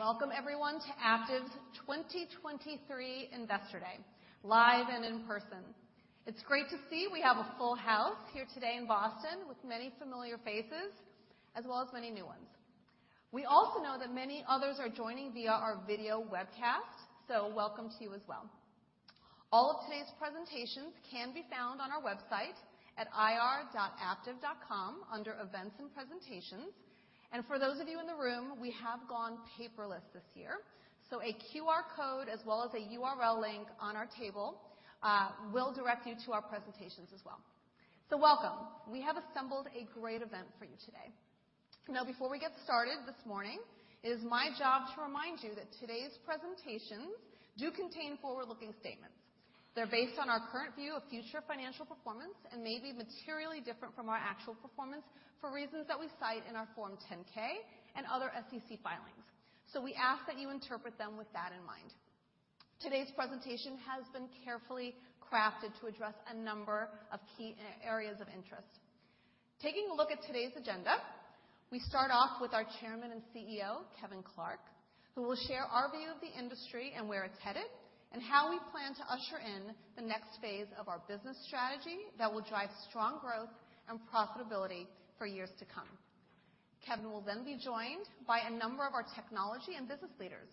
Welcome everyone to Aptiv's 2023 Investor Day, live and in person. It's great to see we have a full house here today in Boston with many familiar faces as well as many new ones. We also know that many others are joining via our video webcast. Welcome to you as well. All of today's presentations can be found on our website at ir.aptiv.com under Events and Presentations. For those of you in the room, we have gone paperless this year. A QR code as well as a URL link on our table will direct you to our presentations as well. Welcome. We have assembled a great event for you today. Before we get started this morning, it is my job to remind you that today's presentations do contain forward-looking statements. They're based on our current view of future financial performance and may be materially different from our actual performance for reasons that we cite in our Form 10-K and other SEC filings. We ask that you interpret them with that in mind. Today's presentation has been carefully crafted to address a number of key areas of interest. Taking a look at today's agenda, we start off with our Chairman and CEO, Kevin Clark, who will share our view of the industry and where it's headed, and how we plan to usher in the next phase of our business strategy that will drive strong growth and profitability for years to come. Kevin will then be joined by a number of our technology and business leaders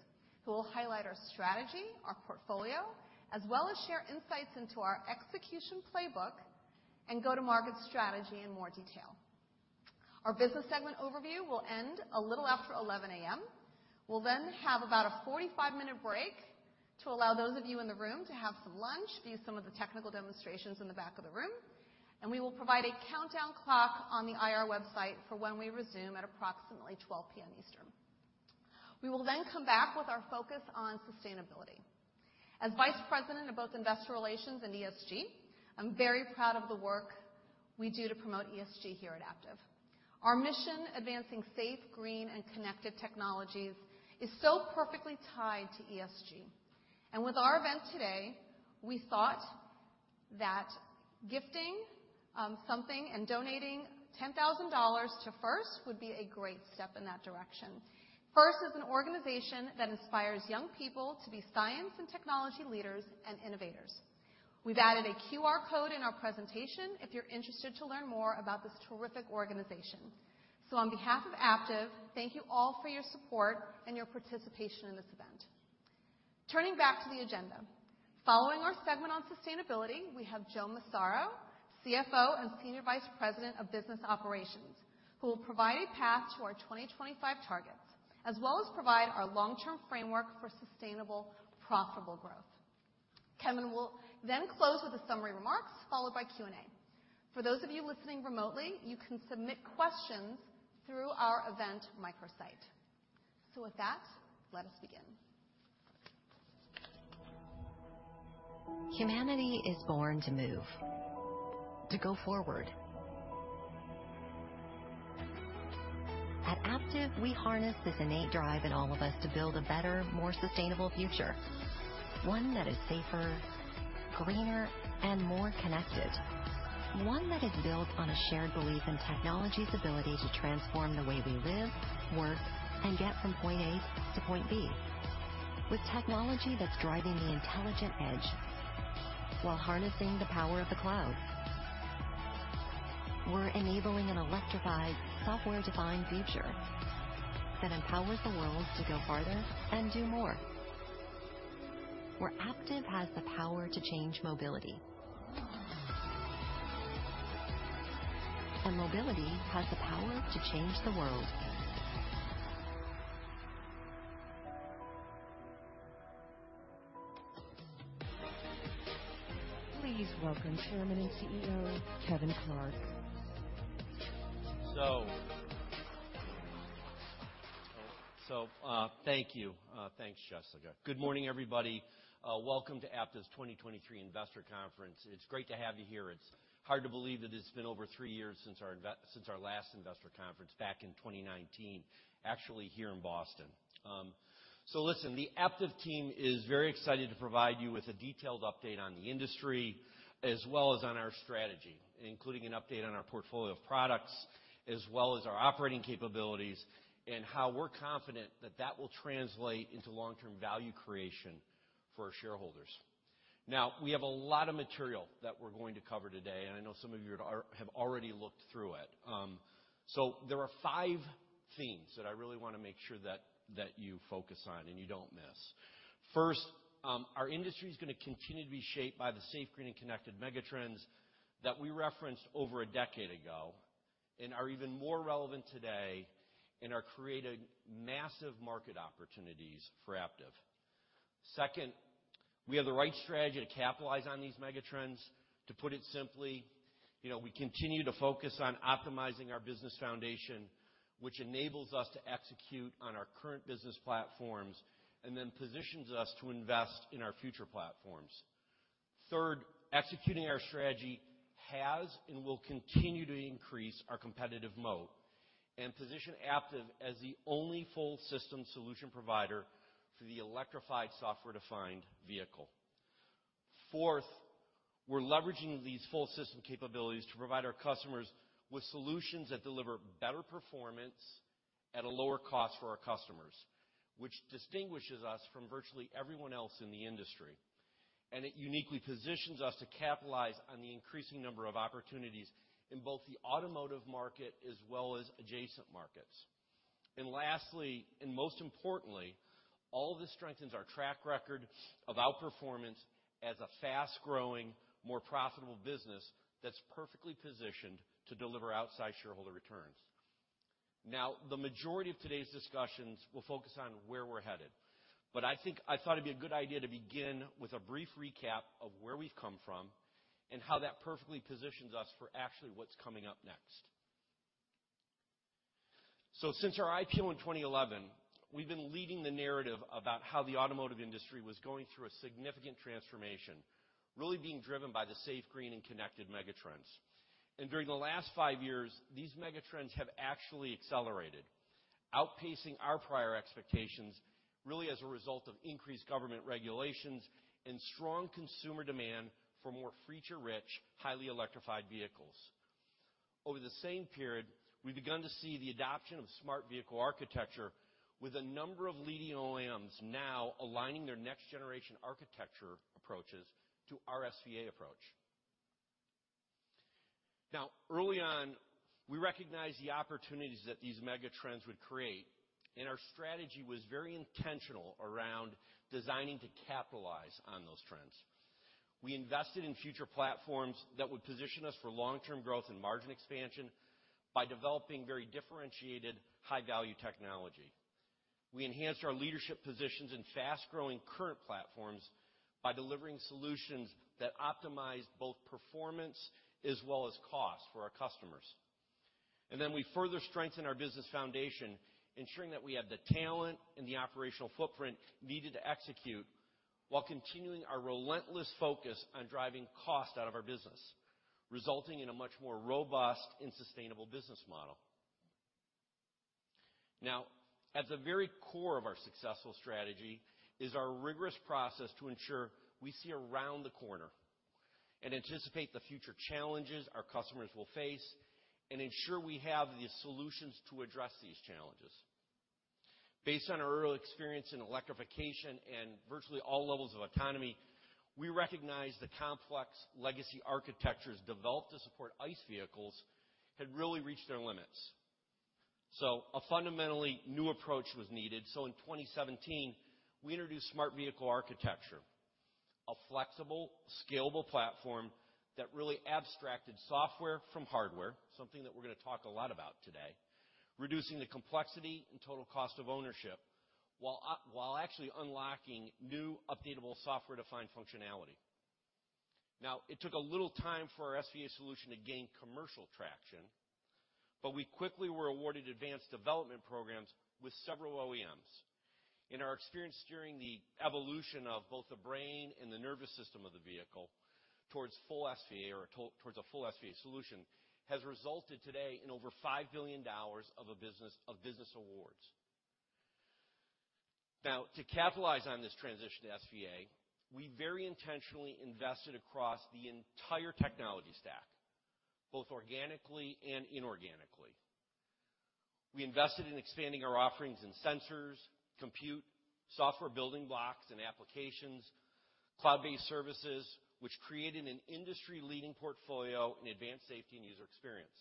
who will highlight our strategy, our portfolio, as well as share insights into our execution playbook and go-to-market strategy in more detail. Our business segment overview will end a little after 11:00 A.M. We'll have about a 45-minute break to allow those of you in the room to have some lunch, view some of the technical demonstrations in the back of the room, and we will provide a countdown clock on the IR website for when we resume at approximately 12:00 P.M. Eastern. We will come back with our focus on sustainability. As Vice President of both Investor Relations and ESG, I'm very proud of the work we do to promote ESG here at Aptiv. Our mission, advancing safe, green, and connected technologies, is so perfectly tied to ESG. With our event today, we thought that gifting something and donating $10,000 to FIRST would be a great step in that direction. FIRST is an organization that inspires young people to be science and technology leaders and innovators. We've added a QR code in our presentation if you're interested to learn more about this terrific organization. On behalf of Aptiv, thank you all for your support and your participation in this event. Turning back to the agenda. Following our segment on sustainability, we have Joe Massaro, CFO and Senior Vice President of Business Operations, who will provide a path to our 2025 targets, as well as provide our long-term framework for sustainable, profitable growth. Kevin will then close with the summary remarks, followed by Q&A. For those of you listening remotely, you can submit questions through our event microsite. With that, let us begin. Humanity is born to move, to go forward. At Aptiv, we harness this innate drive in all of us to build a better, more sustainable future. One that is safer, greener, and more connected. One that is built on a shared belief in technology's ability to transform the way we live, work, and get from point A to point B. With technology that's driving the intelligent edge while harnessing the power of the cloud. We're enabling an electrified software-defined future that empowers the world to go farther and do more. Where Aptiv has the power to change mobility. Mobility has the power to change the world. Please welcome Chairman and CEO, Kevin Clark. Thank you. Thanks, Jessica. Good morning, everybody. Welcome to Aptiv's 2023 Investor Conference. It's great to have you here. It's hard to believe that it's been over 3 years since our last investor conference back in 2019, actually here in Boston. Listen, the Aptiv team is very excited to provide you with a detailed update on the industry as well as on our strategy, including an update on our portfolio of products, as well as our operating capabilities, and how we're confident that that will translate into long-term value creation for our shareholders. We have a lot of material that we're going to cover today, and I know some of you have already looked through it. There are five themes that I really wanna make sure that you focus on and you don't miss. First, our industry is gonna continue to be shaped by the safe, green, and connected megatrends that we referenced over a decade ago and are even more relevant today and are creating massive market opportunities for Aptiv. Second, we have the right strategy to capitalize on these megatrends. To put it simply, you know, we continue to focus on optimizing our business foundation, which enables us to execute on our current business platforms and then positions us to invest in our future platforms. Third, executing our strategy has and will continue to increase our competitive moat and position Aptiv as the only full system solution provider for the electrified software-defined vehicle. Fourth, we're leveraging these full system capabilities to provide our customers with solutions that deliver better performance at a lower cost for our customers, which distinguishes us from virtually everyone else in the industry. It uniquely positions us to capitalize on the increasing number of opportunities in both the automotive market as well as adjacent markets. Lastly, and most importantly, all this strengthens our track record of outperformance as a fast-growing, more profitable business that's perfectly positioned to deliver outside shareholder returns. The majority of today's discussions will focus on where we're headed. I thought it'd be a good idea to begin with a brief recap of where we've come from and how that perfectly positions us for actually what's coming up next. Since our IPO in 2011, we've been leading the narrative about how the automotive industry was going through a significant transformation, really being driven by the safe, green, and connected megatrends. During the last 5 years, these megatrends have actually accelerated, outpacing our prior expectations, really as a result of increased government regulations and strong consumer demand for more feature-rich, highly electrified vehicles. Over the same period, we've begun to see the adoption of Smart Vehicle Architecture with a number of leading OEMs now aligning their next-generation architecture approaches to our SVA approach. Early on, we recognized the opportunities that these megatrends would create, and our strategy was very intentional around designing to capitalize on those trends. We invested in future platforms that would position us for long-term growth and margin expansion by developing very differentiated high-value technology. We enhanced our leadership positions in fast-growing current platforms by delivering solutions that optimize both performance as well as cost for our customers. We further strengthened our business foundation, ensuring that we had the talent and the operational footprint needed to execute while continuing our relentless focus on driving cost out of our business, resulting in a much more robust and sustainable business model. At the very core of our successful strategy is our rigorous process to ensure we see around the corner and anticipate the future challenges our customers will face and ensure we have the solutions to address these challenges. Based on our early experience in electrification and virtually all levels of autonomy, we recognized the complex legacy architectures developed to support ICE vehicles had really reached their limits. A fundamentally new approach was needed, so in 2017, we introduced Smart Vehicle Architecture, a flexible, scalable platform that really abstracted software from hardware, something that we're gonna talk a lot about today, reducing the complexity and total cost of ownership while actually unlocking new updatable software-defined functionality. It took a little time for our SVA solution to gain commercial traction, but we quickly were awarded advanced development programs with several OEMs. In our experience steering the evolution of both the brain and the nervous system of the vehicle towards full SVA or towards a full SVA solution has resulted today in over $5 billion of business awards. To capitalize on this transition to SVA, we very intentionally invested across the entire technology stack, both organically and inorganically. We invested in expanding our offerings in sensors, compute, software building blocks and applications, cloud-based services, which created an industry-leading portfolio in Advanced Safety and User Experience.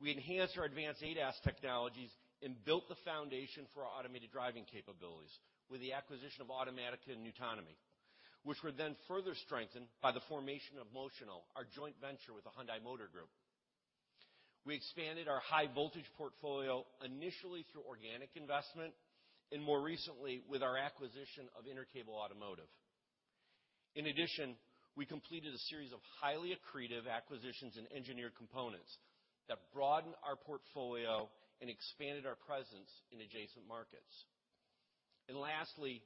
We enhanced our advanced ADAS technologies and built the foundation for our automated driving capabilities with the acquisition of Ottomatika and nuTonomy, which were then further strengthened by the formation of Motional, our joint venture with the Hyundai Motor Group. We expanded our high-voltage portfolio initially through organic investment and more recently with our acquisition of Intercable Automotive. In addition, we completed a series of highly accretive acquisitions in engineered components that broadened our portfolio and expanded our presence in adjacent markets. Lastly,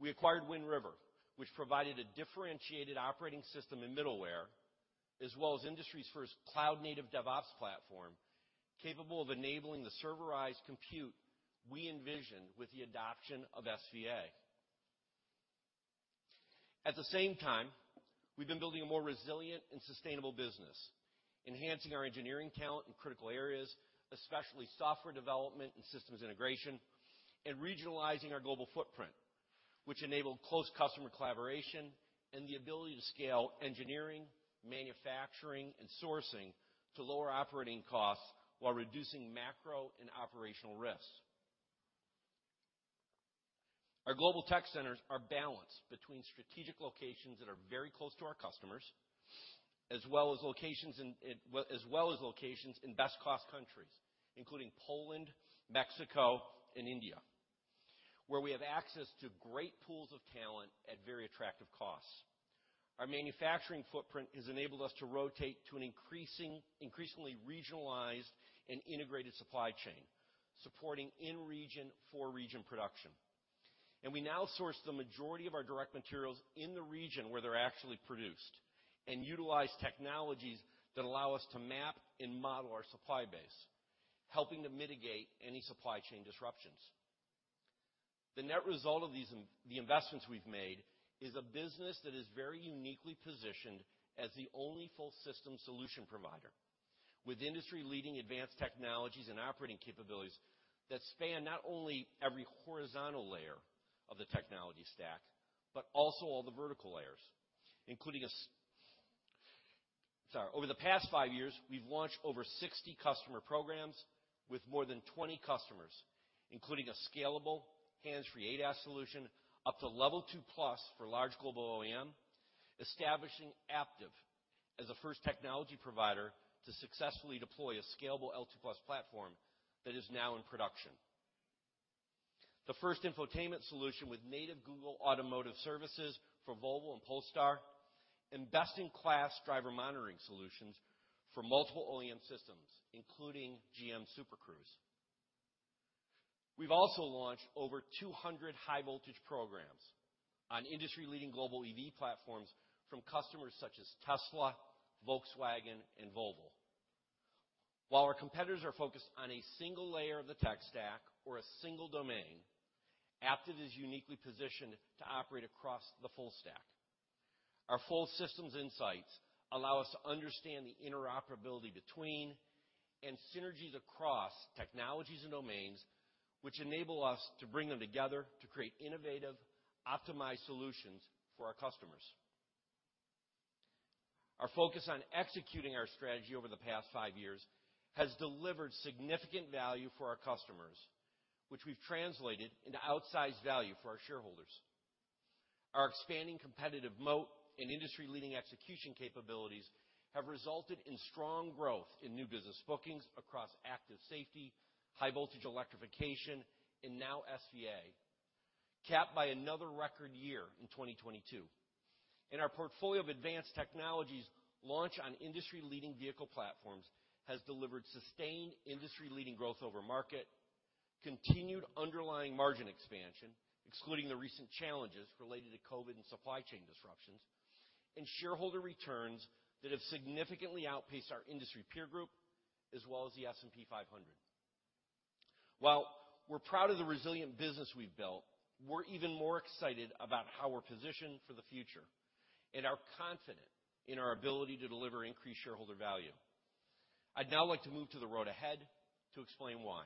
we acquired Wind River, which provided a differentiated operating system in middleware as well as industry's first cloud-native DevOps platform capable of enabling the serverized compute we envisioned with the adoption of SVA. At the same time, we've been building a more resilient and sustainable business, enhancing our engineering talent in critical areas, especially software development and systems integration, and regionalizing our global footprint, which enabled close customer collaboration and the ability to scale engineering, manufacturing, and sourcing to lower operating costs while reducing macro and operational risks. Our global tech centers are balanced between strategic locations that are very close to our customers, as well as locations. As well as locations in best-cost countries, including Poland, Mexico, and India, where we have access to great pools of talent at very attractive costs. Our manufacturing footprint has enabled us to rotate to an increasingly regionalized and integrated supply chain, supporting in-region, for-region production. We now source the majority of our direct materials in the region where they're actually produced and utilize technologies that allow us to map and model our supply base, helping to mitigate any supply chain disruptions. The net result of these the investments we've made is a business that is very uniquely positioned as the only full system solution provider. With industry-leading advanced technologies and operating capabilities that span not only every horizontal layer of the technology stack, but also all the vertical layers, including Sorry. Over the past five years, we've launched over 60 customer programs with more than 20 customers, including a scalable hands-free ADAS solution up to level 2+ for large global OEM, establishing Aptiv as a first technology provider to successfully deploy a scalable L2+ platform that is now in production. The first infotainment solution with native Google Automotive Services for Volvo and Polestar, and best-in-class driver monitoring solutions for multiple OEM systems, including GM Super Cruise. We've also launched over 200 high voltage programs on industry-leading global EV platforms from customers such as Tesla, Volkswagen, and Volvo. While our competitors are focused on a single layer of the tech stack or a single domain, Aptiv is uniquely positioned to operate across the full stack. Our full systems insights allow us to understand the interoperability between and synergies across technologies and domains, which enable us to bring them together to create innovative, optimized solutions for our customers. Our focus on executing our strategy over the past five years has delivered significant value for our customers, which we've translated into outsized value for our shareholders. Our expanding competitive moat and industry-leading execution capabilities have resulted in strong growth in new business bookings across active safety, high voltage electrification, and now SVA, capped by another record year in 2022. Our portfolio of advanced technologies launched on industry-leading vehicle platforms has delivered sustained industry-leading growth over market, continued underlying margin expansion, excluding the recent challenges related to COVID and supply chain disruptions, and shareholder returns that have significantly outpaced our industry peer group, as well as the S&P 500. While we're proud of the resilient business we've built, we're even more excited about how we're positioned for the future and are confident in our ability to deliver increased shareholder value. I'd now like to move to the road ahead to explain why.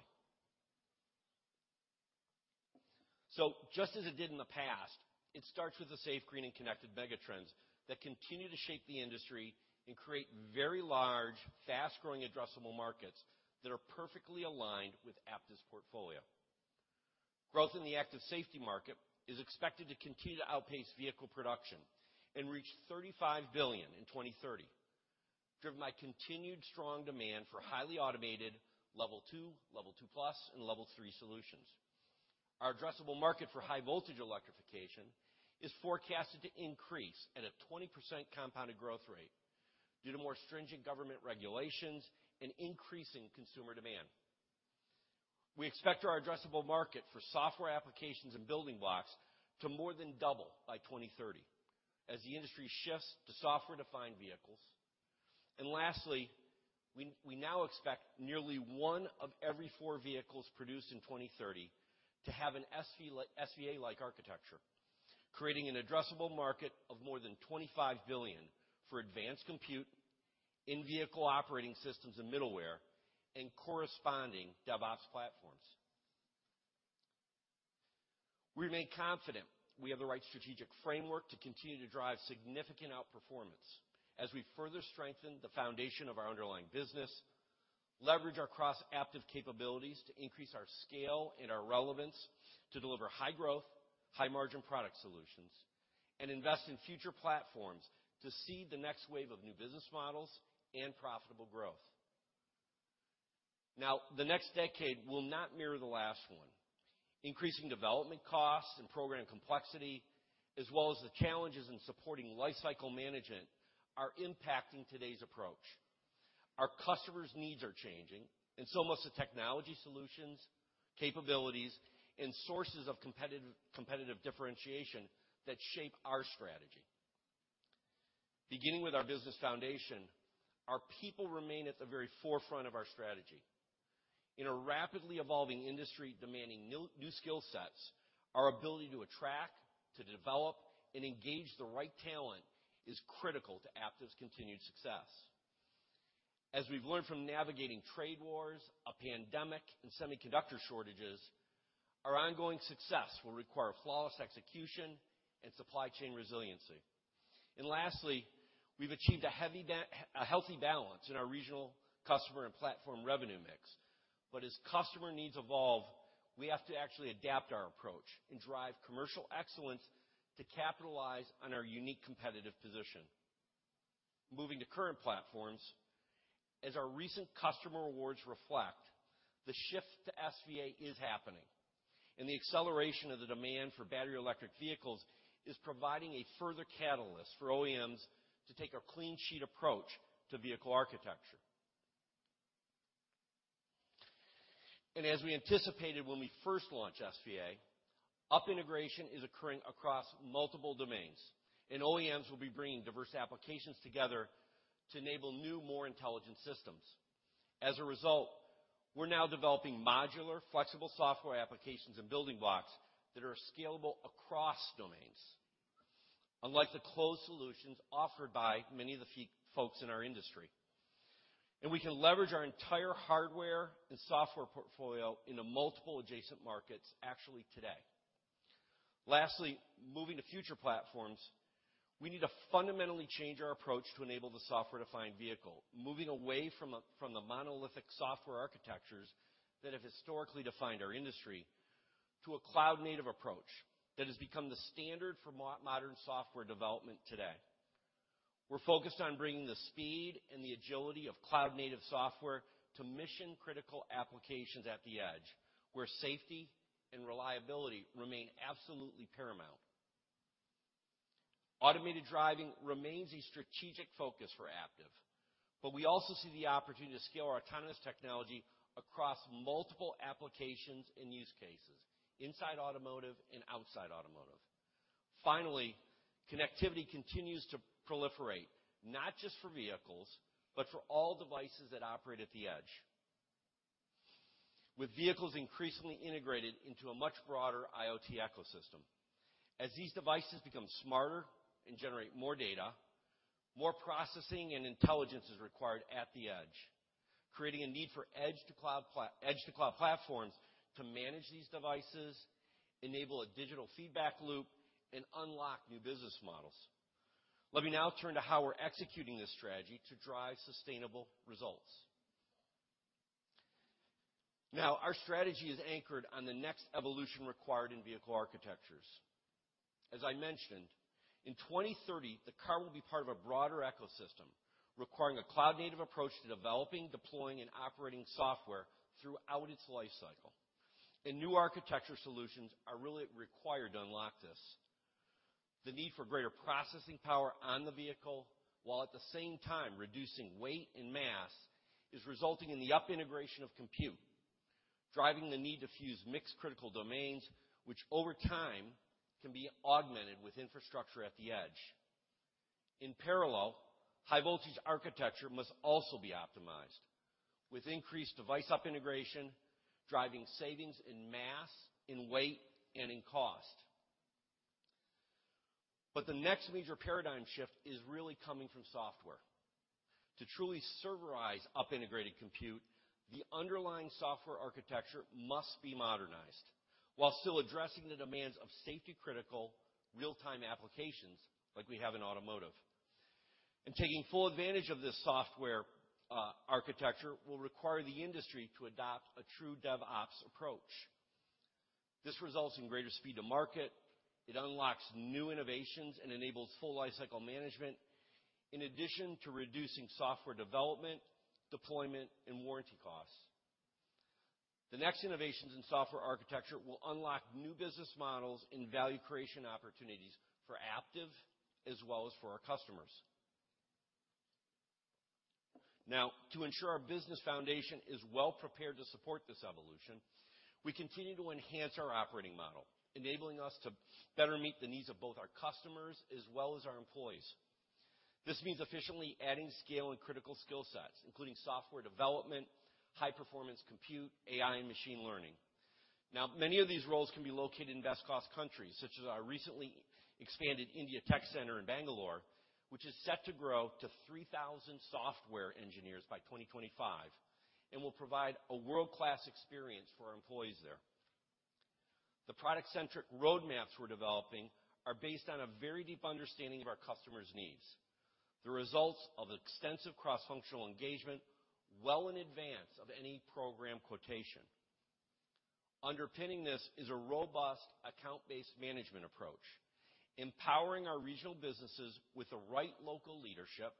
Just as it did in the past, it starts with the safe, green, and connected megatrends that continue to shape the industry and create very large, fast-growing addressable markets that are perfectly aligned with Aptiv's portfolio. Growth in the active safety market is expected to continue to outpace vehicle production and reach $35 billion in 2030, driven by continued strong demand for highly automated Level 2, Level 2+, and Level 3 solutions. Our addressable market for high voltage electrification is forecasted to increase at a 20% compounded growth rate due to more stringent government regulations and increasing consumer demand. We expect our addressable market for software applications and building blocks to more than double by 2030 as the industry shifts to software-defined vehicles. Lastly, we now expect nearly one of every four vehicles produced in 2030 to have an SVA-like architecture, creating an addressable market of more than $25 billion for advanced compute, in-vehicle operating systems and middleware, and corresponding DevOps platforms. We remain confident we have the right strategic framework to continue to drive significant outperformance as we further strengthen the foundation of our underlying business, leverage our cross Aptiv capabilities to increase our scale and our relevance to deliver high growth, high margin product solutions, and invest in future platforms to seed the next wave of new business models and profitable growth. Now, the next decade will not mirror the last one. Increasing development costs and program complexity, as well as the challenges in supporting lifecycle management, are impacting today's approach. Our customers' needs are changing and so must the technology solutions, capabilities, and sources of competitive differentiation that shape our strategy. Beginning with our business foundation, our people remain at the very forefront of our strategy. In a rapidly evolving industry demanding new skill sets, our ability to attract, to develop, and engage the right talent is critical to Aptiv's continued success. As we've learned from navigating trade wars, a pandemic, and semiconductor shortages, our ongoing success will require flawless execution and supply chain resiliency. Lastly, we've achieved a healthy balance in our regional customer and platform revenue mix. As customer needs evolve, we have to actually adapt our approach and drive commercial excellence to capitalize on our unique competitive position. Moving to current platforms, as our recent customer awards reflect, the shift to SVA is happening. The acceleration of the demand for battery electric vehicles is providing a further catalyst for OEMs to take a clean sheet approach to vehicle architecture. As we anticipated when we first launched SVA, up integration is occurring across multiple domains. OEMs will be bringing diverse applications together to enable new, more intelligent systems. As a result, we're now developing modular, flexible software applications and building blocks that are scalable across domains, unlike the closed solutions offered by many of the folks in our industry. We can leverage our entire hardware and software portfolio into multiple adjacent markets actually today. Lastly, moving to future platforms, we need to fundamentally change our approach to enable the software-defined vehicle, moving away from the monolithic software architectures that have historically defined our industry to a cloud-native approach that has become the standard for modern software development today. We're focused on bringing the speed and the agility of cloud-native software to mission-critical applications at the edge, where safety and reliability remain absolutely paramount. Automated driving remains a strategic focus for Aptiv, but we also see the opportunity to scale our autonomous technology across multiple applications and use cases inside automotive and outside automotive. Finally, connectivity continues to proliferate, not just for vehicles, but for all devices that operate at the edge, with vehicles increasingly integrated into a much broader IoT ecosystem. As these devices become smarter and generate more data, more processing and intelligence is required at the edge, creating a need for edge to cloud platforms to manage these devices, enable a digital feedback loop, and unlock new business models. Let me now turn to how we're executing this strategy to drive sustainable results. Our strategy is anchored on the next evolution required in vehicle architectures. As I mentioned, in 2030, the car will be part of a broader ecosystem requiring a cloud-native approach to developing, deploying, and operating software throughout its life cycle, and new architecture solutions are really required to unlock this. The need for greater processing power on the vehicle, while at the same time reducing weight and mass, is resulting in the up integration of compute, driving the need to fuse mixed-criticality domains, which over time can be augmented with infrastructure at the edge. In parallel, high voltage architecture must also be optimized with increased device up integration, driving savings in mass, in weight, and in cost. The next major paradigm shift is really coming from software. To truly serverize up integrated compute, the underlying software architecture must be modernized while still addressing the demands of safety critical real-time applications like we have in automotive. Taking full advantage of this software architecture will require the industry to adopt a true DevOps approach. This results in greater speed to market. It unlocks new innovations and enables full life cycle management in addition to reducing software development, deployment, and warranty costs. The next innovations in software architecture will unlock new business models and value creation opportunities for Aptiv as well as for our customers. To ensure our business foundation is well prepared to support this evolution, we continue to enhance our operating model, enabling us to better meet the needs of both our customers as well as our employees. This means efficiently adding scale and critical skill sets, including software development, high performance compute, AI and machine learning. Many of these roles can be located in best cost countries, such as our recently expanded India Tech Center in Bangalore, which is set to grow to 3,000 software engineers by 2025 and will provide a world-class experience for our employees there. The product centric roadmaps we're developing are based on a very deep understanding of our customers' needs, the results of extensive cross-functional engagement well in advance of any program quotation. Underpinning this is a robust account-based management approach, empowering our regional businesses with the right local leadership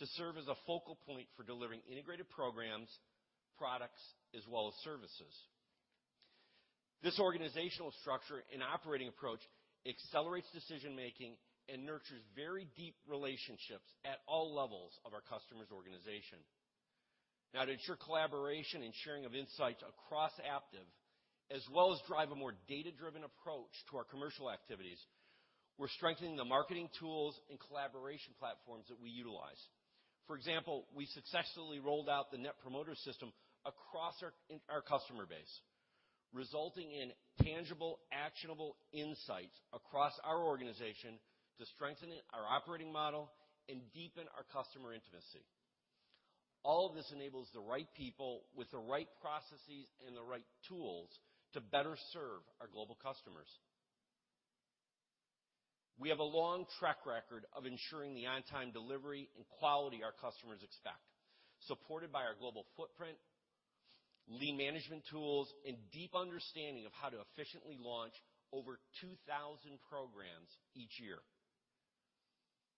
to serve as a focal point for delivering integrated programs, products, as well as services. This organizational structure and operating approach accelerates decision-making and nurtures very deep relationships at all levels of our customer's organization. Now to ensure collaboration and sharing of insights across Aptiv, as well as drive a more data-driven approach to our commercial activities, we're strengthening the marketing tools and collaboration platforms that we utilize. For example, we successfully rolled out the Net Promoter System across our customer base, resulting in tangible, actionable insights across our organization to strengthen our operating model and deepen our customer intimacy. All of this enables the right people with the right processes and the right tools to better serve our global customers. We have a long track record of ensuring the on-time delivery and quality our customers expect, supported by our global footprint, lean management tools, and deep understanding of how to efficiently launch over 2,000 programs each year.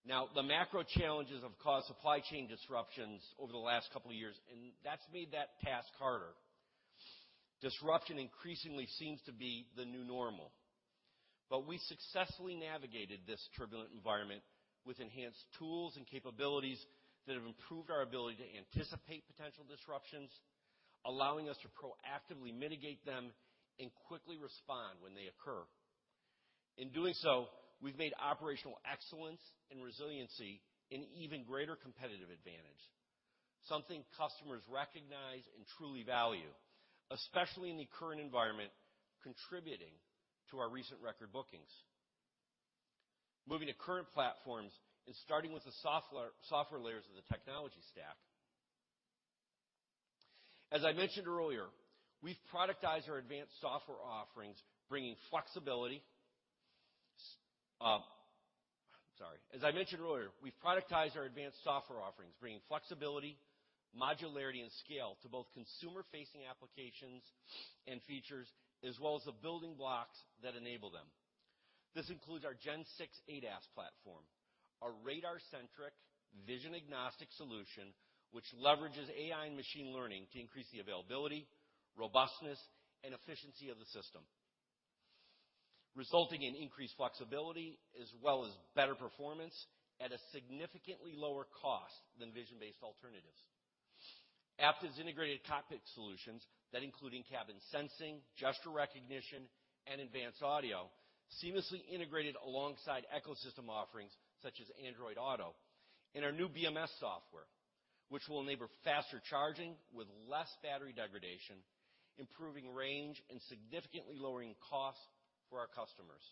The macro challenges have caused supply chain disruptions over the last couple of years, and that's made that task harder. Disruption increasingly seems to be the new normal. We successfully navigated this turbulent environment with enhanced tools and capabilities that have improved our ability to anticipate potential disruptions, allowing us to proactively mitigate them and quickly respond when they occur. In doing so, we've made operational excellence and resiliency an even greater competitive advantage, something customers recognize and truly value, especially in the current environment, contributing to our recent record bookings. Moving to current platforms and starting with the software layers of the technology stack. As I mentioned earlier, we've productized our advanced software offerings, bringing flexibility, modularity, and scale to both consumer-facing applications and features, as well as the building blocks that enable them. This includes our Gen 6 ADAS platform, our radar-centric, vision-agnostic solution, which leverages AI and machine learning to increase the availability, robustness, and efficiency of the system, resulting in increased flexibility as well as better performance at a significantly lower cost than vision-based alternatives. Aptiv's integrated cockpit solutions that include in-cabin sensing, gesture recognition, and advanced audio seamlessly integrated alongside ecosystem offerings such as Android Auto and our new BMS software, which will enable faster charging with less battery degradation, improving range, and significantly lowering costs for our customers.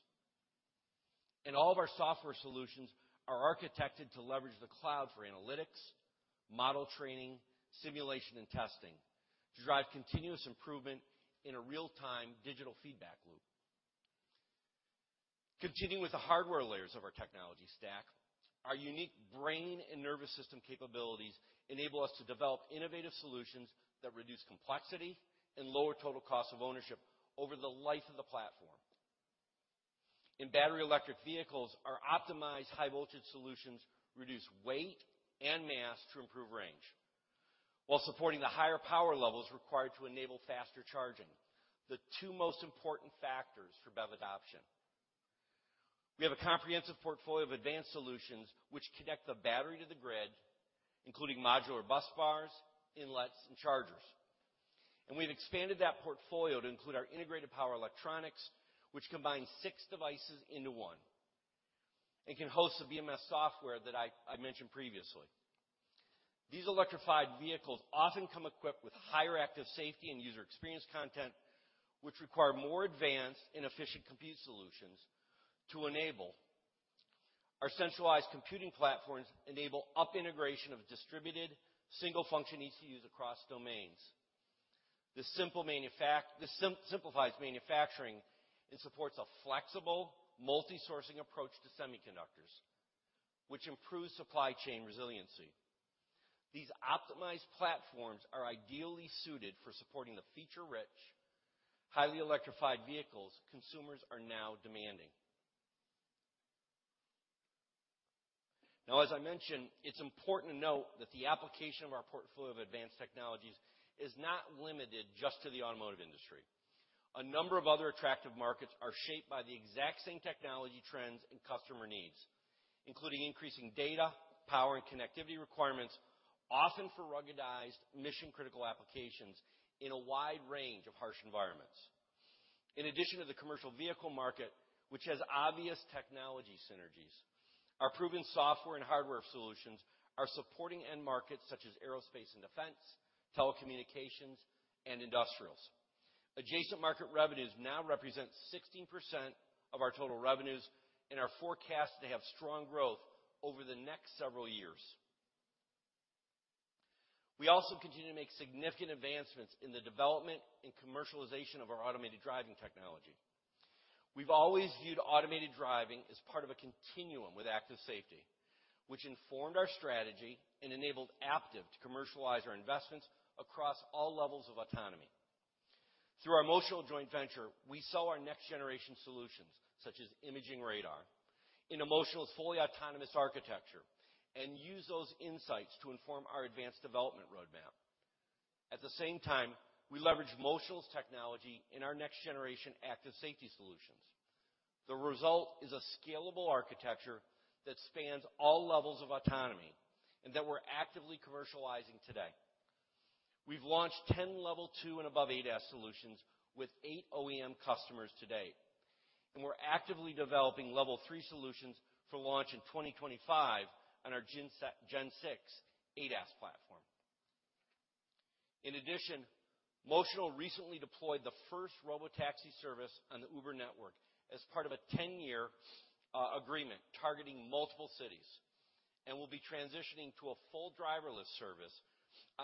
All of our software solutions are architected to leverage the cloud for analytics, model training, simulation, and testing to drive continuous improvement in a real-time digital feedback loop. Continuing with the hardware layers of our technology stack, our unique brain and nervous system capabilities enable us to develop innovative solutions that reduce complexity and lower total cost of ownership over the life of the platform. In battery electric vehicles, our optimized high-voltage solutions reduce weight and mass to improve range while supporting the higher power levels required to enable faster charging, the two most important factors for BEV adoption. We have a comprehensive portfolio of advanced solutions which connect the battery to the grid, including modular busbars, inlets, and chargers. We've expanded that portfolio to include our integrated power electronics, which combines 6 devices into one and can host the BMS software that I mentioned previously. These electrified vehicles often come equipped with higher active safety and user experience content, which require more advanced and efficient compute solutions to enable. Our centralized computing platforms enable up integration of distributed single function ECUs across domains. This simplifies manufacturing and supports a flexible multi-sourcing approach to semiconductors, which improves supply chain resiliency. These optimized platforms are ideally suited for supporting the feature-rich, highly electrified vehicles consumers are now demanding. As I mentioned, it's important to note that the application of our portfolio of advanced technologies is not limited just to the automotive industry. A number of other attractive markets are shaped by the exact same technology trends and customer needs, including increasing data, power, and connectivity requirements, often for ruggedized mission-critical applications in a wide range of harsh environments. In addition to the commercial vehicle market, which has obvious technology synergies, our proven software and hardware solutions are supporting end markets such as aerospace and defense, telecommunications, and industrials. Adjacent market revenues now represent 16% of our total revenues and are forecast to have strong growth over the next several years. We also continue to make significant advancements in the development and commercialization of our automated driving technology. We've always viewed automated driving as part of a continuum with active safety, which informed our strategy and enabled Aptiv to commercialize our investments across all levels of autonomy. Through our Motional joint venture, we sell our next-generation solutions, such as imaging radar, in Motional's fully autonomous architecture, and use those insights to inform our advanced development roadmap. At the same time, we leverage Motional's technology in our next-generation active safety solutions. The result is a scalable architecture that spans all levels of autonomy and that we're actively commercializing today. We've launched 10 Level Two and above ADAS solutions with 8 OEM customers to date, and we're actively developing Level Three solutions for launch in 2025 on our Gen 6 ADAS platform. In addition, Motional recently deployed the first robotaxi service on the Uber network as part of a 10-year agreement targeting multiple cities, and will be transitioning to a full driverless service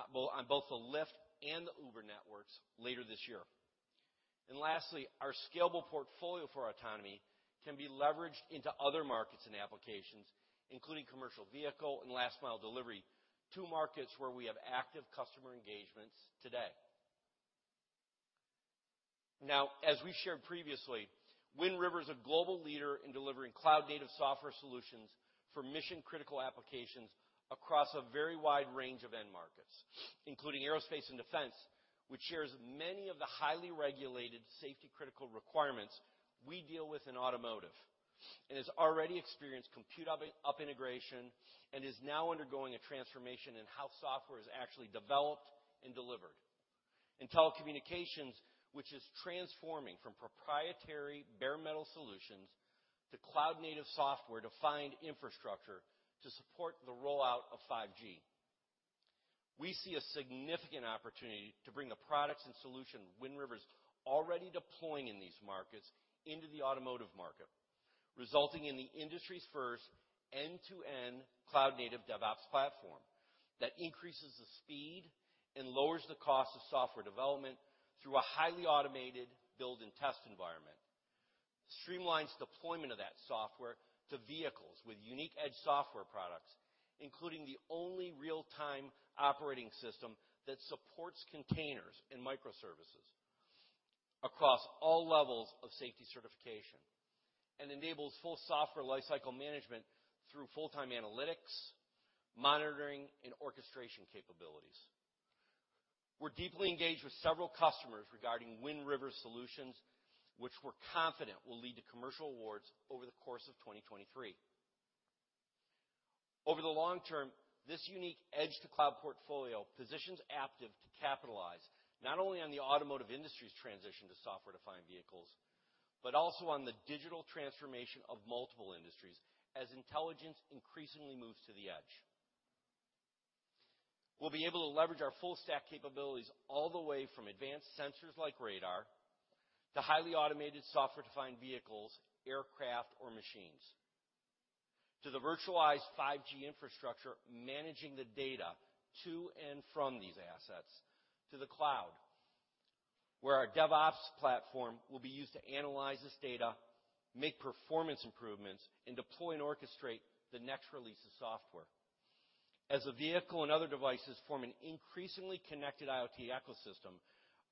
on both the Lyft and the Uber networks later this year. Lastly, our scalable portfolio for autonomy can be leveraged into other markets and applications, including commercial vehicle and last-mile delivery, two markets where we have active customer engagements today. Now, as we shared previously, Wind River is a global leader in delivering cloud-native software solutions for mission-critical applications across a very wide range of end markets, including aerospace and defense, which shares many of the highly regulated safety-critical requirements we deal with in automotive and has already experienced compute up integration and is now undergoing a transformation in how software is actually developed and delivered. In telecommunications, which is transforming from proprietary bare metal solutions to cloud-native software-defined infrastructure to support the rollout of 5G. We see a significant opportunity to bring the products and solution Wind River is already deploying in these markets into the automotive market, resulting in the industry's first end-to-end cloud-native DevOps platform that increases the speed and lowers the cost of software development through a highly automated build and test environment. Streamlines deployment of that software to vehicles with unique edge software products, including the only real-time operating system that supports containers and microservices across all levels of safety certification, and enables full software lifecycle management through full-time analytics, monitoring, and orchestration capabilities. We're deeply engaged with several customers regarding Wind River solutions, which we're confident will lead to commercial awards over the course of 2023. Over the long term, this unique edge to cloud portfolio positions Aptiv to capitalize not only on the automotive industry's transition to software-defined vehicles, but also on the digital transformation of multiple industries as intelligence increasingly moves to the edge. We'll be able to leverage our full stack capabilities all the way from advanced sensors like radar to highly automated software-defined vehicles, aircraft or machines, to the virtualized 5G infrastructure, managing the data to and from these assets to the cloud, where our DevOps platform will be used to analyze this data, make performance improvements, and deploy and orchestrate the next release of software. As a vehicle and other devices form an increasingly connected IoT ecosystem,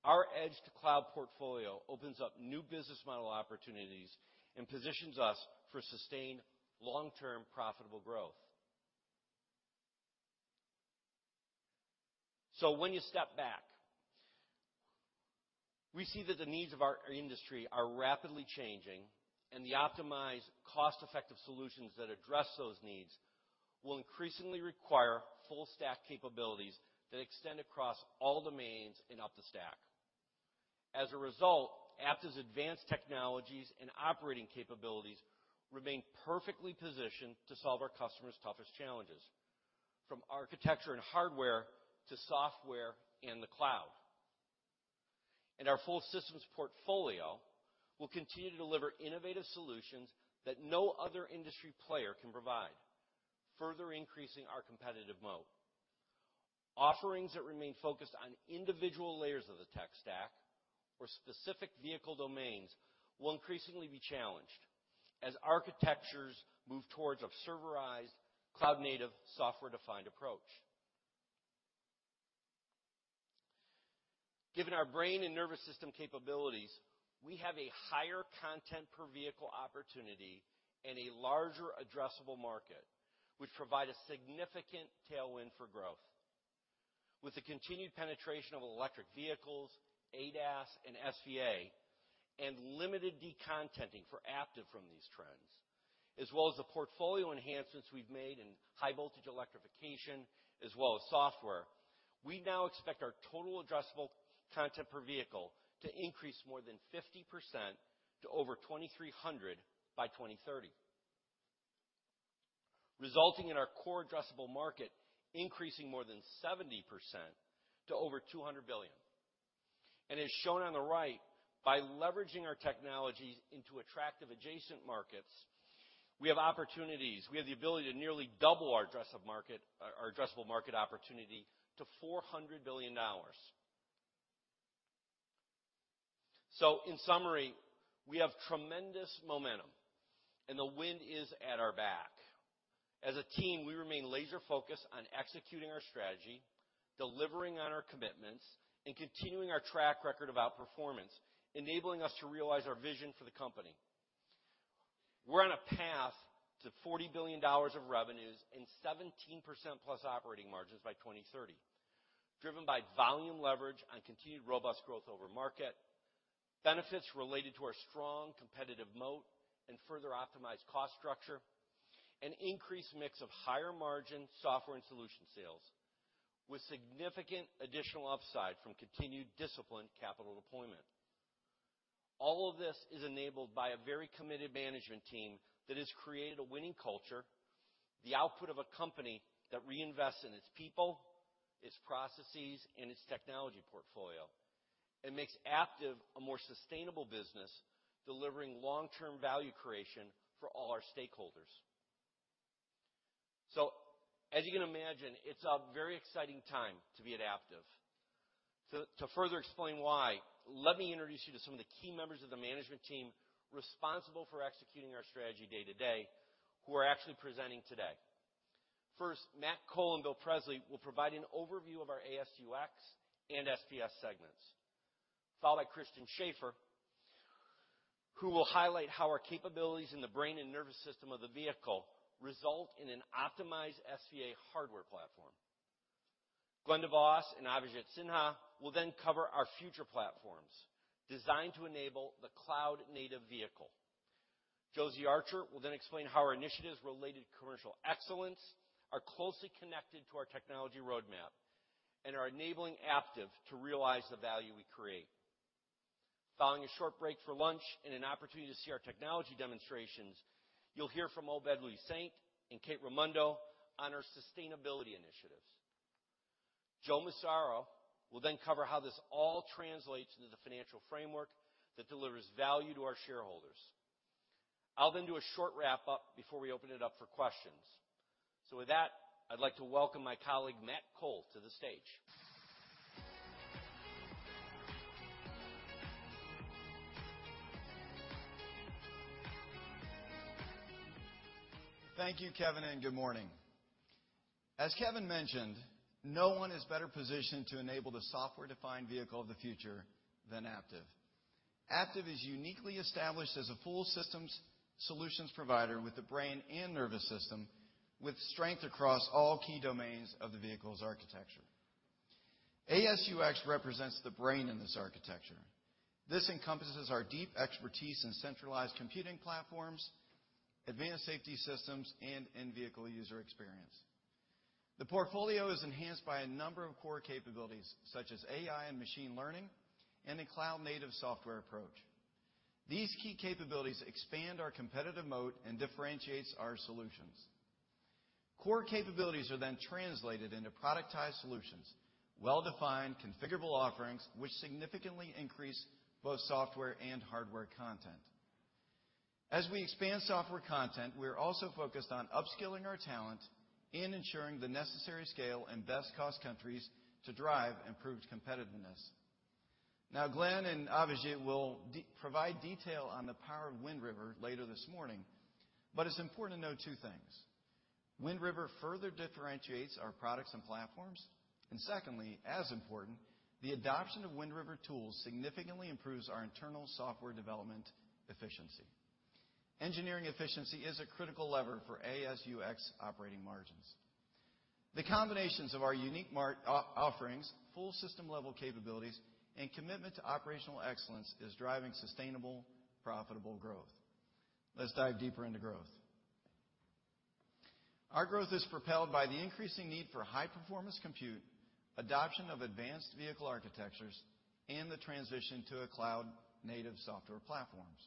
our edge to cloud portfolio opens up new business model opportunities and positions us for sustained long-term profitable growth. When you step back, we see that the needs of our industry are rapidly changing, and the optimized cost-effective solutions that address those needs will increasingly require full stack capabilities that extend across all domains and up the stack. As a result, Aptiv's advanced technologies and operating capabilities remain perfectly positioned to solve our customers' toughest challenges, from architecture and hardware to software and the cloud. Our full systems portfolio will continue to deliver innovative solutions that no other industry player can provide, further increasing our competitive moat. Offerings that remain focused on individual layers of the tech stack or specific vehicle domains will increasingly be challenged as architectures move towards a serverized cloud-native software-defined approach. Given our brain and nervous system capabilities, we have a higher content per vehicle opportunity and a larger addressable market, which provide a significant tailwind for growth. With the continued penetration of electric vehicles, ADAS, and SVA, and limited decontenting for Aptiv from these trends, as well as the portfolio enhancements we've made in high voltage electrification as well as software, we now expect our total addressable content per vehicle to increase more than 50% to over $2,300 by 2030, resulting in our core addressable market increasing more than 70% to over $200 billion. As shown on the right, by leveraging our technologies into attractive adjacent markets, we have opportunities. We have the ability to nearly double our addressable market, our addressable market opportunity to $400 billion. In summary, we have tremendous momentum, and the wind is at our back. As a team, we remain laser-focused on executing our strategy, delivering on our commitments, and continuing our track record of outperformance, enabling us to realize our vision for the company. We're on a path to $40 billion of revenues and 17%+ operating margins by 2030, driven by volume leverage on continued robust growth over market, benefits related to our strong competitive moat and further optimized cost structure, and increased mix of higher-margin software and solution sales with significant additional upside from continued disciplined capital deployment. This is enabled by a very committed management team that has created a winning culture, the output of a company that reinvests in its people, its processes, and its technology portfolio, and makes Aptiv a more sustainable business, delivering long-term value creation for all our stakeholders. As you can imagine, it's a very exciting time to be at Aptiv. To further explain why, let me introduce you to some of the key members of the management team responsible for executing our strategy day to day who are actually presenting today. First, Matt Cole and Bill Presley will provide an overview of our ASUX and SPS segments, followed by Christian Schaefer who will highlight how our capabilities in the brain and nervous system of the vehicle result in an optimized SVA hardware platform. Glen De Vos and Avijit Sinha will then cover our future platforms designed to enable the cloud-native vehicle. Josie Archer will then explain how our initiatives related to commercial excellence are closely connected to our technology roadmap and are enabling Aptiv to realize the value we create. Following a short break for lunch and an opportunity to see our technology demonstrations, you'll hear from Obed Louissaint and Kate Ramundo on our sustainability initiatives. Joe Massaro will then cover how this all translates into the financial framework that delivers value to our shareholders. I'll then do a short wrap-up before we open it up for questions. With that, I'd like to welcome my colleague, Matt Cole, to the stage. Thank you, Kevin, and good morning. As Kevin mentioned, no one is better positioned to enable the software-defined vehicle of the future than Aptiv. Aptiv is uniquely established as a full systems solutions provider with the brain and nervous system, with strength across all key domains of the vehicle's architecture. AS&UX represents the brain in this architecture. This encompasses our deep expertise in centralized computing platforms, advanced safety systems, and in-vehicle user experience. The portfolio is enhanced by a number of core capabilities such as AI and machine learning and a cloud-native software approach. These key capabilities expand our competitive moat and differentiates our solutions. Core capabilities are then translated into productized solutions, well-defined configurable offerings, which significantly increase both software and hardware content. As we expand software content, we're also focused on upskilling our talent and ensuring the necessary scale in best-cost countries to drive improved competitiveness. Glen and Avijit will provide detail on the power of Wind River later this morning, but it's important to know 2 things: Wind River further differentiates our products and platforms, secondly, as important, the adoption of Wind River tools significantly improves our internal software development efficiency. Engineering efficiency is a critical lever for AS&UX operating margins. The combinations of our unique offerings, full system-level capabilities, and commitment to operational excellence is driving sustainable, profitable growth. Let's dive deeper into growth. Our growth is propelled by the increasing need for high-performance compute, adoption of advanced vehicle architectures, and the transition to a cloud-native software platforms.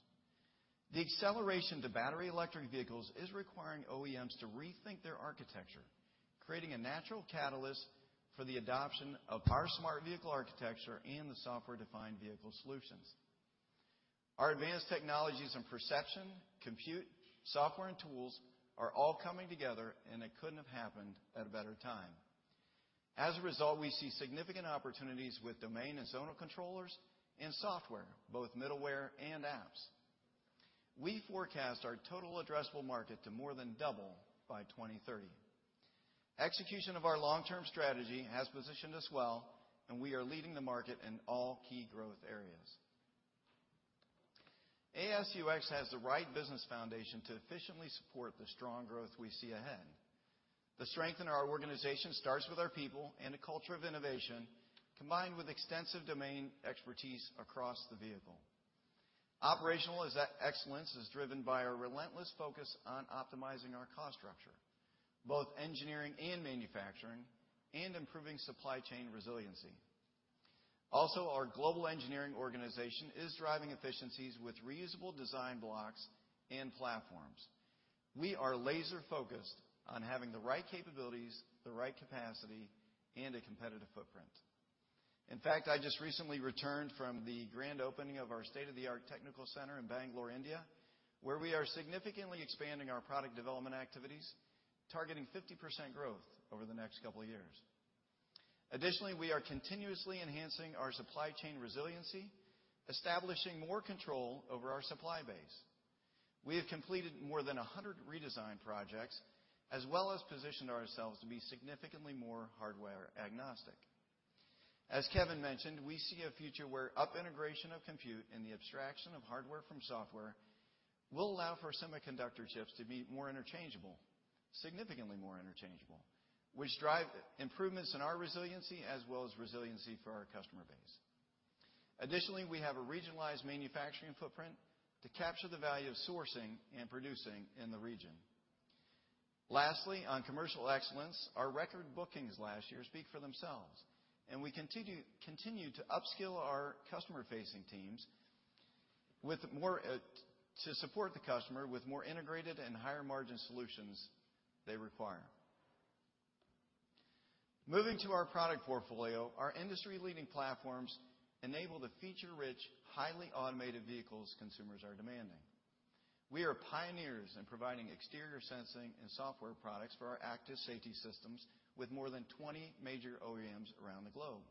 The acceleration to battery electric vehicles is requiring OEMs to rethink their architecture, creating a natural catalyst for the adoption of our Smart Vehicle Architecture and the software-defined vehicle solutions. Our advanced technologies and perception, compute, software, and tools are all coming together, and it couldn't have happened at a better time. As a result, we see significant opportunities with domain and zonal controllers and software, both middleware and apps. We forecast our total addressable market to more than double by 2030. Execution of our long-term strategy has positioned us well, and we are leading the market in all key growth areas. ASUX has the right business foundation to efficiently support the strong growth we see ahead. The strength in our organization starts with our people and a culture of innovation, combined with extensive domain expertise across the vehicle. Operational excellence is driven by our relentless focus on optimizing our cost structure, both engineering and manufacturing, and improving supply chain resiliency. Our global engineering organization is driving efficiencies with reusable design blocks and platforms. We are laser-focused on having the right capabilities, the right capacity, and a competitive footprint. In fact, I just recently returned from the grand opening of our state-of-the-art technical center in Bangalore, India, where we are significantly expanding our product development activities, targeting 50% growth over the next couple of years. Additionally, we are continuously enhancing our supply chain resiliency, establishing more control over our supply base. We have completed more than 100 redesign projects, as well as positioned ourselves to be significantly more hardware agnostic. As Kevin mentioned, we see a future where up integration of compute and the abstraction of hardware from software will allow for semiconductor chips to be more interchangeable, significantly more interchangeable, which drive improvements in our resiliency as well as resiliency for our customer base. Additionally, we have a regionalized manufacturing footprint to capture the value of sourcing and producing in the region. Lastly, on commercial excellence, our record bookings last year speak for themselves. We continue to upskill our customer-facing teams to support the customer with more integrated and higher-margin solutions they require. Moving to our product portfolio, our industry-leading platforms enable the feature-rich, highly automated vehicles consumers are demanding. We are pioneers in providing exterior sensing and software products for our active safety systems with more than 20 major OEMs around the globe.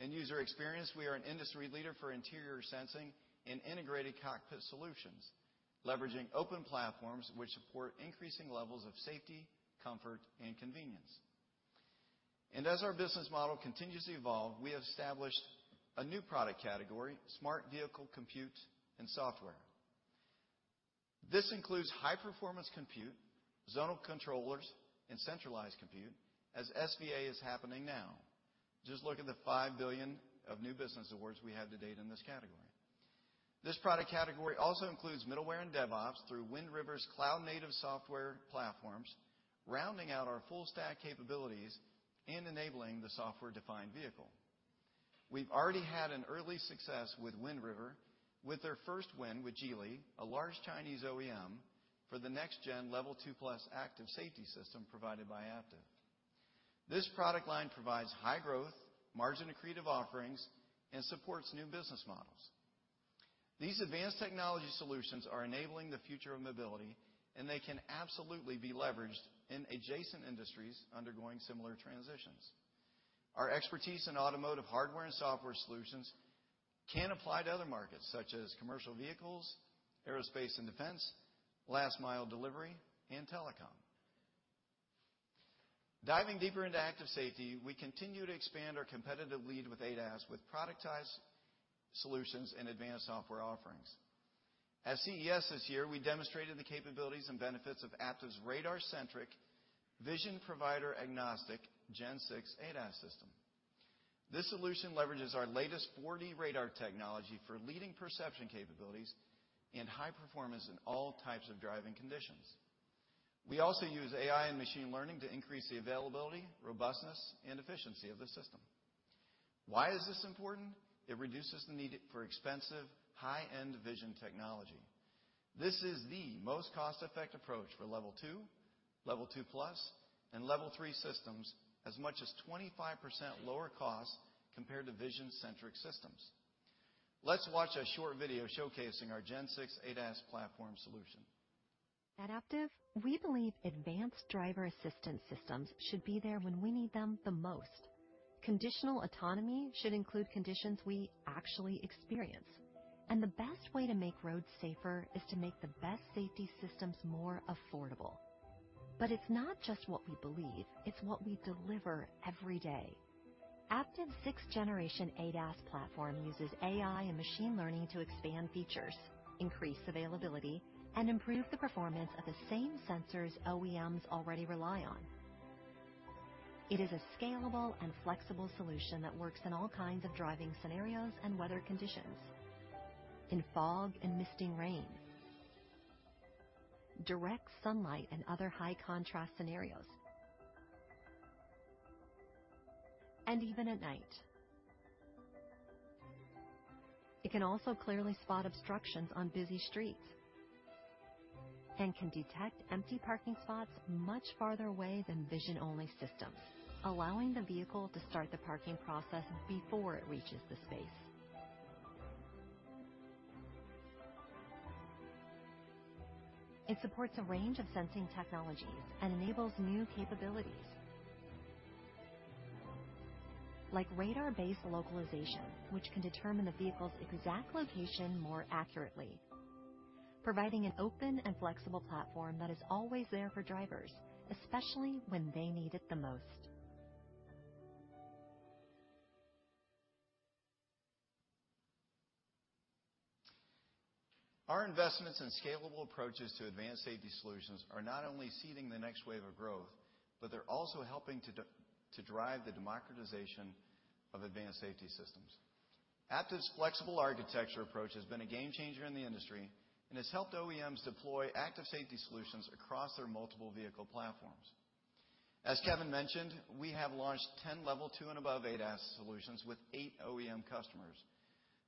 In user experience, we are an industry leader for interior sensing and integrated cockpit solutions, leveraging open platforms which support increasing levels of safety, comfort, and convenience. As our business model continues to evolve, we have established a new product category, Smart Vehicle Compute and Software. This includes high-performance compute, zonal controllers, and centralized compute as SVA is happening now. Just look at the $5 billion of new business awards we have to date in this category. This product category also includes middleware and DevOps through Wind River's cloud-native software platforms, rounding out our full stack capabilities and enabling the software-defined vehicle. We've already had an early success with Wind River with their first win with Geely, a large Chinese OEM, for the next gen level 2+ active safety system provided by Aptiv. This product line provides high growth, margin-accretive offerings, and supports new business models. These advanced technology solutions are enabling the future of mobility. They can absolutely be leveraged in adjacent industries undergoing similar transitions. Our expertise in automotive hardware and software solutions can apply to other markets such as commercial vehicles, aerospace and defense, last mile delivery, and telecom. Diving deeper into active safety, we continue to expand our competitive lead with ADAS with productized solutions and advanced software offerings. At CES this year, we demonstrated the capabilities and benefits of Aptiv's radar-centric vision provider agnostic Gen 6 ADAS system. This solution leverages our latest 4D radar technology for leading perception capabilities and high performance in all types of driving conditions. We also use AI and machine learning to increase the availability, robustness and efficiency of the system. Why is this important? It reduces the need for expensive, high-end vision technology. This is the most cost-effective approach for Level 2, Level 2+, and Level 3 systems, as much as 25% lower cost compared to vision-centric systems. Let's watch a short video showcasing our Gen 6 ADAS platform solution. At Aptiv, we believe advanced driver assistance systems should be there when we need them the most. Conditional autonomy should include conditions we actually experience, and the best way to make roads safer is to make the best safety systems more affordable. It's not just what we believe, it's what we deliver every day. Aptiv's sixth-generation ADAS platform uses AI and machine learning to expand features, increase availability, and improve the performance of the same sensors OEMs already rely on. It is a scalable and flexible solution that works in all kinds of driving scenarios and weather conditions. In fog and misting rain, direct sunlight and other high contrast scenarios, and even at night. It can also clearly spot obstructions on busy streets and can detect empty parking spots much farther away than vision-only systems, allowing the vehicle to start the parking process before it reaches the space. It supports a range of sensing technologies and enables new capabilities like radar-based localization, which can determine the vehicle's exact location more accurately, providing an open and flexible platform that is always there for drivers, especially when they need it the most. Our investments in scalable approaches to advanced safety solutions are not only seeding the next wave of growth, but they're also helping to drive the democratization of advanced safety systems. Aptiv's flexible architecture approach has been a game changer in the industry and has helped OEMs deploy active safety solutions across their multiple vehicle platforms. As Kevin mentioned, we have launched 10 level two and above ADAS solutions with 8 OEM customers.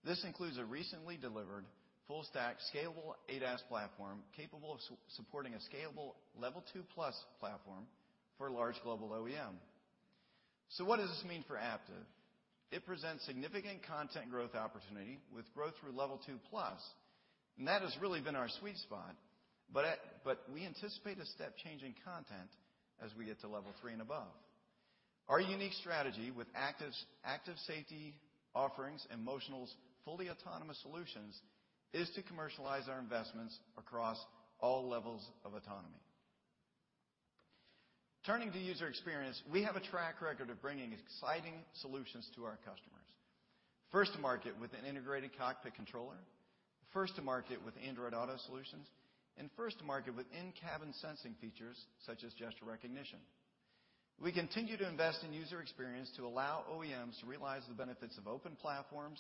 This includes a recently delivered full stack scalable ADAS platform capable of supporting a scalable level 2+ platform for a large global OEM. What does this mean for Aptiv? It presents significant content growth opportunity with growth through level 2+, and that has really been our sweet spot. We anticipate a step change in content as we get to level three and above. Our unique strategy with active safety offerings and Motional's fully autonomous solutions is to commercialize our investments across all levels of autonomy. Turning to user experience, we have a track record of bringing exciting solutions to our customers. First to market with an integrated cockpit controller, first to market with Android Auto solutions, and first to market with in-cabin sensing features such as gesture recognition. We continue to invest in user experience to allow OEMs to realize the benefits of open platforms,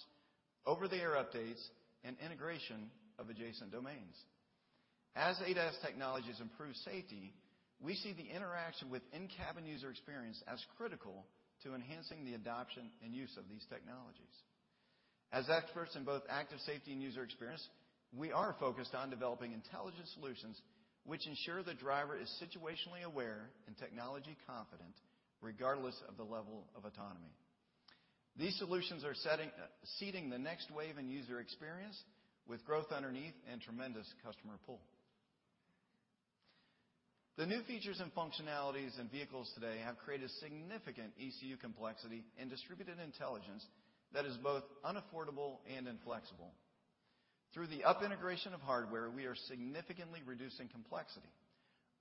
over-the-air updates, and integration of adjacent domains. As ADAS technologies improve safety, we see the interaction with in-cabin user experience as critical to enhancing the adoption and use of these technologies. As experts in both active safety and user experience, we are focused on developing intelligent solutions which ensure the driver is situationally aware and technology confident, regardless of the level of autonomy. These solutions are setting, seeding the next wave in user experience with growth underneath and tremendous customer pull. The new features and functionalities in vehicles today have created significant ECU complexity and distributed intelligence that is both unaffordable and inflexible. Through the up integration of hardware, we are significantly reducing complexity,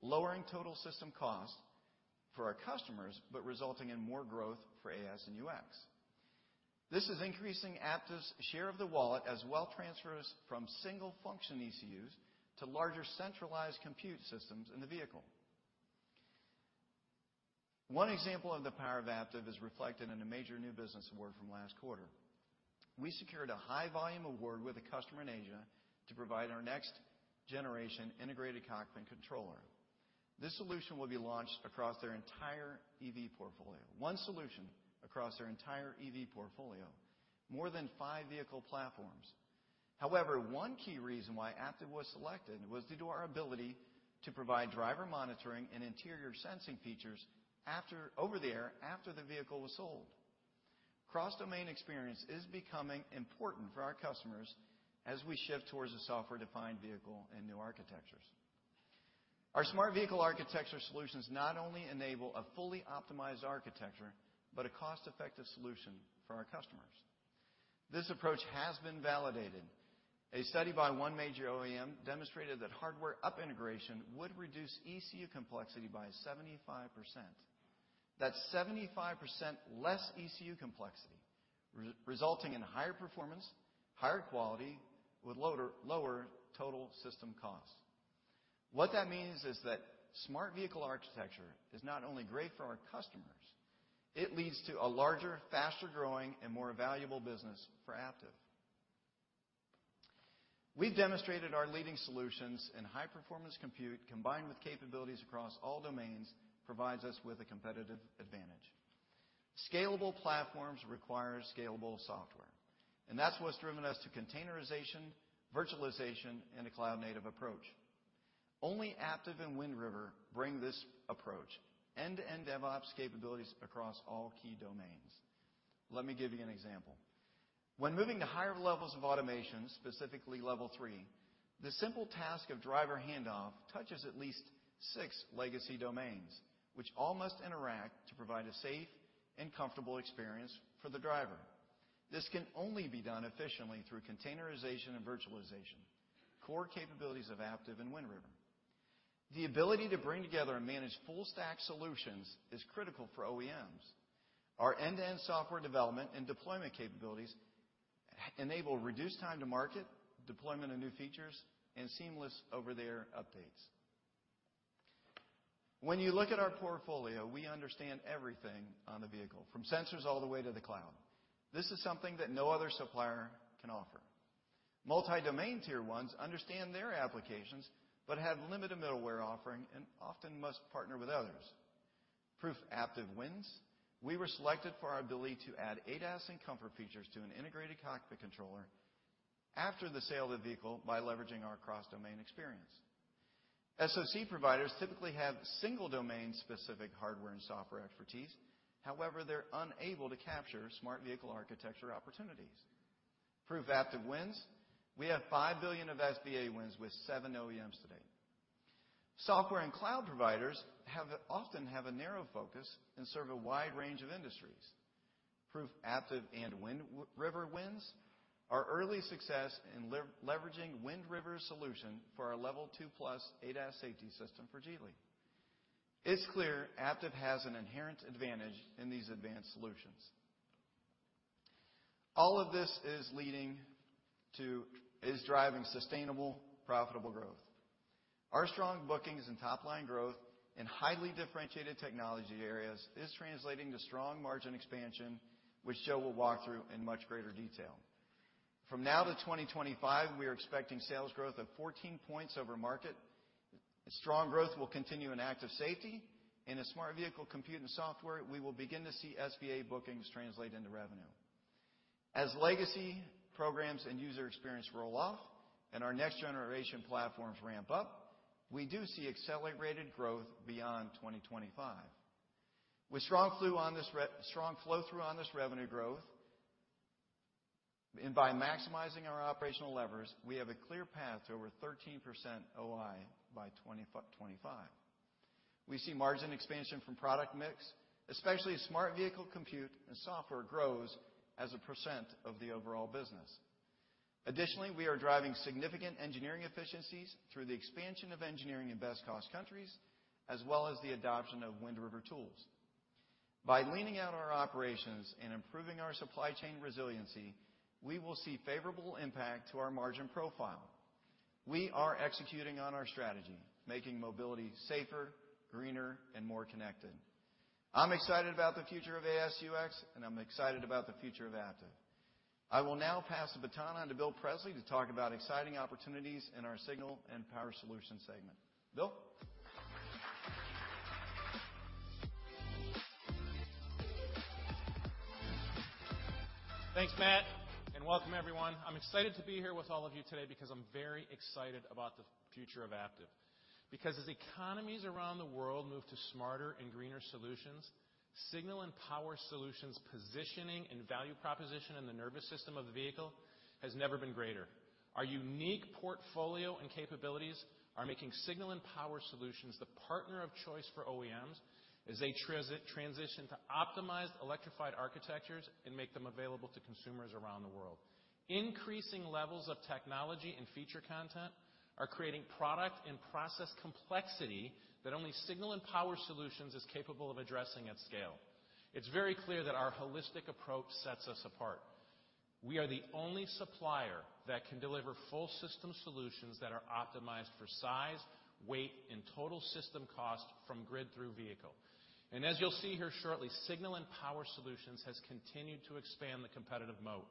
lowering total system cost for our customers, resulting in more growth for AS&UX. This is increasing Aptiv's share of the wallet as wealth transfers from single function ECUs to larger centralized compute systems in the vehicle. One example of the power of Aptiv is reflected in a major new business award from last quarter. We secured a high volume award with a customer in Asia to provide our next generation integrated cockpit controller. This solution will be launched across their entire EV portfolio. One solution across their entire EV portfolio, more than five vehicle platforms. One key reason why Aptiv was selected was due to our ability to provide driver monitoring and interior sensing features over the air after the vehicle was sold. Cross-domain experience is becoming important for our customers as we shift towards a software-defined vehicle and new architectures. Our Smart Vehicle Architecture solutions not only enable a fully optimized architecture, but a cost-effective solution for our customers. This approach has been validated. A study by one major OEM demonstrated that hardware up integration would reduce ECU complexity by 75%. That's 75% less ECU complexity, resulting in higher performance, higher quality, with lower total system costs. What that means is that Smart Vehicle Architecture is not only great for our customers, it leads to a larger, faster growing, and more valuable business for Aptiv. We've demonstrated our leading solutions in high-performance compute combined with capabilities across all domains provides us with a competitive advantage. That's what's driven us to containerization, virtualization, and a cloud-native approach. Only Aptiv and Wind River bring this approach, end-to-end DevOps capabilities across all key domains. Let me give you an example. When moving to higher levels of automation, specifically level three, the simple task of driver handoff touches at least six legacy domains, which all must interact to provide a safe and comfortable experience for the driver. This can only be done efficiently through containerization and virtualization, core capabilities of Aptiv and Wind River. The ability to bring together and manage full stack solutions is critical for OEMs. Our end-to-end software development and deployment capabilities enable reduced time to market, deployment of new features, and seamless over-the-air updates. When you look at our portfolio, we understand everything on the vehicle, from sensors all the way to the cloud. This is something that no other supplier can offer. Multi-domain Tier 1s understand their applications, but have limited middleware offering and often must partner with others. Proof Aptiv wins, we were selected for our ability to add ADAS and comfort features to an integrated cockpit controller after the sale of the vehicle by leveraging our cross-domain experience. SoC providers typically have single domain-specific hardware and software expertise. However, they're unable to capture Smart Vehicle Architecture opportunities. Proof Aptiv wins, we have $5 billion of SVA wins with seven OEMs to date. Software and cloud providers often have a narrow focus and serve a wide range of industries. Proof Aptiv and Wind River wins, our early success in leveraging Wind River's solution for our level 2+ ADAS safety system for Geely. It's clear Aptiv has an inherent advantage in these advanced solutions. All of this is driving sustainable, profitable growth. Our strong bookings in top-line growth in highly differentiated technology areas is translating to strong margin expansion, which Joe will walk through in much greater detail. From now to 2025, we are expecting sales growth of 14 points over market. Strong growth will continue in active safety. In a smart vehicle compute and software, we will begin to see SVA bookings translate into revenue. As legacy programs and user experience roll off and our next generation platforms ramp up, we do see accelerated growth beyond 2025. With strong flow through on this revenue growth and by maximizing our operational levers, we have a clear path to over 13% OI by 2025. We see margin expansion from product mix, especially as smart vehicle compute and software grows as a % of the overall business. Additionally, we are driving significant engineering efficiencies through the expansion of engineering in best cost countries, as well as the adoption of Wind River tools. By leaning out our operations and improving our supply chain resiliency, we will see favorable impact to our margin profile. We are executing on our strategy, making mobility safer, greener, and more connected. I'm excited about the future of AS&UX, and I'm excited about the future of Aptiv. I will now pass the baton on to Bill Presley to talk about exciting opportunities in our Signal and Power Solutions segment. Bill? Thanks, Matt. Welcome everyone. I'm excited to be here with all of you today because I'm very excited about the future of Aptiv. As economies around the world move to smarter and greener solutions, Signal and Power Solutions positioning and value proposition in the nervous system of the vehicle has never been greater. Our unique portfolio and capabilities are making Signal and Power Solutions the partner of choice for OEMs as they transition to optimized electrified architectures and make them available to consumers around the world. Increasing levels of technology and feature content are creating product and process complexity that only Signal and Power Solutions is capable of addressing at scale. It's very clear that our holistic approach sets us apart. We are the only supplier that can deliver full system solutions that are optimized for size, weight, and total system cost from grid through vehicle. As you'll see here shortly, Signal and Power Solutions has continued to expand the competitive moat.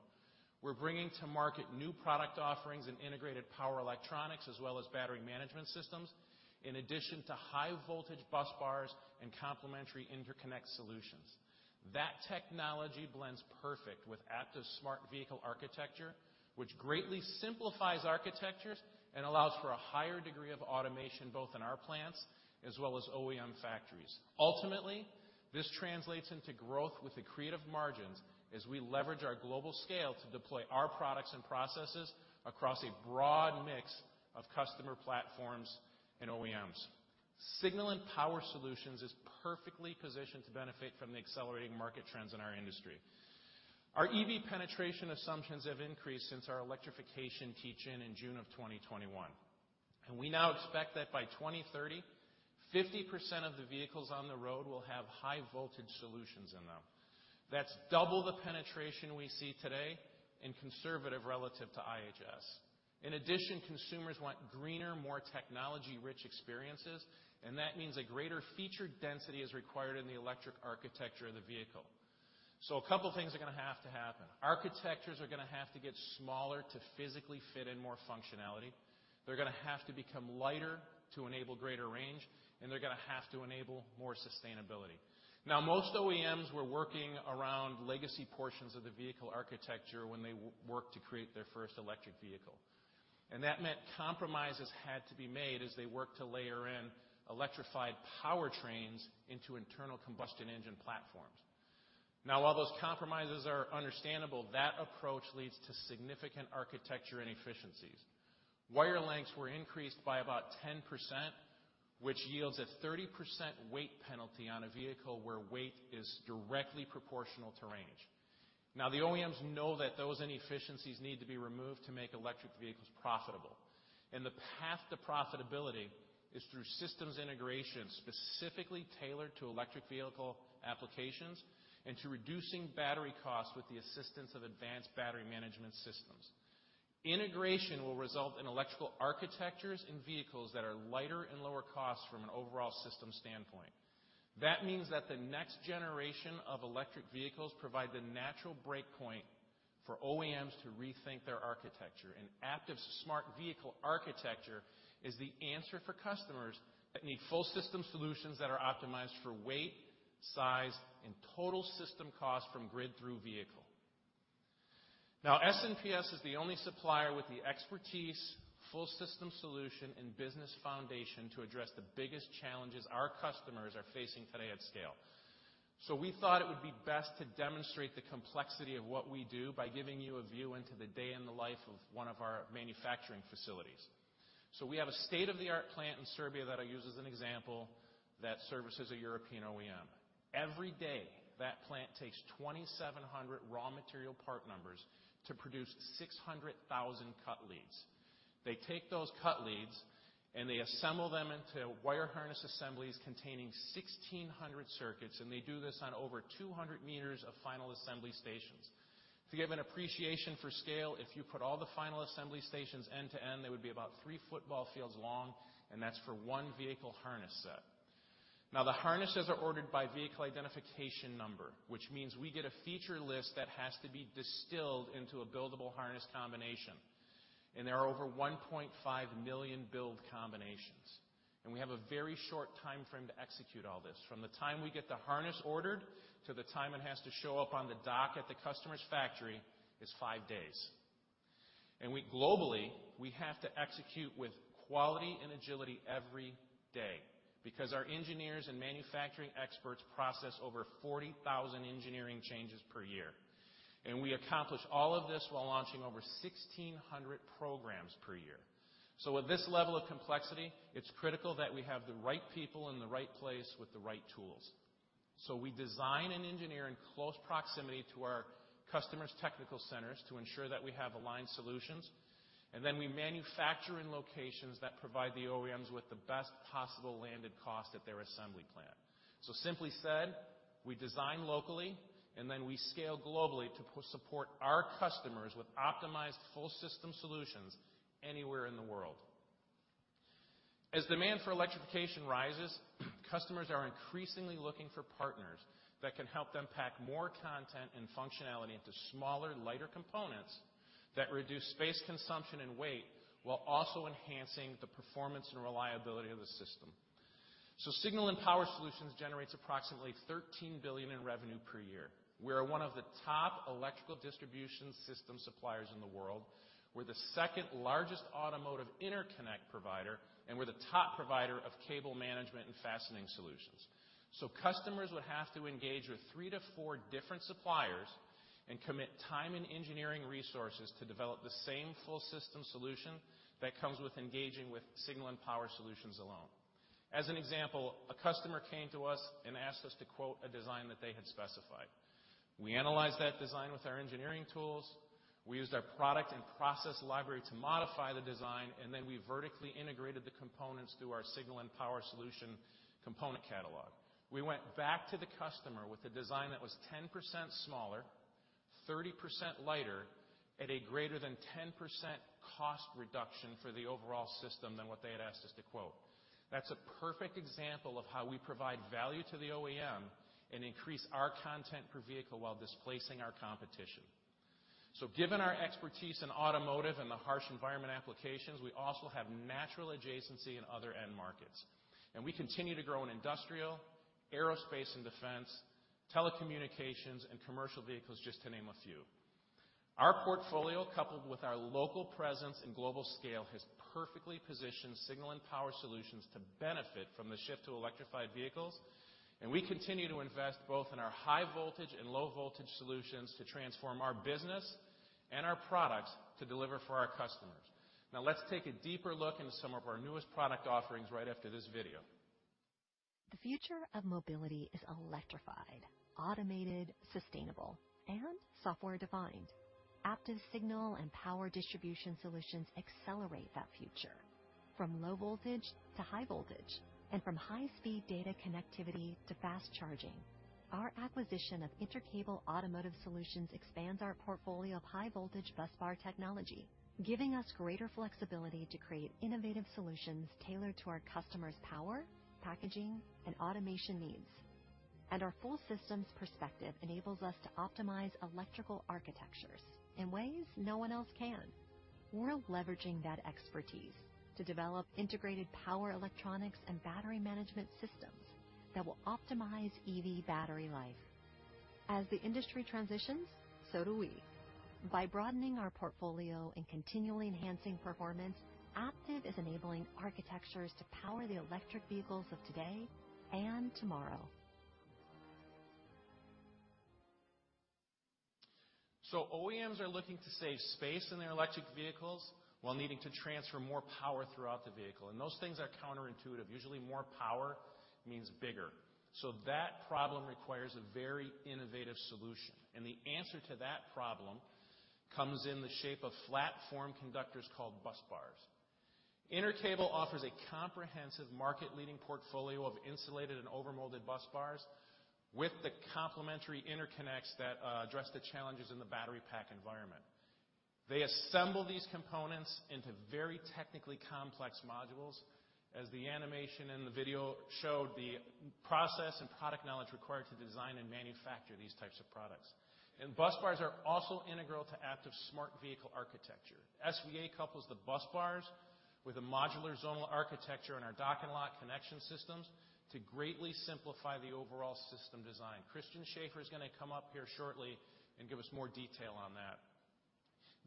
We're bringing to market new product offerings and integrated power electronics as well as battery management systems, in addition to high voltage busbars and complementary interconnect solutions. That technology blends perfect with Aptiv's Smart Vehicle Architecture, which greatly simplifies architectures and allows for a higher degree of automation, both in our plants as well as OEM factories. Ultimately, this translates into growth with accretive margins as we leverage our global scale to deploy our products and processes across a broad mix of customer platforms and OEMs. Signal and Power Solutions is perfectly positioned to benefit from the accelerating market trends in our industry. Our EV penetration assumptions have increased since our electrification teach-in in June of 2021, and we now expect that by 2030, 50% of the vehicles on the road will have high voltage solutions in them. That's double the penetration we see today and conservative relative to IHS. In addition, consumers want greener, more technology-rich experiences, and that means a greater feature density is required in the electric architecture of the vehicle. A couple things are gonna have to happen. Architectures are gonna have to get smaller to physically fit in more functionality. They're gonna have to become lighter to enable greater range, and they're gonna have to enable more sustainability. Now, most OEMs were working around legacy portions of the vehicle architecture when they worked to create their first electric vehicle, and that meant compromises had to be made as they worked to layer in electrified powertrains into internal combustion engine platforms. Now, while those compromises are understandable, that approach leads to significant architecture inefficiencies. Wire lengths were increased by about 10%, which yields a 30% weight penalty on a vehicle where weight is directly proportional to range. Now, the OEMs know that those inefficiencies need to be removed to make electric vehicles profitable, and the path to profitability is through systems integration, specifically tailored to electric vehicle applications and to reducing battery costs with the assistance of advanced battery management systems. Integration will result in electrical architectures and vehicles that are lighter and lower cost from an overall system standpoint. That means that the next generation of electric vehicles provide the natural breakpoint for OEMs to rethink their architecture. Aptiv's Smart Vehicle Architecture is the answer for customers that need full system solutions that are optimized for weight, size, and total system cost from grid through vehicle. S&PS is the only supplier with the expertise, full system solution, and business foundation to address the biggest challenges our customers are facing today at scale. We thought it would be best to demonstrate the complexity of what we do by giving you a view into the day in the life of one of our manufacturing facilities. We have a state-of-the-art plant in Serbia that I use as an example that services a European OEM. Every day, that plant takes 2,700 raw material part numbers to produce 600,000 cut leads. They take those cut leads, and they assemble them into wire harness assemblies containing 1,600 circuits, and they do this on over 200 meters of final assembly stations. To give an appreciation for scale, if you put all the final assembly stations end to end, they would be about three football fields long, and that's for one vehicle harness set. Now, the harnesses are ordered by vehicle identification number, which means we get a feature list that has to be distilled into a buildable harness combination, and there are over 1.5 million build combinations, and we have a very short timeframe to execute all this. From the time we get the harness ordered to the time it has to show up on the dock at the customer's factory is five days. Globally, we have to execute with quality and agility every day because our engineers and manufacturing experts process over 40,000 engineering changes per year. We accomplish all of this while launching over 1,600 programs per year. With this level of complexity, it's critical that we have the right people in the right place with the right tools. We design and engineer in close proximity to our customers' technical centers to ensure that we have aligned solutions. We manufacture in locations that provide the OEMs with the best possible landed cost at their assembly plant. Simply said, we design locally, we scale globally to support our customers with optimized full system solutions anywhere in the world. As demand for electrification rises, customers are increasingly looking for partners that can help them pack more content and functionality into smaller, lighter components that reduce space consumption and weight while also enhancing the performance and reliability of the system. Signal and Power Solutions generates approximately $13 billion in revenue per year. We are one of the top electrical distribution system suppliers in the world. We're the second largest automotive interconnect provider, and we're the top provider of cable management and fastening solutions. Customers would have to engage with three to four different suppliers and commit time and engineering resources to develop the same full system solution that comes with engaging with Signal and Power Solutions alone. As an example, a customer came to us and asked us to quote a design that they had specified. We analyzed that design with our engineering tools. We used our product and process library to modify the design, and then we vertically integrated the components through our Signal & Power Solutions component catalog. We went back to the customer with a design that was 10% smaller. 30% lighter at a greater than 10% cost reduction for the overall system than what they had asked us to quote. That's a perfect example of how we provide value to the OEM and increase our content per vehicle while displacing our competition. Given our expertise in automotive and the harsh environment applications, we also have natural adjacency in other end markets. We continue to grow in industrial, aerospace and defense, telecommunications, and commercial vehicles, just to name a few. Our portfolio, coupled with our local presence and global scale, has perfectly positioned Signal & Power Solutions to benefit from the shift to electrified vehicles. We continue to invest both in our high voltage and low voltage solutions to transform our business and our products to deliver for our customers. Now let's take a deeper look into some of our newest product offerings right after this video. The future of mobility is electrified, automated, sustainable, and software-defined. Aptiv's signal and power distribution solutions accelerate that future from low voltage to high voltage and from high-speed data connectivity to fast charging. Our acquisition of Intercable Automotive Solutions expands our portfolio of high voltage busbar technology, giving us greater flexibility to create innovative solutions tailored to our customers' power, packaging, and automation needs. Our full systems perspective enables us to optimize electrical architectures in ways no one else can. We're leveraging that expertise to develop integrated power electronics and battery management systems that will optimize EV battery life. As the industry transitions, so do we. By broadening our portfolio and continually enhancing performance, Aptiv is enabling architectures to power the electric vehicles of today and tomorrow. OEMs are looking to save space in their electric vehicles while needing to transfer more power throughout the vehicle, and those things are counterintuitive. Usually, more power means bigger. That problem requires a very innovative solution, and the answer to that problem comes in the shape of flat form conductors called busbars. Intercable offers a comprehensive market-leading portfolio of insulated and overmolded busbars with the complementary interconnects that address the challenges in the battery pack environment. They assemble these components into very technically complex modules. As the animation in the video showed the process and product knowledge required to design and manufacture these types of products. Busbars are also integral to Aptiv's Smart Vehicle Architecture. SVA couples the busbars with a modular zonal architecture and our Dock & Lock connection systems to greatly simplify the overall system design. Christian Schaefer is gonna come up here shortly and give us more detail on that.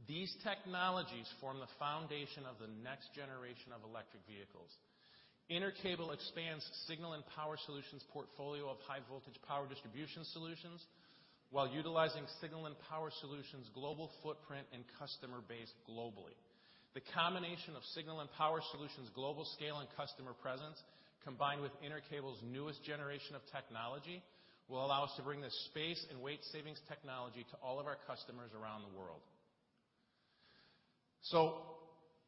These technologies form the foundation of the next generation of electric vehicles. Intercable expands Signal & Power Solutions portfolio of high voltage power distribution solutions while utilizing Signal & Power Solutions' global footprint and customer base globally. The combination of Signal & Power Solutions' global scale and customer presence, combined with Intercable's newest generation of technology, will allow us to bring the space and weight savings technology to all of our customers around the world.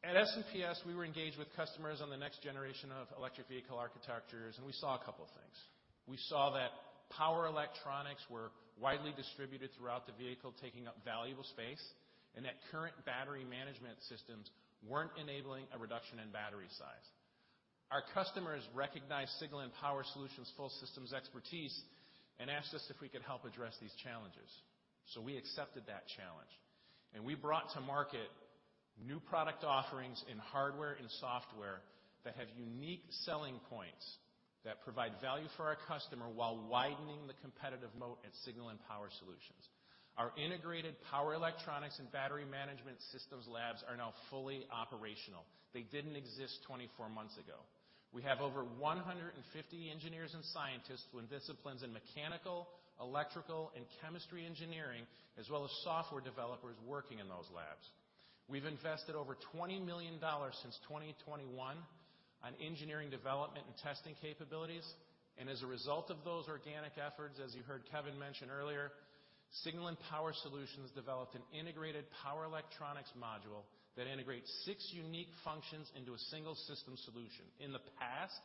At SPS, we were engaged with customers on the next generation of electric vehicle architectures, and we saw a couple of things. We saw that power electronics were widely distributed throughout the vehicle, taking up valuable space, and that current battery management systems weren't enabling a reduction in battery size. Our customers recognized Signal and Power Solutions' full systems expertise and asked us if we could help address these challenges. We accepted that challenge, and we brought to market new product offerings in hardware and software that have unique selling points that provide value for our customer while widening the competitive moat at Signal and Power Solutions. Our integrated power electronics and battery management systems labs are now fully operational. They didn't exist 24 months ago. We have over 150 engineers and scientists with disciplines in mechanical, electrical, and chemistry engineering, as well as software developers working in those labs. We've invested over $20 million since 2021 on engineering development and testing capabilities. As a result of those organic efforts, as you heard Kevin mention earlier, Signal & Power Solutions developed an integrated power electronics module that integrates six unique functions into a single system solution. In the past,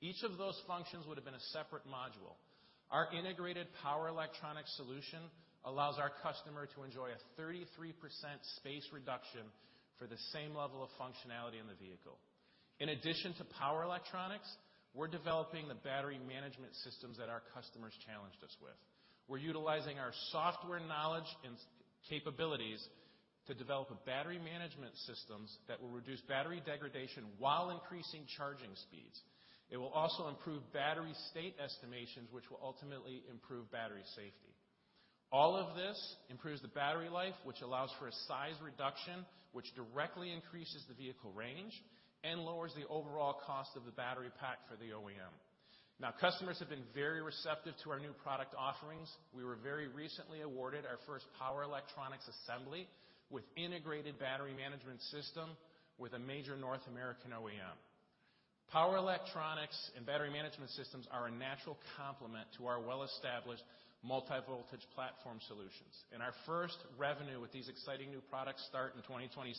each of those functions would have been a separate module. Our integrated power electronics solution allows our customer to enjoy a 33% space reduction for the same level of functionality in the vehicle. In addition to power electronics, we're developing the battery management systems that our customers challenged us with. We're utilizing our software knowledge and capabilities to develop battery management systems that will reduce battery degradation while increasing charging speeds. It will also improve battery state estimations, which will ultimately improve battery safety. All of this improves the battery life, which allows for a size reduction, which directly increases the vehicle range and lowers the overall cost of the battery pack for the OEM. Customers have been very receptive to our new product offerings. We were very recently awarded our first power electronics assembly with integrated battery management system with a major North American OEM. Power electronics and battery management systems are a natural complement to our well-established multi-voltage platform solutions. Our first revenue with these exciting new products start in 2026.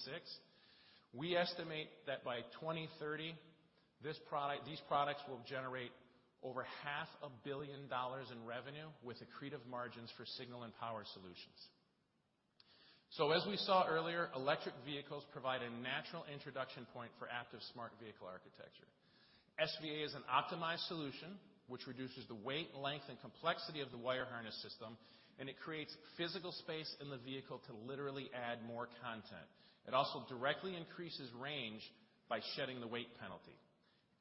We estimate that by 2030, these products will generate over half a billion dollars in revenue with accretive margins for Signal & Power Solutions. As we saw earlier, electric vehicles provide a natural introduction point for Aptiv's Smart Vehicle Architecture. SVA is an optimized solution which reduces the weight, length, and complexity of the wire harness system, and it creates physical space in the vehicle to literally add more content. It also directly increases range by shedding the weight penalty.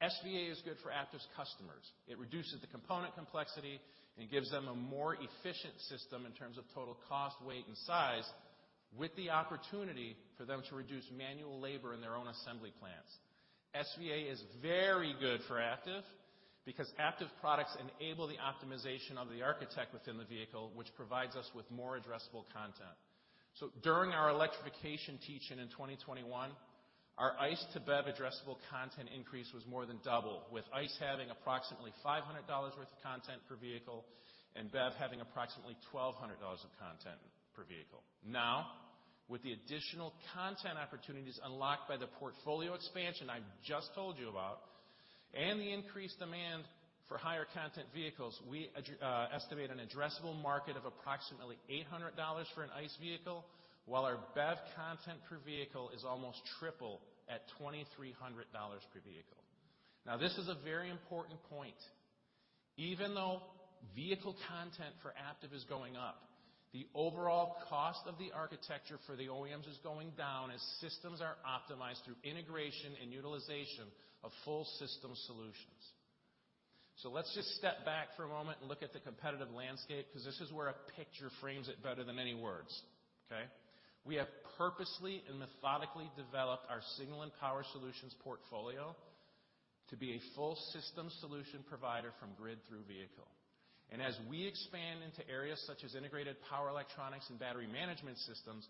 SVA is good for Aptiv's customers. It reduces the component complexity, and it gives them a more efficient system in terms of total cost, weight, and size, with the opportunity for them to reduce manual labor in their own assembly plants. SVA is very good for Aptiv because Aptiv's products enable the optimization of the architect within the vehicle, which provides us with more addressable content. During our electrification teach-in in 2021, our ICE to BEV addressable content increase was more than double, with ICE having approximately $500 worth of content per vehicle and BEV having approximately $1,200 of content per vehicle. With the additional content opportunities unlocked by the portfolio expansion I just told you about and the increased demand for higher content vehicles, we estimate an addressable market of approximately $800 for an ICE vehicle, while our BEV content per vehicle is almost triple at $2,300 per vehicle. This is a very important point. Even though vehicle content for Aptiv is going up, the overall cost of the architecture for the OEMs is going down as systems are optimized through integration and utilization of full system solutions. Let's just step back for a moment and look at the competitive landscape, 'cause this is where a picture frames it better than any words. Okay? We have purposely and methodically developed our Signal & Power Solutions portfolio to be a full system solution provider from grid through vehicle. As we expand into areas such as integrated power electronics and battery management systems,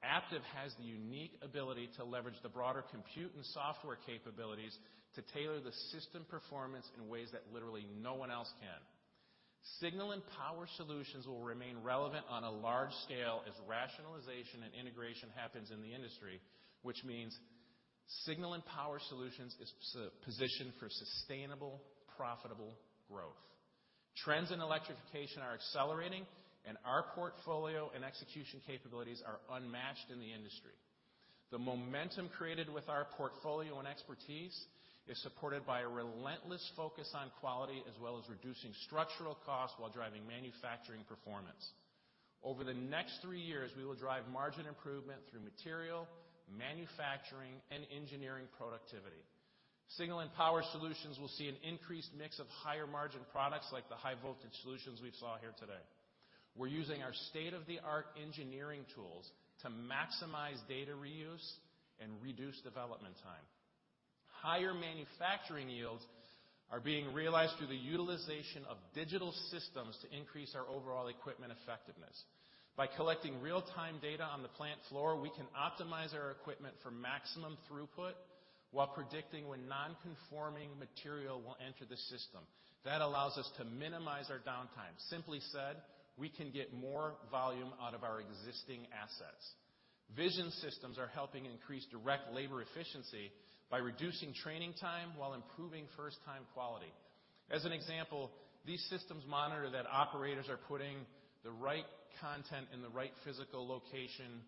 Aptiv has the unique ability to leverage the broader compute and software capabilities to tailor the system performance in ways that literally no one else can. Signal & Power Solutions will remain relevant on a large scale as rationalization and integration happens in the industry, which means Signal & Power Solutions is positioned for sustainable, profitable growth. Trends in electrification are accelerating, and our portfolio and execution capabilities are unmatched in the industry. The momentum created with our portfolio and expertise is supported by a relentless focus on quality as well as reducing structural costs while driving manufacturing performance. Over the next 3 years, we will drive margin improvement through material, manufacturing, and engineering productivity. Signal & Power Solutions will see an increased mix of higher margin products like the high voltage solutions we saw here today. We're using our state-of-the-art engineering tools to maximize data reuse and reduce development time. Higher manufacturing yields are being realized through the utilization of digital systems to increase our overall equipment effectiveness. By collecting real-time data on the plant floor, we can optimize our equipment for maximum throughput while predicting when non-conforming material will enter the system. That allows us to minimize our downtime. Simply said, we can get more volume out of our existing assets. Vision systems are helping increase direct labor efficiency by reducing training time while improving first-time quality. As an example, these systems monitor that operators are putting the right content in the right physical location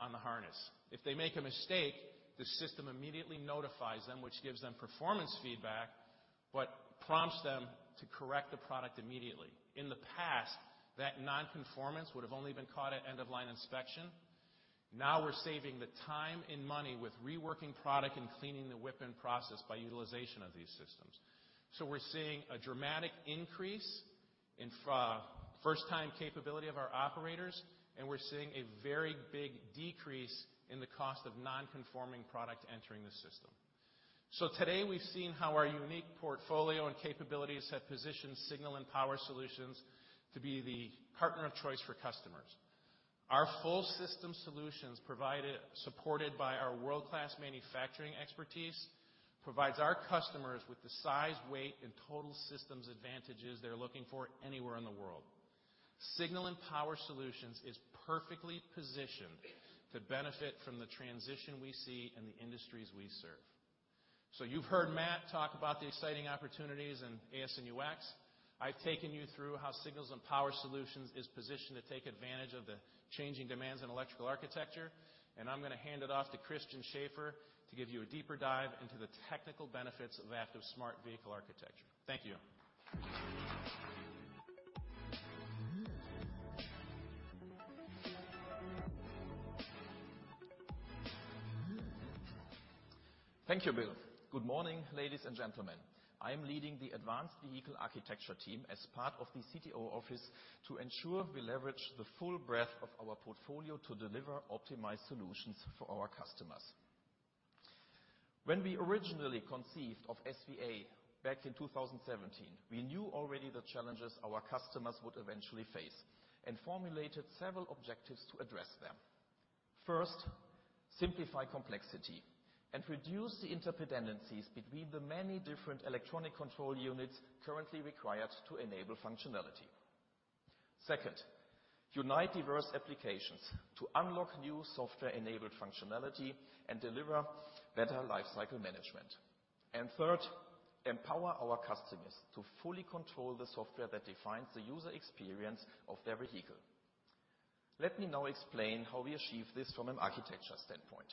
on the harness. If they make a mistake, the system immediately notifies them, which gives them performance feedback but prompts them to correct the product immediately. In the past, that non-conformance would've only been caught at end-of-line inspection. Now we're saving the time and money with reworking product and cleaning the whip-in process by utilization of these systems. We're seeing a dramatic increase in first-time capability of our operators, and we're seeing a very big decrease in the cost of non-conforming product entering the system. Today, we've seen how our unique portfolio and capabilities have positioned Signal & Power Solutions to be the partner of choice for customers. Our full system solutions supported by our world-class manufacturing expertise, provides our customers with the size, weight, and total systems advantages they're looking for anywhere in the world. Signal and Power Solutions is perfectly positioned to benefit from the transition we see in the industries we serve. You've heard Matt talk about the exciting opportunities in AS&UX. I've taken you through how Signal and Power Solutions is positioned to take advantage of the changing demands in electrical architecture, and I'm gonna hand it off to Christian Schaefer to give you a deeper dive into the technical benefits of Aptiv Smart Vehicle Architecture. Thank you. Thank you, Bill. Good morning, ladies and gentlemen. I am leading the Advanced Vehicle Architecture team as part of the CTO office to ensure we leverage the full breadth of our portfolio to deliver optimized solutions for our customers. When we originally conceived of SVA back in 2017, we knew already the challenges our customers would eventually face and formulated several objectives to address them. First, simplify complexity and reduce the interdependencies between the many different electronic control units currently required to enable functionality. Second, unite diverse applications to unlock new software-enabled functionality and deliver better life cycle management. Third, empower our customers to fully control the software that defines the user experience of their vehicle. Let me now explain how we achieve this from an architecture standpoint.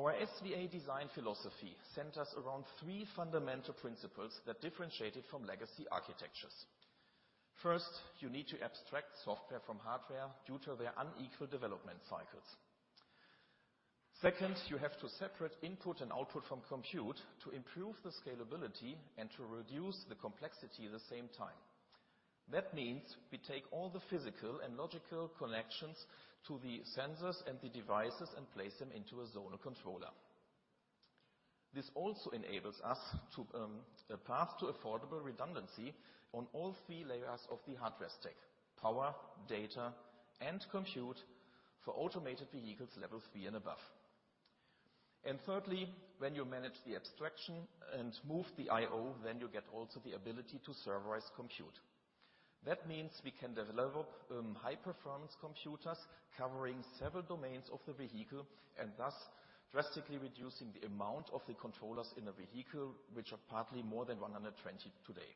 Our SVA design philosophy centers around three fundamental principles that differentiate it from legacy architectures. First, you need to abstract software from hardware due to their unequal development cycles. Second, you have to separate input and output from compute to improve the scalability and to reduce the complexity at the same time. That means we take all the physical and logical connections to the sensors and the devices and place them into a zonal controller. This also enables us to a path to affordable redundancy on all 3 layers of the hardware stack: power, data, and compute for automated vehicles levels 3 and above. Thirdly, when you manage the abstraction and move the IO, then you get also the ability to serverize compute. That means we can develop high-performance computers covering several domains of the vehicle and thus drastically reducing the amount of the controllers in a vehicle, which are partly more than 120 today.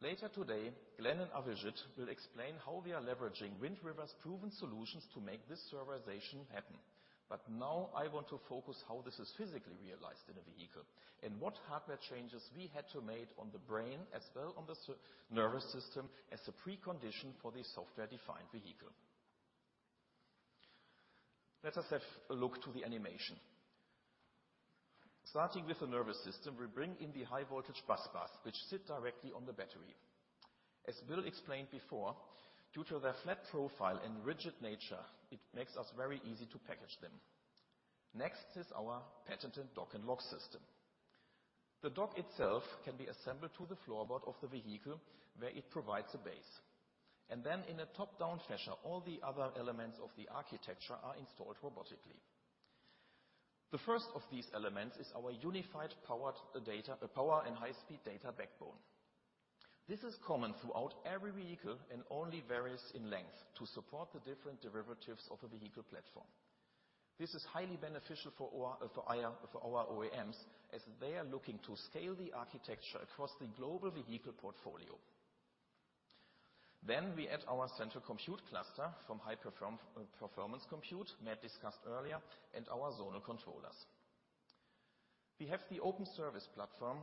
Later today, Glen and Avijit will explain how we are leveraging Wind River's proven solutions to make this servitization happen. Now I want to focus how this is physically realized in a vehicle and what hardware changes we had to make on the brain as well on the nervous system as a precondition for the software-defined vehicle. Let us have a look to the animation. Starting with the nervous system, we bring in the high-voltage busbar, which sit directly on the battery. As Bill explained before, due to their flat profile and rigid nature, it makes us very easy to package them. Next is our patented Dock & Lock system. The dock itself can be assembled to the floorboard of the vehicle, where it provides a base. Then in a top-down fashion, all the other elements of the architecture are installed robotically. The first of these elements is our unified powered data, power and high-speed data backbone. This is common throughout every vehicle and only varies in length to support the different derivatives of a vehicle platform. This is highly beneficial for OR, for IR, for our OEMs, as they are looking to scale the architecture across the global vehicle portfolio. We add our central compute cluster from high-perform performance compute Matt discussed earlier and our zonal controllers. We have the Open Server Platform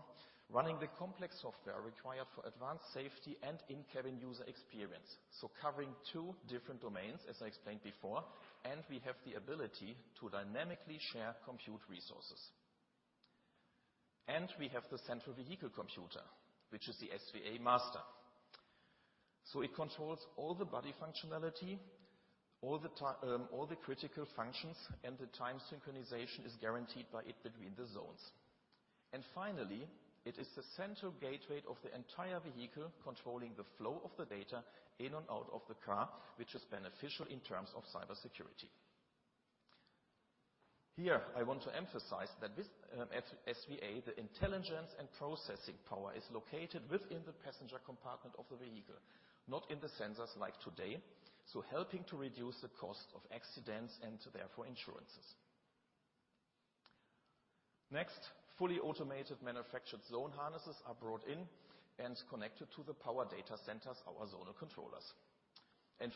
running the complex software required for advanced safety and in-cabin user experience, so covering two different domains, as I explained before, and we have the ability to dynamically share compute resources. We have the central vehicle controller, which is the SVA master. It controls all the body functionality, all the critical functions, and the time synchronization is guaranteed by it between the zones. Finally, it is the central gateway of the entire vehicle, controlling the flow of the data in and out of the car, which is beneficial in terms of cybersecurity. Here, I want to emphasize that with SVA, the intelligence and processing power is located within the passenger compartment of the vehicle, not in the sensors like today, so helping to reduce the cost of accidents and therefore insurances. Next, fully automated manufactured zone harnesses are brought in and connected to the power data centers, our zonal controllers.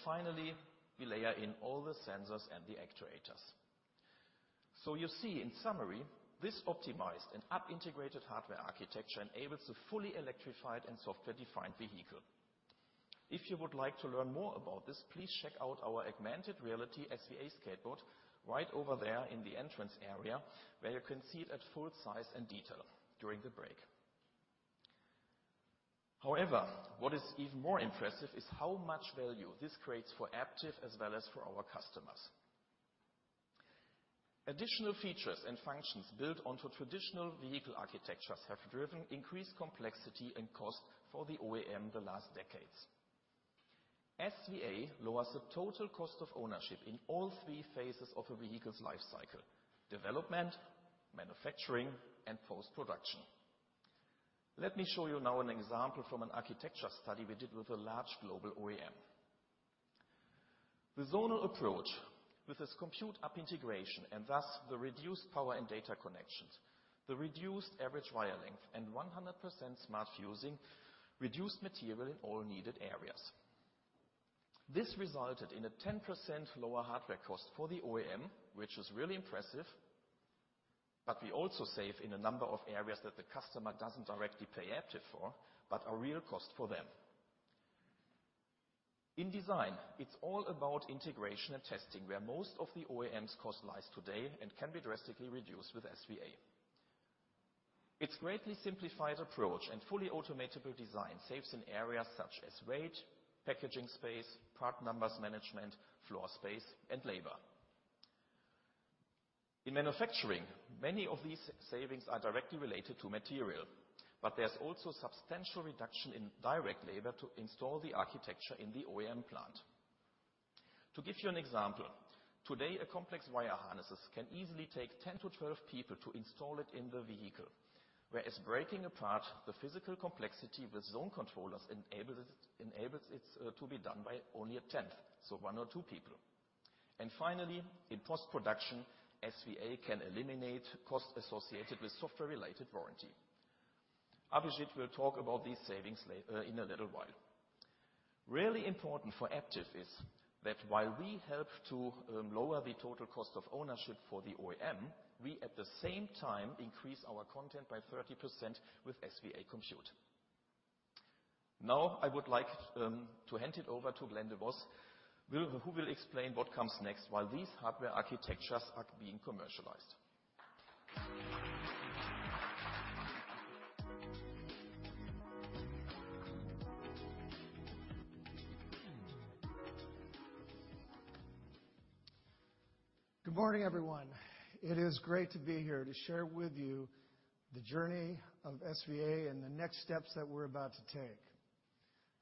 Finally, we layer in all the sensors and the actuators. You see, in summary, this optimized and up integrated hardware architecture enables a fully electrified and software-defined vehicle. If you would like to learn more about this, please check out our augmented reality SVA skateboard right over there in the entrance area, where you can see it at full size and detail during the break. What is even more impressive is how much value this creates for Aptiv as well as for our customers. Additional features and functions built onto traditional vehicle architectures have driven increased complexity and cost for the OEM the last decades. SVA lowers the total cost of ownership in all three phases of a vehicle's life cycle: development, manufacturing, and post-production. Let me show you now an example from an architecture study we did with a large global OEM. The zonal approach with its compute up integration and thus the reduced power and data connections, the reduced average wire length, and 100% smart fusing reduced material in all needed areas. This resulted in a 10% lower hardware cost for the OEM, which is really impressive, but we also save in a number of areas that the customer doesn't directly pay Aptiv for, but are real cost for them. In design, it's all about integration and testing, where most of the OEM's cost lies today and can be drastically reduced with SVA. Its greatly simplified approach and fully automatable design saves in areas such as weight, packaging space, part numbers management, floor space, and labor. In manufacturing, many of these savings are directly related to material, but there's also substantial reduction in direct labor to install the architecture in the OEM plant. To give you an example, today a complex wire harnesses can easily take 10-12 people to install it in the vehicle. Whereas breaking apart the physical complexity with zone controllers enables it to be done by only 1/10, so 1 or 2 people. Finally, in post-production, SVA can eliminate costs associated with software-related warranty. Avijit will talk about these savings later, in a little while. Really important for Aptiv is that while we help to lower the total cost of ownership for the OEM, we at the same time increase our content by 30% with SVA Compute. Now I would like to hand it over to Glen De Vos, who will explain what comes next while these hardware architectures are being commercialized. Good morning, everyone. It is great to be here to share with you the journey of SVA and the next steps that we're about to take.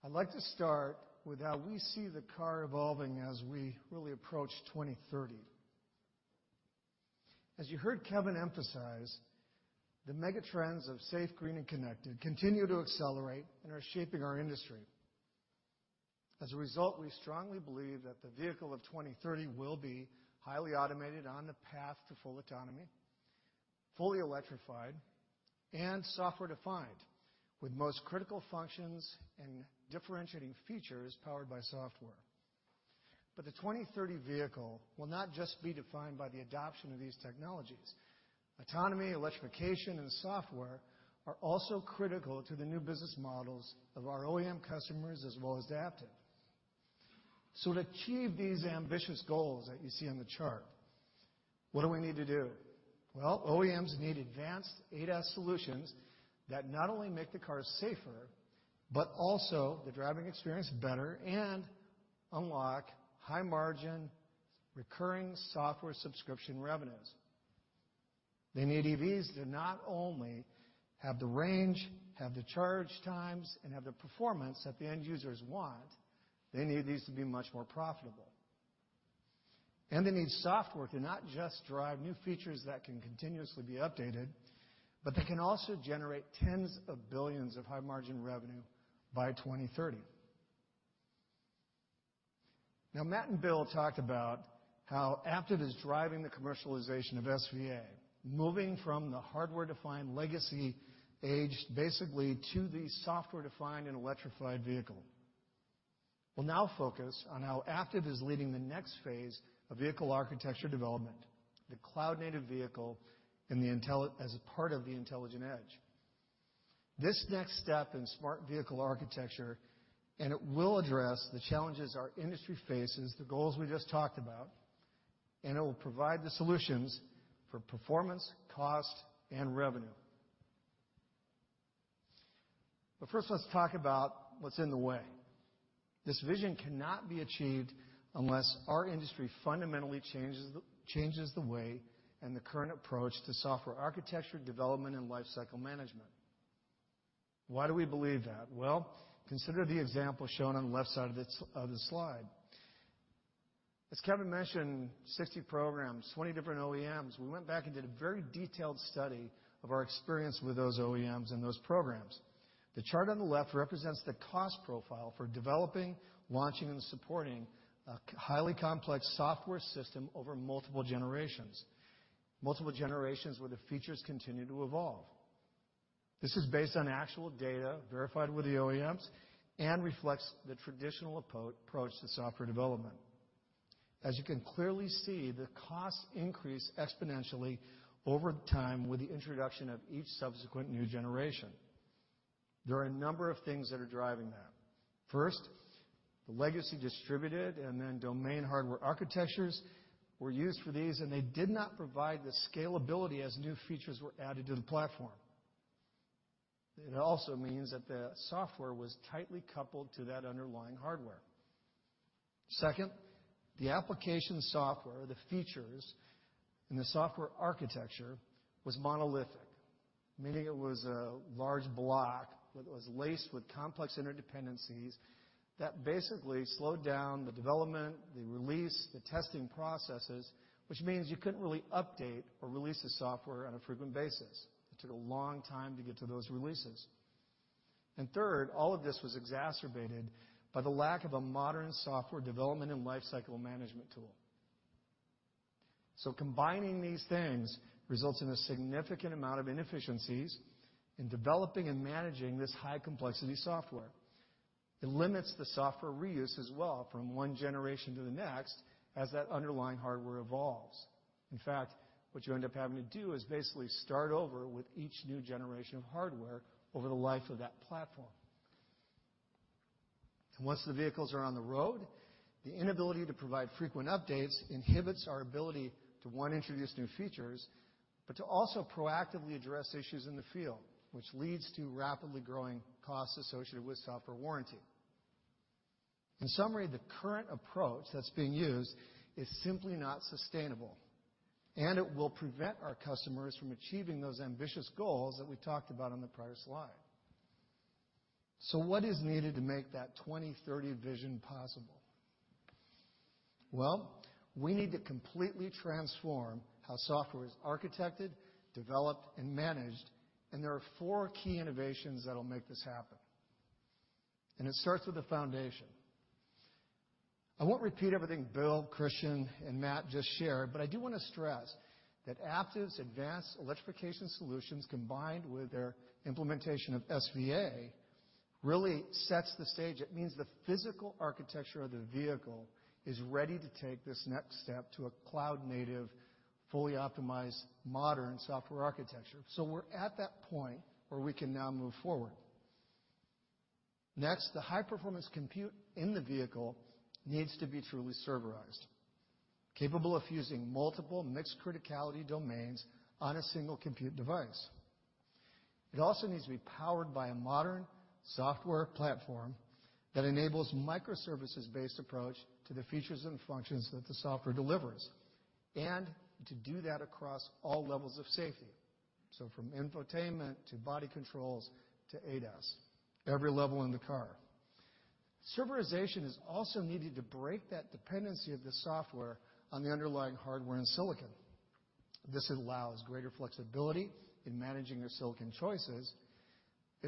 I'd like to start with how we see the car evolving as we really approach 2030. As you heard Kevin emphasize, the mega-trends of safe, green, and connected continue to accelerate and are shaping our industry. As a result, we strongly believe that the vehicle of 2030 will be highly automated on the path to full autonomy, fully electrified, and software-defined, with most critical functions and differentiating features powered by software. The 2030 vehicle will not just be defined by the adoption of these technologies. Autonomy, electrification, and software are also critical to the new business models of our OEM customers as well as Aptiv. To achieve these ambitious goals that you see on the chart, what do we need to do? Well, OEMs need advanced ADAS solutions that not only make the cars safer, but also the driving experience better and unlock high-margin, recurring software subscription revenues. They need EVs to not only have the range, have the charge times, and have the performance that the end users want, they need these to be much more profitable. They need software to not just drive new features that can continuously be updated, but that can also generate tens of billions of high-margin revenue by 2030. Now, Matt and Bill talked about how Aptiv is driving the commercialization of SVA, moving from the hardware-defined legacy age, basically, to the software-defined and electrified vehicle. We'll now focus on how Aptiv is leading the next phase of vehicle architecture development, the cloud-native vehicle as a part of the intelligent edge. This next step in Smart Vehicle Architecture, it will address the challenges our industry faces, the goals we just talked about, and it will provide the solutions for performance, cost, and revenue. First, let's talk about what's in the way. This vision cannot be achieved unless our industry fundamentally changes the way and the current approach to software architecture development and lifecycle management. Why do we believe that? Well, consider the example shown on the left side of the slide. As Kevin mentioned, 60 programs, 20 different OEMs. We went back and did a very detailed study of our experience with those OEMs and those programs. The chart on the left represents the cost profile for developing, launching, and supporting a highly complex software system over multiple generations. Multiple generations where the features continue to evolve. This is based on actual data verified with the OEMs and reflects the traditional approach to software development. As you can clearly see, the costs increase exponentially over time with the introduction of each subsequent new generation. There are a number of things that are driving that. First, the legacy distributed and then domain hardware architectures were used for these, and they did not provide the scalability as new features were added to the platform. It also means that the software was tightly coupled to that underlying hardware. Second, the application software, the features, and the software architecture was monolithic, meaning it was a large block that was laced with complex interdependencies that basically slowed down the development, the release, the testing processes, which means you couldn't really update or release the software on a frequent basis. It took a long time to get to those releases. Third, all of this was exacerbated by the lack of a modern software development and lifecycle management tool. Combining these things results in a significant amount of inefficiencies in developing and managing this high-complexity software. It limits the software reuse as well from one generation to the next as that underlying hardware evolves. In fact, what you end up having to do is basically start over with each new generation of hardware over the life of that platform. Once the vehicles are on the road, the inability to provide frequent updates inhibits our ability to, one, introduce new features, but to also proactively address issues in the field, which leads to rapidly growing costs associated with software warranty. In summary, the current approach that's being used is simply not sustainable. It will prevent our customers from achieving those ambitious goals that we talked about on the prior slide. What is needed to make that 2030 vision possible? Well, we need to completely transform how software is architected, developed, and managed, and there are four key innovations that'll make this happen, and it starts with the foundation. I won't repeat everything Bill, Christian, and Matt just shared, but I do wanna stress that Aptiv's advanced electrification solutions, combined with their implementation of SVA, really sets the stage. It means the physical architecture of the vehicle is ready to take this next step to a cloud-native, fully optimized, modern software architecture. We're at that point where we can now move forward. Next, the high-performance compute in the vehicle needs to be truly serverized, capable of fusing multiple mixed criticality domains on a single compute device. It also needs to be powered by a modern software platform that enables microservices-based approach to the features and functions that the software delivers, and to do that across all levels of safety. From infotainment to body controls to ADAS, every level in the car. Serverization is also needed to break that dependency of the software on the underlying hardware and silicon. It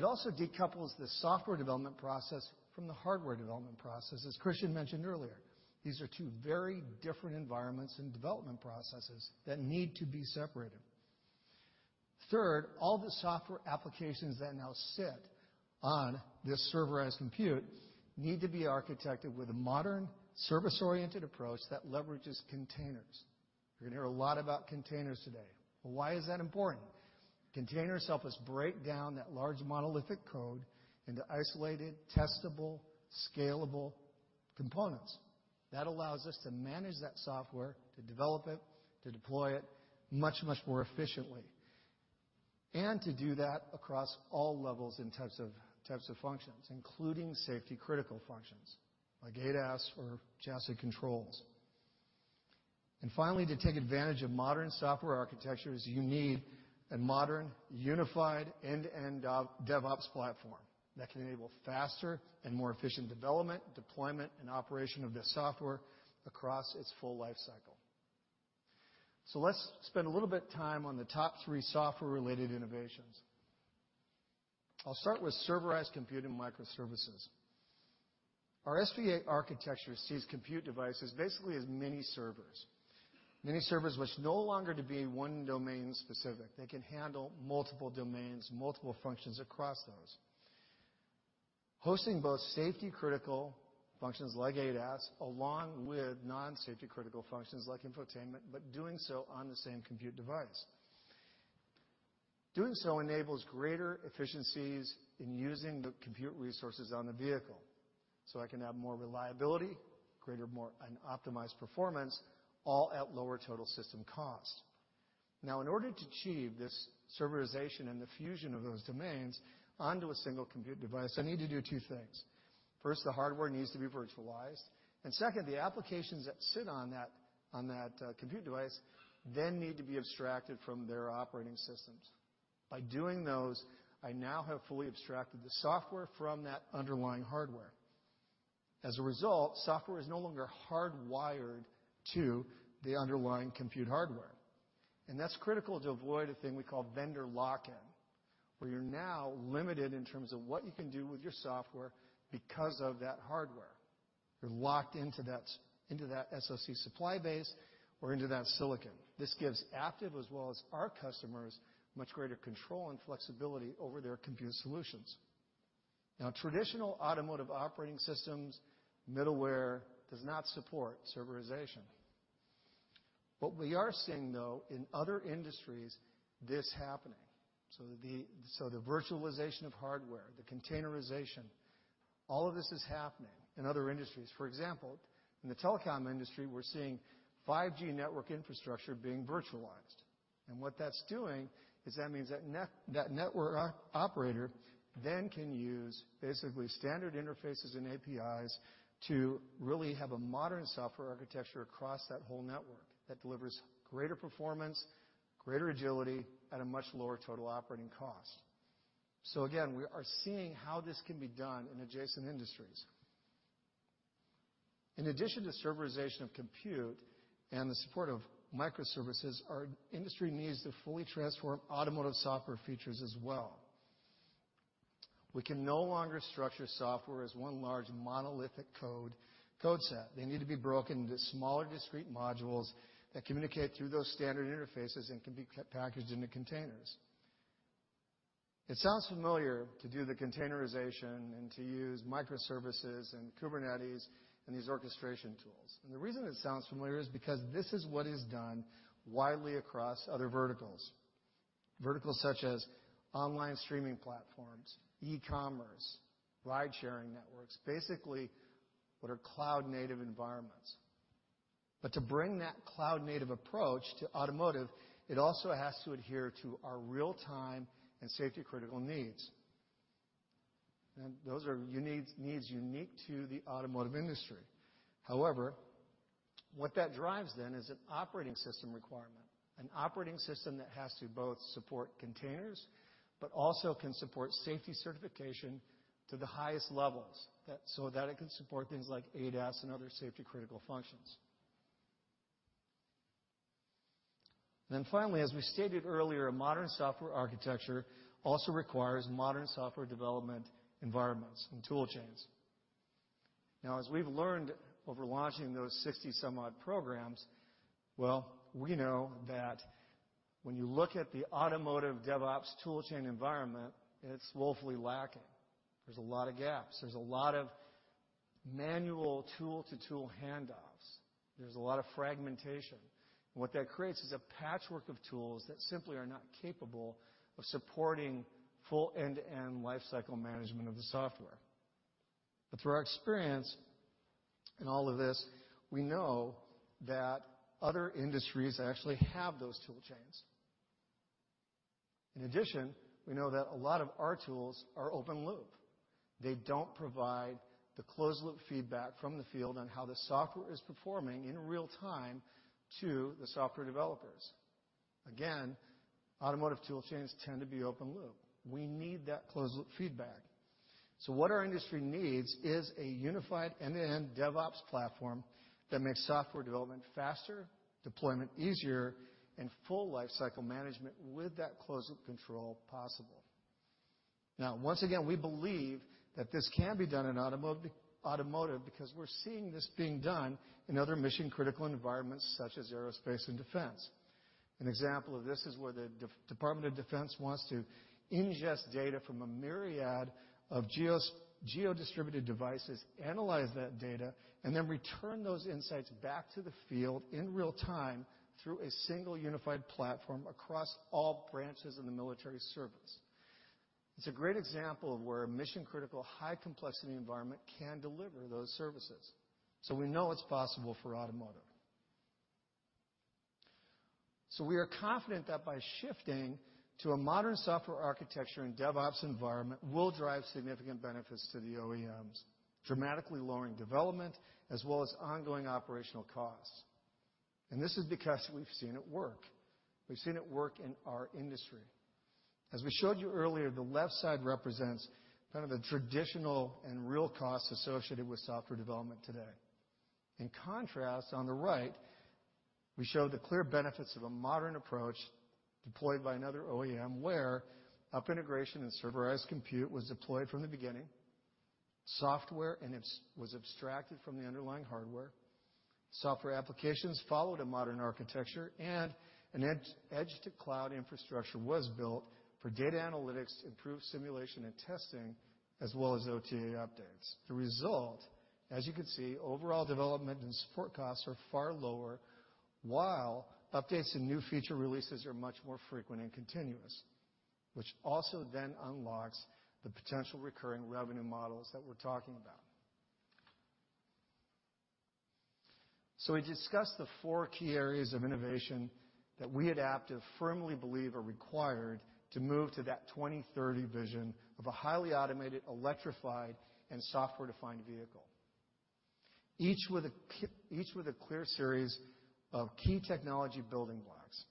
also decouples the software development process from the hardware development process, as Christian mentioned earlier. These are two very different environments and development processes that need to be separated. Third, all the software applications that now sit on this serverized compute need to be architected with a modern service-oriented approach that leverages containers. You're going to hear a lot about containers today. Why is that important? Containers help us break down that large monolithic code into isolated, testable, scalable components. That allows us to manage that software, to develop it, to deploy it much, much more efficiently, and to do that across all levels and types of functions, including safety critical functions like ADAS or chassis controls. Finally, to take advantage of modern software architectures, you need a modern, unified end-to-end dev, DevOps platform that can enable faster and more efficient development, deployment, and operation of this software across its full life cycle. Let's spend a little bit time on the top three software-related innovations. I'll start with serverized compute and microservices. Our SVA architecture sees compute devices basically as mini servers. Mini servers which no longer to be one domain specific. They can handle multiple domains, multiple functions across those. Hosting both safety critical functions like ADAS along with non-safety critical functions like infotainment, but doing so on the same compute device. Doing so enables greater efficiencies in using the compute resources on the vehicle, so I can have more reliability, greater, more, and optimized performance, all at lower total system cost. Now, in order to achieve this serverization and the fusion of those domains onto a single compute device, I need to do two things. First, the hardware needs to be virtualized, and second, the applications that sit on that compute device then need to be abstracted from their operating systems. By doing those, I now have fully abstracted the software from that underlying hardware. As a result, software is no longer hardwired to the underlying compute hardware. That's critical to avoid a thing we call vendor lock-in, where you're now limited in terms of what you can do with your software because of that hardware. You're locked into that SoC supply base or into that silicon. This gives Aptiv, as well as our customers, much greater control and flexibility over their compute solutions. Traditional automotive operating systems, middleware does not support serverization. What we are seeing though, in other industries, this happening. The virtualization of hardware, the containerization, all of this is happening in other industries. For example, in the telecom industry, we're seeing 5G network infrastructure being virtualized. What that's doing is that means that net, that network operator then can use basically standard interfaces and APIs to really have a modern software architecture across that whole network that delivers greater performance, greater agility at a much lower total operating cost. Again, we are seeing how this can be done in adjacent industries. In addition to serverization of compute and the support of microservices, our industry needs to fully transform automotive software features as well. We can no longer structure software as one large monolithic code set. They need to be broken into smaller discrete modules that communicate through those standard interfaces and can be packaged into containers. It sounds familiar to do the containerization and to use microservices and Kubernetes and these orchestration tools, and the reason it sounds familiar is because this is what is done widely across other verticals. Verticals such as online streaming platforms, e-commerce, ride-sharing networks, basically what are cloud-native environments. To bring that cloud-native approach to automotive, it also has to adhere to our real-time and safety critical needs, and those are unique needs to the automotive industry. What that drives then is an operating system requirement, an operating system that has to both support containers, but also can support safety certification to the highest levels so that it can support things like ADAS and other safety critical functions. Finally, as we stated earlier, a modern software architecture also requires modern software development environments and tool chains. As we've learned over launching those 60 some odd programs, well, we know that when you look at the automotive DevOps tool chain environment, it's woefully lacking. There's a lot of gaps. There's a lot of manual tool-to-tool handoffs. There's a lot of fragmentation. What that creates is a patchwork of tools that simply are not capable of supporting full end-to-end life cycle management of the software. Through our experience in all of this, we know that other industries actually have those tool chains. In addition, we know that a lot of our tools are open loop. They don't provide the closed loop feedback from the field on how the software is performing in real time to the software developers. Again, automotive tool chains tend to be open loop. We need that closed loop feedback. What our industry needs is a unified end-to-end DevOps platform that makes software development faster, deployment easier, and full life cycle management with that closed loop control possible. Once again, we believe that this can be done in automotive because we're seeing this being done in other mission-critical environments such as aerospace and defense. An example of this is where the Department of Defense wants to ingest data from a myriad of geo-distributed devices, analyze that data, and then return those insights back to the field in real time through a single unified platform across all branches in the military service. We know it's possible for automotive. We are confident that by shifting to a modern software architecture and DevOps environment will drive significant benefits to the OEMs, dramatically lowering development as well as ongoing operational costs. This is because we've seen it work. We've seen it work in our industry. As we showed you earlier, the left side represents kind of the traditional and real costs associated with software development today. In contrast, on the right, we show the clear benefits of a modern approach deployed by another OEM, where app integration and serverless compute was deployed from the beginning. Software was abstracted from the underlying hardware. Software applications followed a modern architecture, and an edge-to-cloud infrastructure was built for data analytics to improve simulation and testing, as well as OTA updates. The result, as you can see, overall development and support costs are far lower, while updates and new feature releases are much more frequent and continuous, which also then unlocks the potential recurring revenue models that we're talking about. We discussed the 4 key areas of innovation that we at Aptiv firmly believe are required to move to that 2030 vision of a highly automated, electrified, and software-defined vehicle, each with a clear series of key technology building blocks,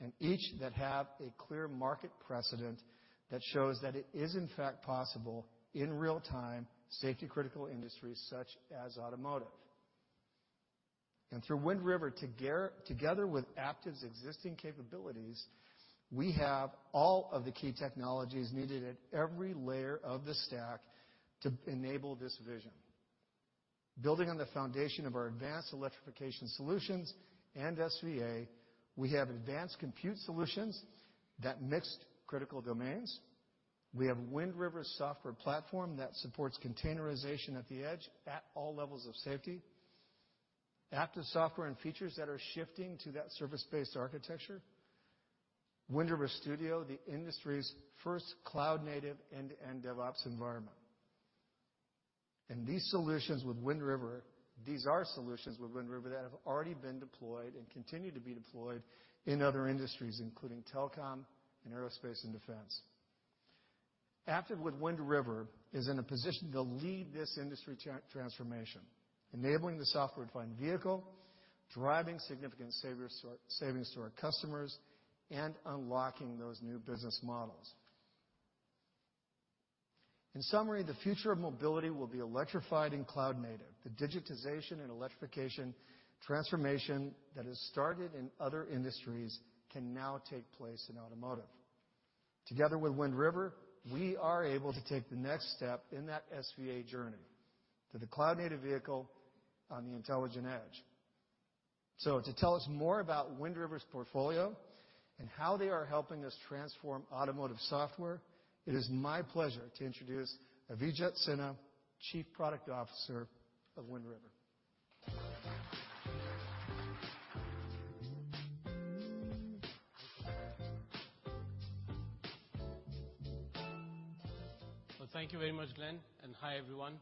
and each that have a clear market precedent that shows that it is in fact possible in real time, safety critical industries such as automotive. Through Wind River, together with Aptiv's existing capabilities, we have all of the key technologies needed at every layer of the stack to enable this vision. Building on the foundation of our advanced electrification solutions and SVA, we have advanced compute solutions that mix critical domains. We have Wind River's software platform that supports containerization at the edge at all levels of safety. Aptiv software and features that are shifting to that service-based architecture. Wind River Studio, the industry's first cloud-native end-to-end DevOps environment. These are solutions with Wind River that have already been deployed and continue to be deployed in other industries, including telecom and aerospace and defense. Aptiv with Wind River is in a position to lead this industry transformation, enabling the software-defined vehicle, driving significant savings to our customers, and unlocking those new business models. In summary, the future of mobility will be electrified and cloud native. The digitization and electrification transformation that has started in other industries can now take place in automotive. Together with Wind River, we are able to take the next step in that SVA journey to the cloud-native vehicle on the intelligent edge. To tell us more about Wind River's portfolio and how they are helping us transform automotive software, it is my pleasure to introduce Avijit Sinha, Chief Product Officer of Wind River. Well, thank you very much, Glen. Hi, everyone.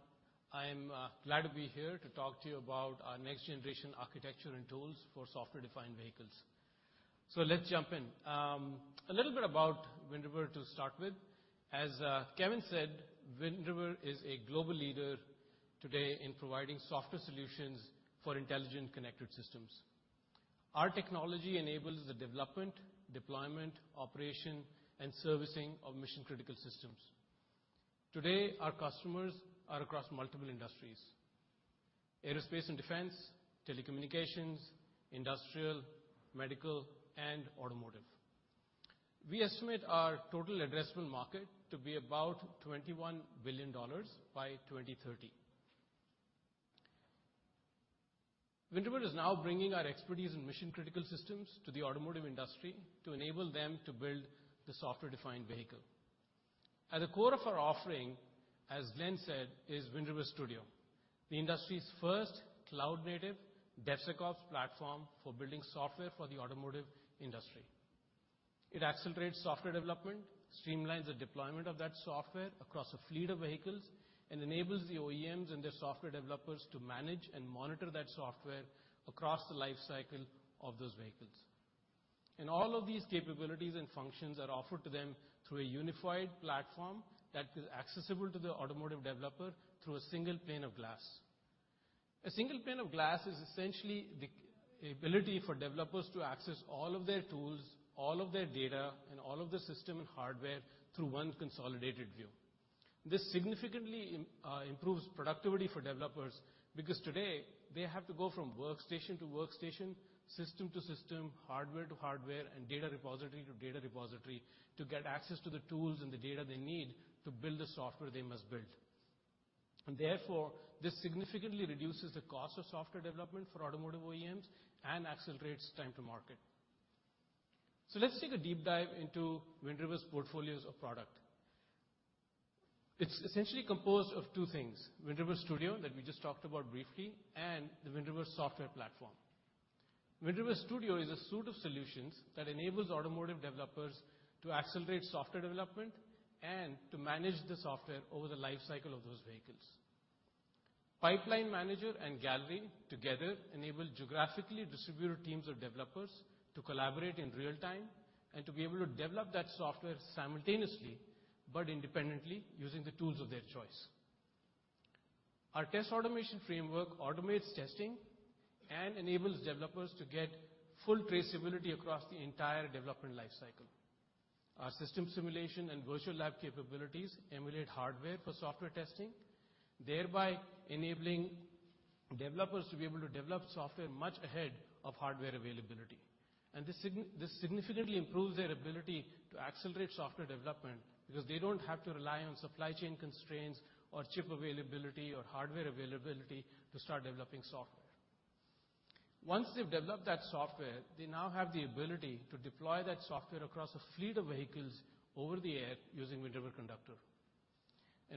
I'm glad to be here to talk to you about our next-generation architecture and tools for software-defined vehicles. Let's jump in. A little bit about Wind River to start with. As Kevin said, Wind River is a global leader today in providing software solutions for intelligent connected systems. Our technology enables the development, deployment, operation, and servicing of mission-critical systems. Today, our customers are across multiple industries: aerospace and defense, telecommunications, industrial, medical, and automotive. We estimate our total addressable market to be about $21 billion by 2030. Wind River is now bringing our expertise in mission-critical systems to the automotive industry to enable them to build the software-defined vehicle. At the core of our offering, as Glen said, is Wind River Studio, the industry's first cloud-native DevSecOps platform for building software for the automotive industry. It accelerates software development, streamlines the deployment of that software across a fleet of vehicles, and enables the OEMs and their software developers to manage and monitor that software across the life cycle of those vehicles. All of these capabilities and functions are offered to them through a unified platform that is accessible to the automotive developer through a single pane of glass. A single pane of glass is essentially the ability for developers to access all of their tools, all of their data, and all of the system and hardware through one consolidated view. This significantly improves productivity for developers because today they have to go from workstation to workstation, system to system, hardware to hardware, and data repository to data repository to get access to the tools and the data they need to build the software they must build. Therefore, this significantly reduces the cost of software development for automotive OEMs and accelerates time to market. Let's take a deep dive into Wind River's portfolios of product. It's essentially composed of two things: Wind River Studio, that we just talked about briefly, and the Wind River software platform. Wind River Studio is a suite of solutions that enables automotive developers to accelerate software development and to manage the software over the life cycle of those vehicles. Pipeline Manager and Gallery together enable geographically distributed teams of developers to collaborate in real time and to be able to develop that software simultaneously, but independently, using the tools of their choice. Our test automation framework automates testing and enables developers to get full traceability across the entire development life cycle. Our system simulation and virtual lab capabilities emulate hardware for software testing, thereby enabling developers to be able to develop software much ahead of hardware availability. This significantly improves their ability to accelerate software development because they don't have to rely on supply chain constraints or chip availability or hardware availability to start developing software. Once they've developed that software, they now have the ability to deploy that software across a fleet of vehicles over the air using Wind River Conductor.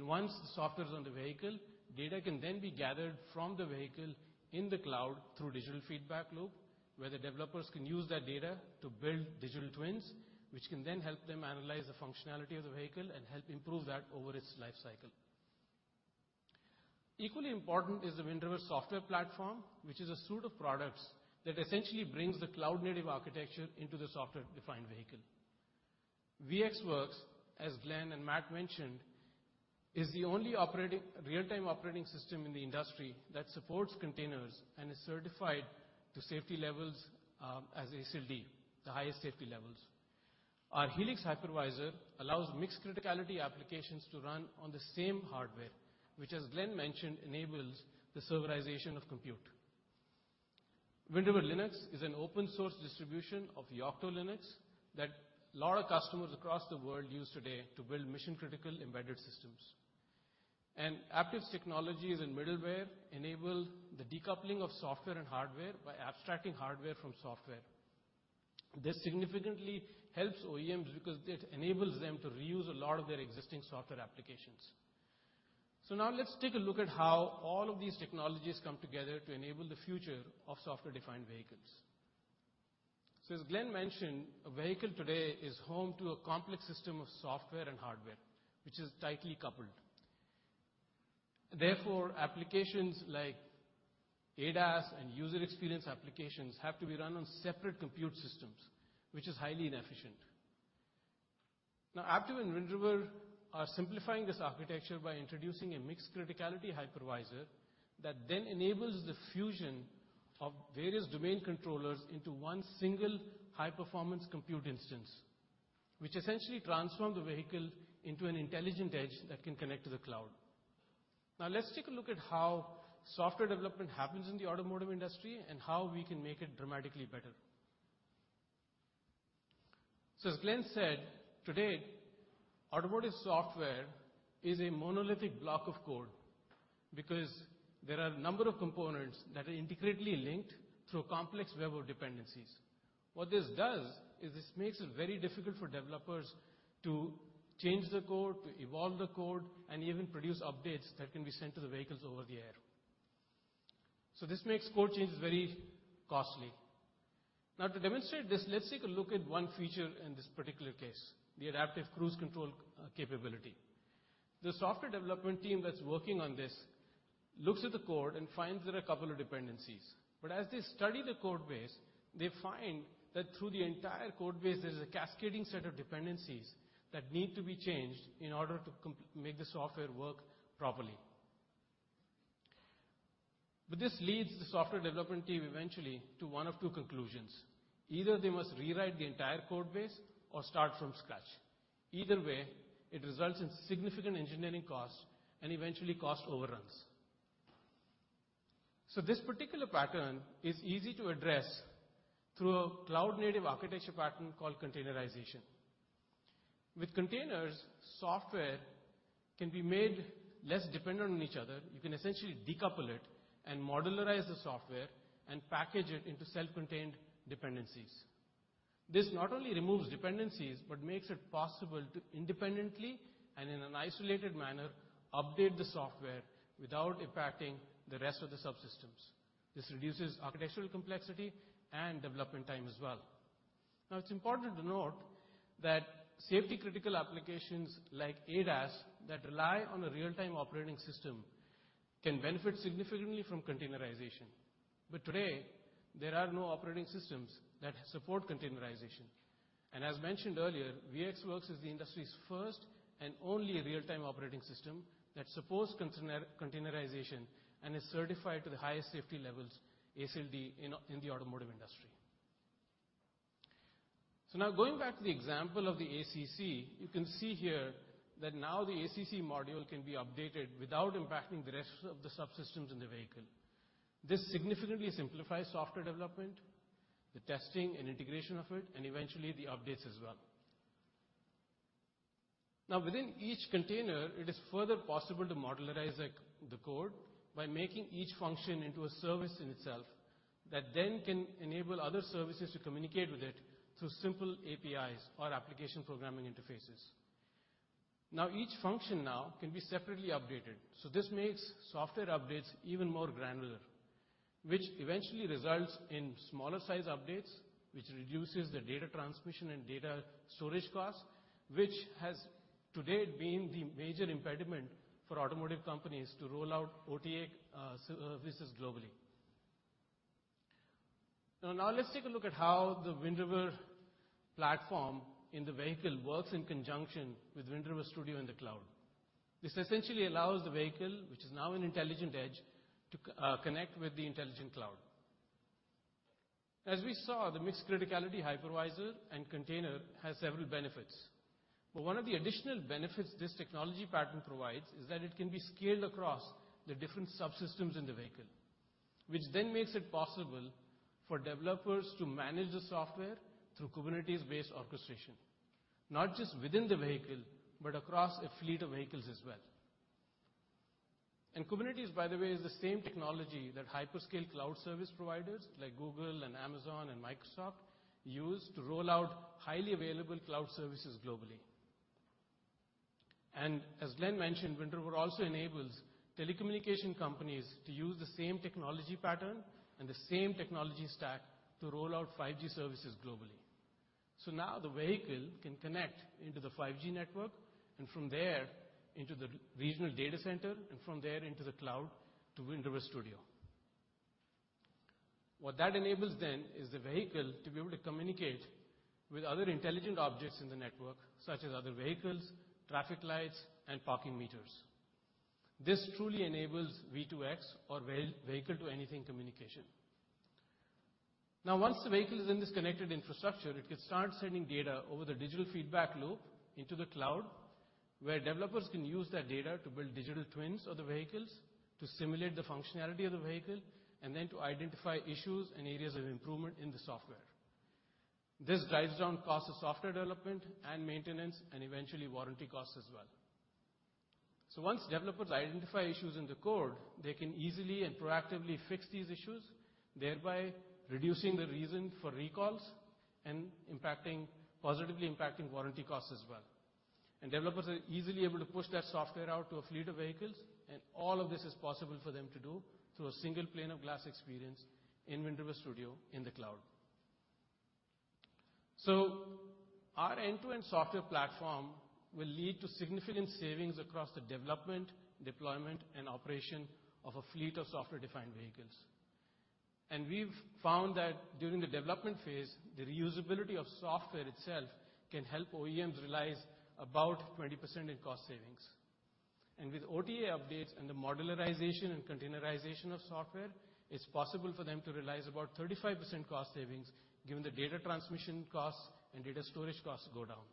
Once the software is on the vehicle, data can then be gathered from the vehicle in the cloud through digital feedback loop, where the developers can use that data to build digital twins, which can then help them analyze the functionality of the vehicle and help improve that over its life cycle. Equally important is the Wind River software platform, which is a suite of products that essentially brings the cloud-native architecture into the software-defined vehicle. VxWorks, as Glenn and Matt mentioned, is the only real-time operating system in the industry that supports containers and is certified to safety levels as ASIL D, the highest safety levels. Our Helix Hypervisor allows mixed criticality applications to run on the same hardware, which, as Glenn mentioned, enables the serverization of compute. Wind River Linux is an open source distribution of Yocto Linux that a lot of customers across the world use today to build mission-critical embedded systems. Aptiv's technologies and middleware enable the decoupling of software and hardware by abstracting hardware from software. This significantly helps OEMs because it enables them to reuse a lot of their existing software applications. Now let's take a look at how all of these technologies come together to enable the future of software-defined vehicles. As Glen mentioned, a vehicle today is home to a complex system of software and hardware, which is tightly coupled. Therefore, applications like ADAS and user experience applications have to be run on separate compute systems, which is highly inefficient. Aptiv and Wind River are simplifying this architecture by introducing a mixed criticality hypervisor that then enables the fusion of various domain controllers into one single high-performance compute instance, which essentially transform the vehicle into an intelligent edge that can connect to the cloud. Let's take a look at how software development happens in the automotive industry and how we can make it dramatically better. As Glen said, today, automotive software is a monolithic block of code because there are a number of components that are integrally linked through a complex web of dependencies. What this does is this makes it very difficult for developers to change the code, to evolve the code, and even produce updates that can be sent to the vehicles over the air. This makes code changes very costly. Now to demonstrate this, let's take a look at one feature in this particular case, the adaptive cruise control capability. The software development team that's working on this looks at the code and finds there are a couple of dependencies. As they study the code base, they find that through the entire code base, there's a cascading set of dependencies that need to be changed in order to make the software work properly. This leads the software development team eventually to one of two conclusions. Either they must rewrite the entire code base or start from scratch. Either way, it results in significant engineering costs and eventually cost overruns. This particular pattern is easy to address through a cloud-native architecture pattern called containerization. With containers, software can be made less dependent on each other. You can essentially decouple it and modularize the software and package it into self-contained dependencies. This not only removes dependencies, but makes it possible to independently and in an isolated manner, update the software without impacting the rest of the subsystems. This reduces architectural complexity and development time as well. It's important to note that safety-critical applications like ADAS that rely on a real-time operating system can benefit significantly from containerization. Today, there are no operating systems that support containerization. As mentioned earlier, VxWorks is the industry's first and only real-time operating system that supports containerization and is certified to the highest safety levels, ASIL D, in the automotive industry. Now going back to the example of the ACC, you can see here that now the ACC module can be updated without impacting the rest of the subsystems in the vehicle. This significantly simplifies software development, the testing and integration of it, and eventually the updates as well. Within each container, it is further possible to modularize the core by making each function into a service in itself that then can enable other services to communicate with it through simple APIs or application programming interfaces. Each function now can be separately updated, so this makes software updates even more granular. Which eventually results in smaller size updates, which reduces the data transmission and data storage costs, which has today been the major impediment for automotive companies to roll out OTA services globally. Now let's take a look at how the Wind River platform in the vehicle works in conjunction with Wind River Studio in the cloud. This essentially allows the vehicle, which is now an intelligent edge, to connect with the intelligent cloud. As we saw, the mixed criticality hypervisor and container has several benefits. One of the additional benefits this technology pattern provides is that it can be scaled across the different subsystems in the vehicle, which makes it possible for developers to manage the software through Kubernetes-based orchestration. Not just within the vehicle, but across a fleet of vehicles as well. Kubernetes, by the way, is the same technology that hyperscale cloud service providers like Google and Amazon and Microsoft use to roll out highly available cloud services globally. As Glen mentioned, Wind River also enables telecommunication companies to use the same technology pattern and the same technology stack to roll out 5G services globally. Now the vehicle can connect into the 5G network and from there into the regional data center, and from there into the cloud to Wind River Studio. What that enables then is the vehicle to be able to communicate with other intelligent objects in the network, such as other vehicles, traffic lights, and parking meters. This truly enables V2X or vehicle to anything communication. Once the vehicle is in this connected infrastructure, it can start sending data over the digital feedback loop into the cloud, where developers can use that data to build digital twins of the vehicles to simulate the functionality of the vehicle, and then to identify issues and areas of improvement in the software. This drives down cost of software development and maintenance, and eventually warranty costs as well. Once developers identify issues in the code, they can easily and proactively fix these issues, thereby reducing the reason for recalls and positively impacting warranty costs as well. Developers are easily able to push that software out to a fleet of vehicles, and all of this is possible for them to do through a single pane of glass experience in Wind River Studio in the cloud. Our end-to-end software platform will lead to significant savings across the development, deployment, and operation of a fleet of software-defined vehicles. We've found that during the development phase, the reusability of software itself can help OEMs realize about 20% in cost savings. With OTA updates and the modularization and containerization of software, it's possible for them to realize about 35% cost savings given the data transmission costs and data storage costs go down.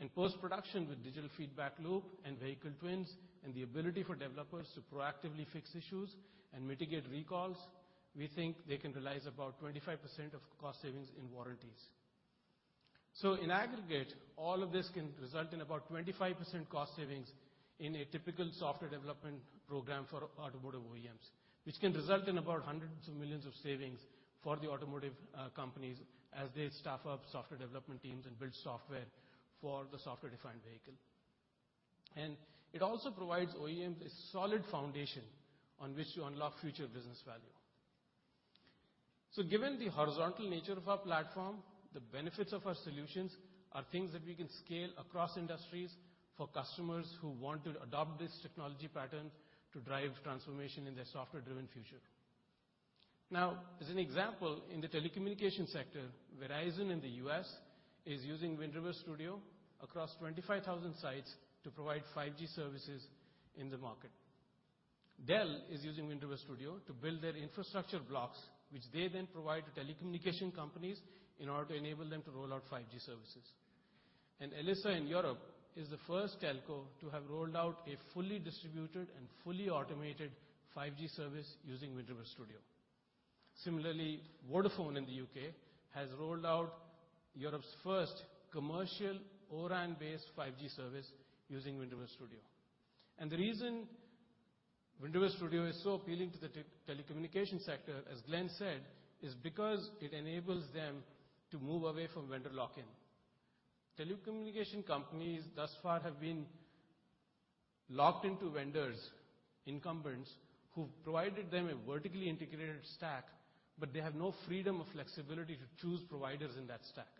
In post-production with digital feedback loop and vehicle twins and the ability for developers to proactively fix issues and mitigate recalls, we think they can realize about 25% of cost savings in warranties. In aggregate, all of this can result in about 25% cost savings in a typical software development program for automotive OEMs. Which can result in about $ hundreds of millions of savings for the automotive companies as they staff up software development teams and build software for the software-defined vehicle. It also provides OEMs a solid foundation on which to unlock future business value. Given the horizontal nature of our platform, the benefits of our solutions are things that we can scale across industries for customers who want to adopt this technology pattern to drive transformation in their software-driven future. As an example, in the telecommunication sector, Verizon in the U.S. is using Wind River Studio across 25,000 sites to provide 5G services in the market. Dell is using Wind River Studio to build their infrastructure blocks, which they then provide to telecommunication companies in order to enable them to roll out 5G services. Elisa in Europe is the first telco to have rolled out a fully distributed and fully automated 5G service using Wind River Studio. Similarly, Vodafone in the UK has rolled out Europe's first commercial ORAN-based 5G service using Wind River Studio. The reason Wind River Studio is so appealing to the telecommunication sector, as Glenn said, is because it enables them to move away from vendor lock-in. Telecommunication companies thus far have been locked into vendors, incumbents, who've provided them a vertically integrated stack, but they have no freedom or flexibility to choose providers in that stack.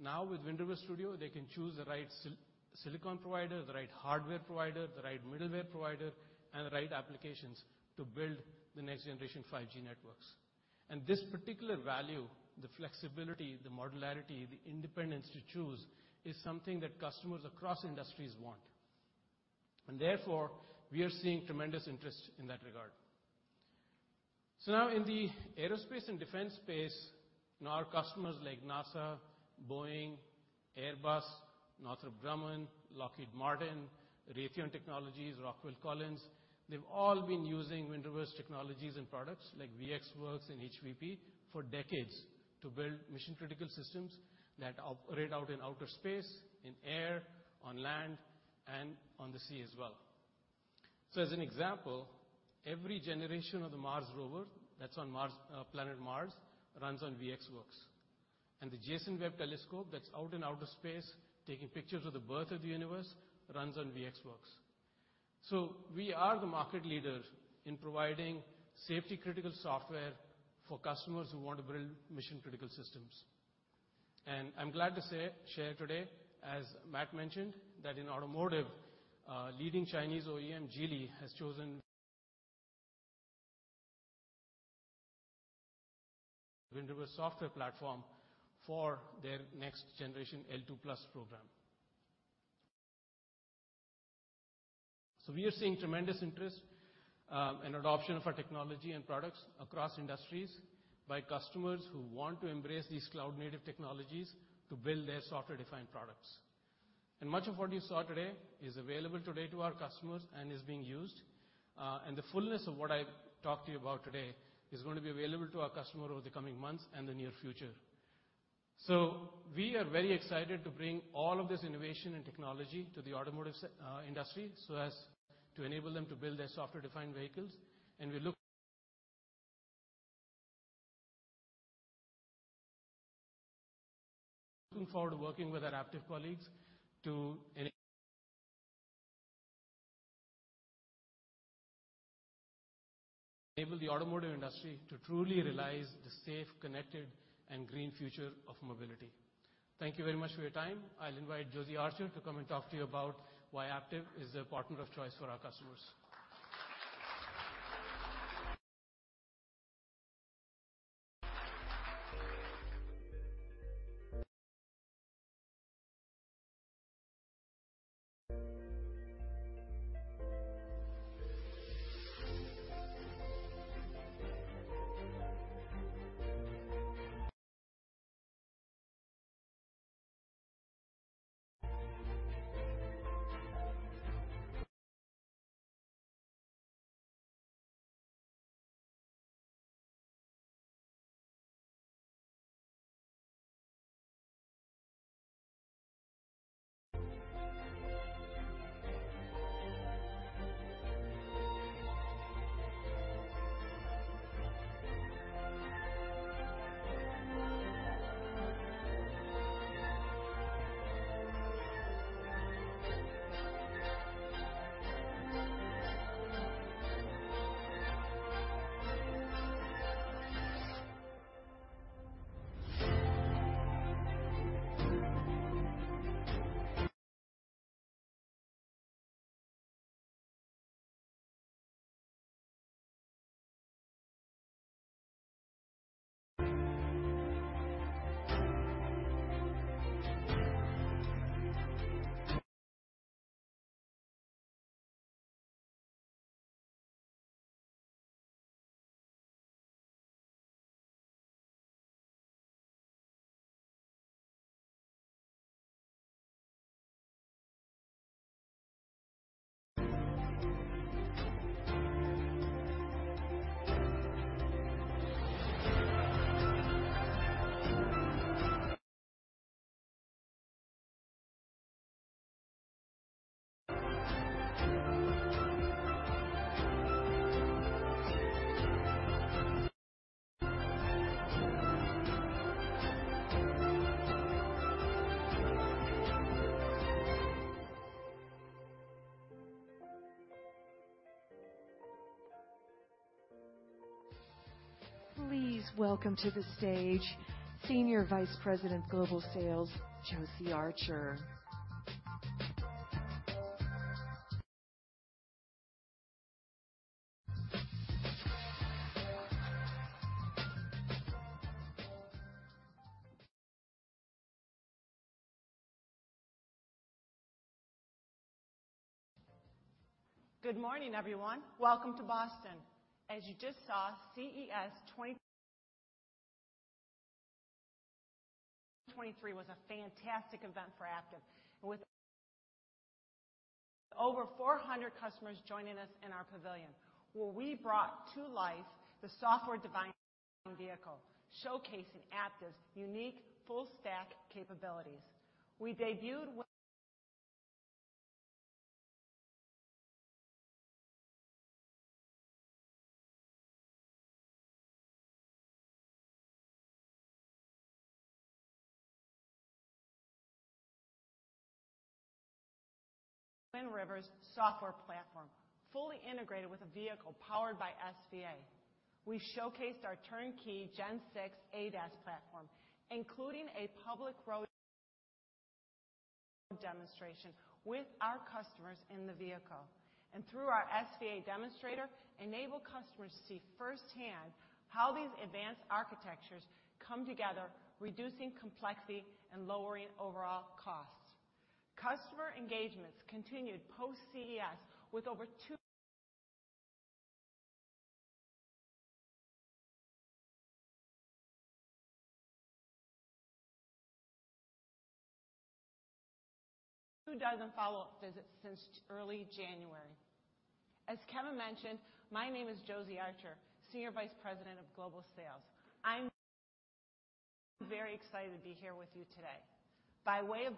Now, with Wind River Studio, they can choose the right silicon provider, the right hardware provider, the right middleware provider, and the right applications to build the next generation 5G networks. This particular value, the flexibility, the modularity, the independence to choose is something that customers across industries want. We are seeing tremendous interest in that regard. In the aerospace and defense space, our customers like NASA, Boeing, Airbus, Northrop Grumman, Lockheed Martin, Raytheon Technologies, Rockwell Collins, they've all been using Wind River's technologies and products like VxWorks and HVP for decades to build mission-critical systems that operate out in outer space, in air, on land, and on the sea as well. As an example, every generation of the Mars rover that's on Mars, planet Mars, runs on VxWorks. The James Webb Space Telescope that's out in outer space, taking pictures of the birth of the universe, runs on VxWorks. We are the market leader in providing safety-critical software for customers who want to build mission-critical systems. I'm glad to say, share today, as Matt mentioned, that in automotive, leading Chinese OEM Geely has chosen... Wind River software platform for their next generation L2+ program. We are seeing tremendous interest and adoption of our technology and products across industries by customers who want to embrace these cloud-native technologies to build their software-defined products. Much of what you saw today is available today to our customers and is being used. The fullness of what I talked to you about today is gonna be available to our customer over the coming months and the near future. We are very excited to bring all of this innovation and technology to the automotive industry so as to enable them to build their software-defined vehicles. Looking forward to working with our Aptiv colleagues to enable the automotive industry to truly realize the safe, connected, and green future of mobility. Thank you very much for your time. I'll invite Josie Archer to come and talk to you about why Aptiv is the partner of choice for our customers. Please welcome to the stage Senior Vice President Global Sales, Josie Archer. Good morning, everyone. Welcome to Boston. As you just saw, CES 2023 was a fantastic event for Aptiv, with over 400 customers joining us in our pavilion, where we brought to life the software-defined vehicle, showcasing Aptiv's unique full stack capabilities. We debuted Wind River's software platform, fully integrated with a vehicle powered by SVA. We showcased our turnkey Gen 6 ADAS platform, including a public road demonstration with our customers in the vehicle, and through our SVA demonstrator, enabled customers to see firsthand how these advanced architectures come together, reducing complexity and lowering overall costs. Customer engagements continued post-CES with over 2 dozen follow-up visits since early January. As Kevin mentioned, my name is Josie Archer, Senior Vice President of Global Sales. By way of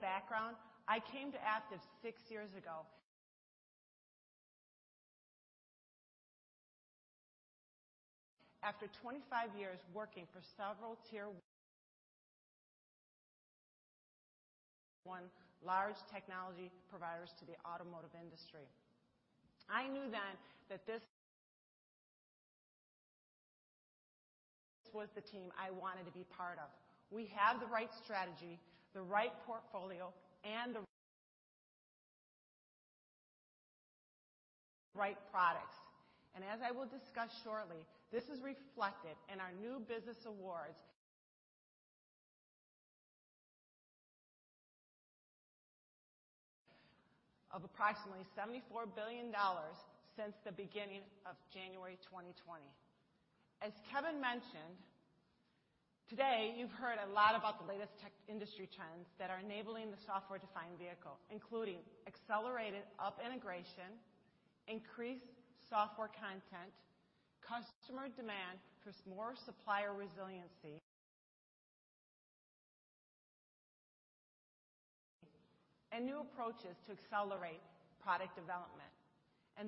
background, I came to Aptiv 6 years ago after 25 years working for several tier one large technology providers to the automotive industry. I knew then that this was the team I wanted to be part of. We have the right strategy, the right portfolio, and the right products. As I will discuss shortly, this is reflected in our new business awards of approximately $74 billion since the beginning of January 2020. As Kevin mentioned today, you've heard a lot about the latest tech industry trends that are enabling the software-defined vehicle, including accelerated up integration, increased software content, customer demand for more supplier resiliency, and new approaches to accelerate product development.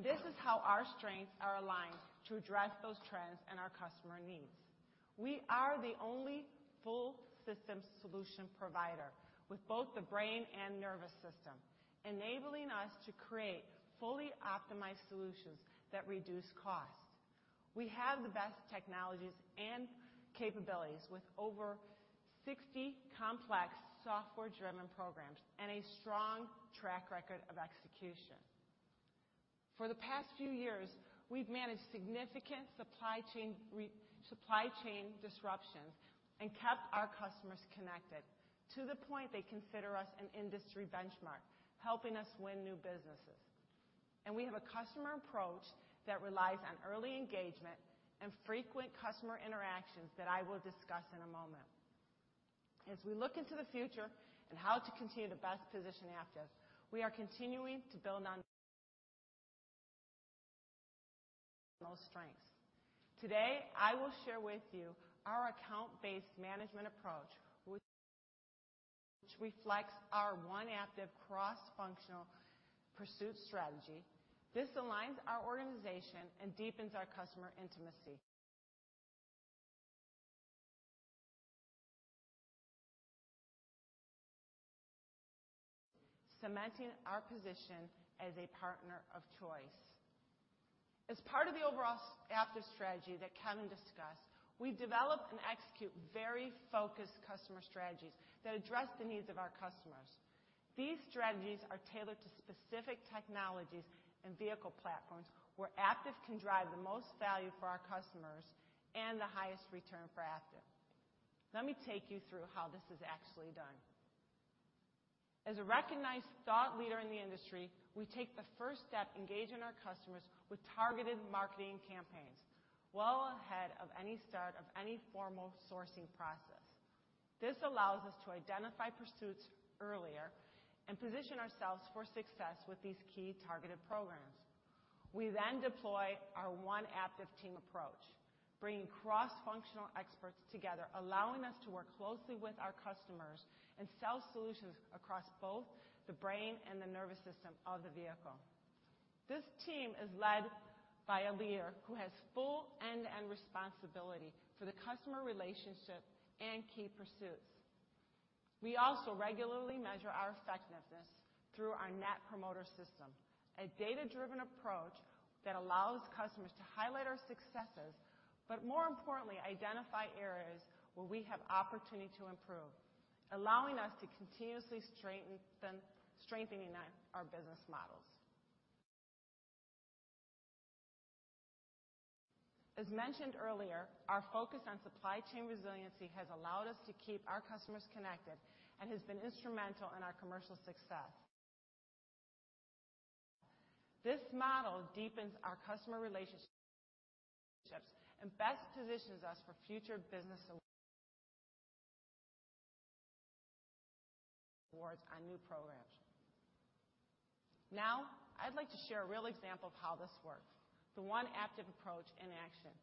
This is how our strengths are aligned to address those trends and our customer needs. We are the only full system solution provider with both the brain and nervous system, enabling us to create fully optimized solutions that reduce cost. We have the best technologies and capabilities with over 60 complex software-driven programs and a strong track record of execution. For the past few years, we've managed significant supply chain disruptions and kept our customers connected to the point they consider us an industry benchmark, helping us win new businesses. We have a customer approach that relies on early engagement and frequent customer interactions that I will discuss in a moment. As we look into the future and how to continue to best position Aptiv, we are continuing to build on those strengths. Today, I will share with you our account-based management approach, which reflects our One Aptiv cross-functional pursuit strategy. This aligns our organization and deepens our customer intimacy, cementing our position as a partner of choice. As part of the overall Aptiv strategy that Kevin discussed, we develop and execute very focused customer strategies that address the needs of our customers. These strategies are tailored to specific technologies and vehicle platforms where Aptiv can drive the most value for our customers and the highest return for Aptiv. Let me take you through how this is actually done. As a recognized thought leader in the industry, we take the first step, engaging our customers with targeted marketing campaigns well ahead of any start of any formal sourcing process. This allows us to identify pursuits earlier and position ourselves for success with these key targeted programs. We deploy our One Aptiv team approach, bringing cross-functional experts together, allowing us to work closely with our customers and sell solutions across both the brain and the nervous system of the vehicle. This team is led by a leader who has full end-to-end responsibility for the customer relationship and key pursuits. We also regularly measure our effectiveness through our Net Promoter System, a data-driven approach that allows customers to highlight our successes, but more importantly, identify areas where we have opportunity to improve, allowing us to continuously strengthen, strengthening our business models. As mentioned earlier, our focus on supply chain resiliency has allowed us to keep our customers connected and has been instrumental in our commercial success. This model deepens our customer relationships and best positions us for future business awards on new programs. I'd like to share a real example of how this works, the One Aptiv approach in action.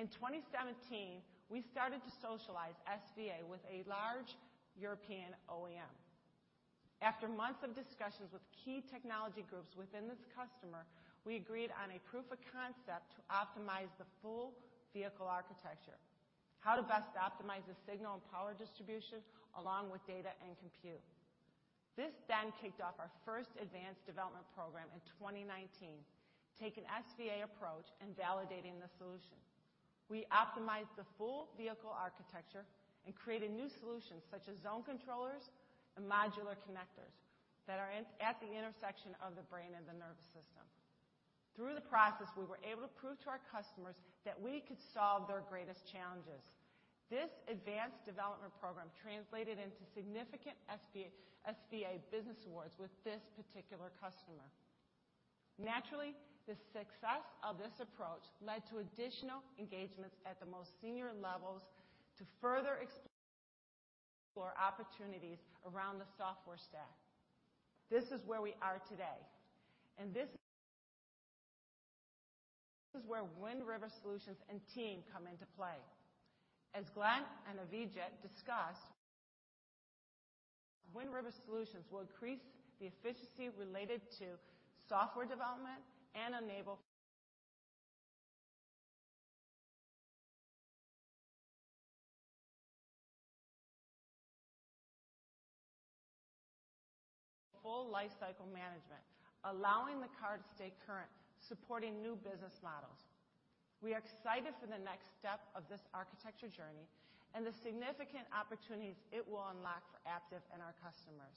In 2017, we started to socialize SVA with a large European OEM. After months of discussions with key technology groups within this customer, we agreed on a proof of concept to optimize the full vehicle architecture, how to best optimize the signal and power distribution along with data and compute. This kicked off our first advanced development program in 2019, taking SVA approach and validating the solution. We optimized the full vehicle architecture and created new solutions such as zone controllers and modular connectors that are at the intersection of the brain and the nervous system. Through the process, we were able to prove to our customers that we could solve their greatest challenges. This advanced development program translated into significant SVA business awards with this particular customer. Naturally, the success of this approach led to additional engagements at the most senior levels to further explore opportunities around the software stack. This is where we are today, and this is where Wind River solutions and team come into play. As Glen and Avijit discussed, Wind River solutions will increase the efficiency related to software development and enable full lifecycle management, allowing the car to stay current, supporting new business models. We are excited for the next step of this architecture journey and the significant opportunities it will unlock for Aptiv and our customers.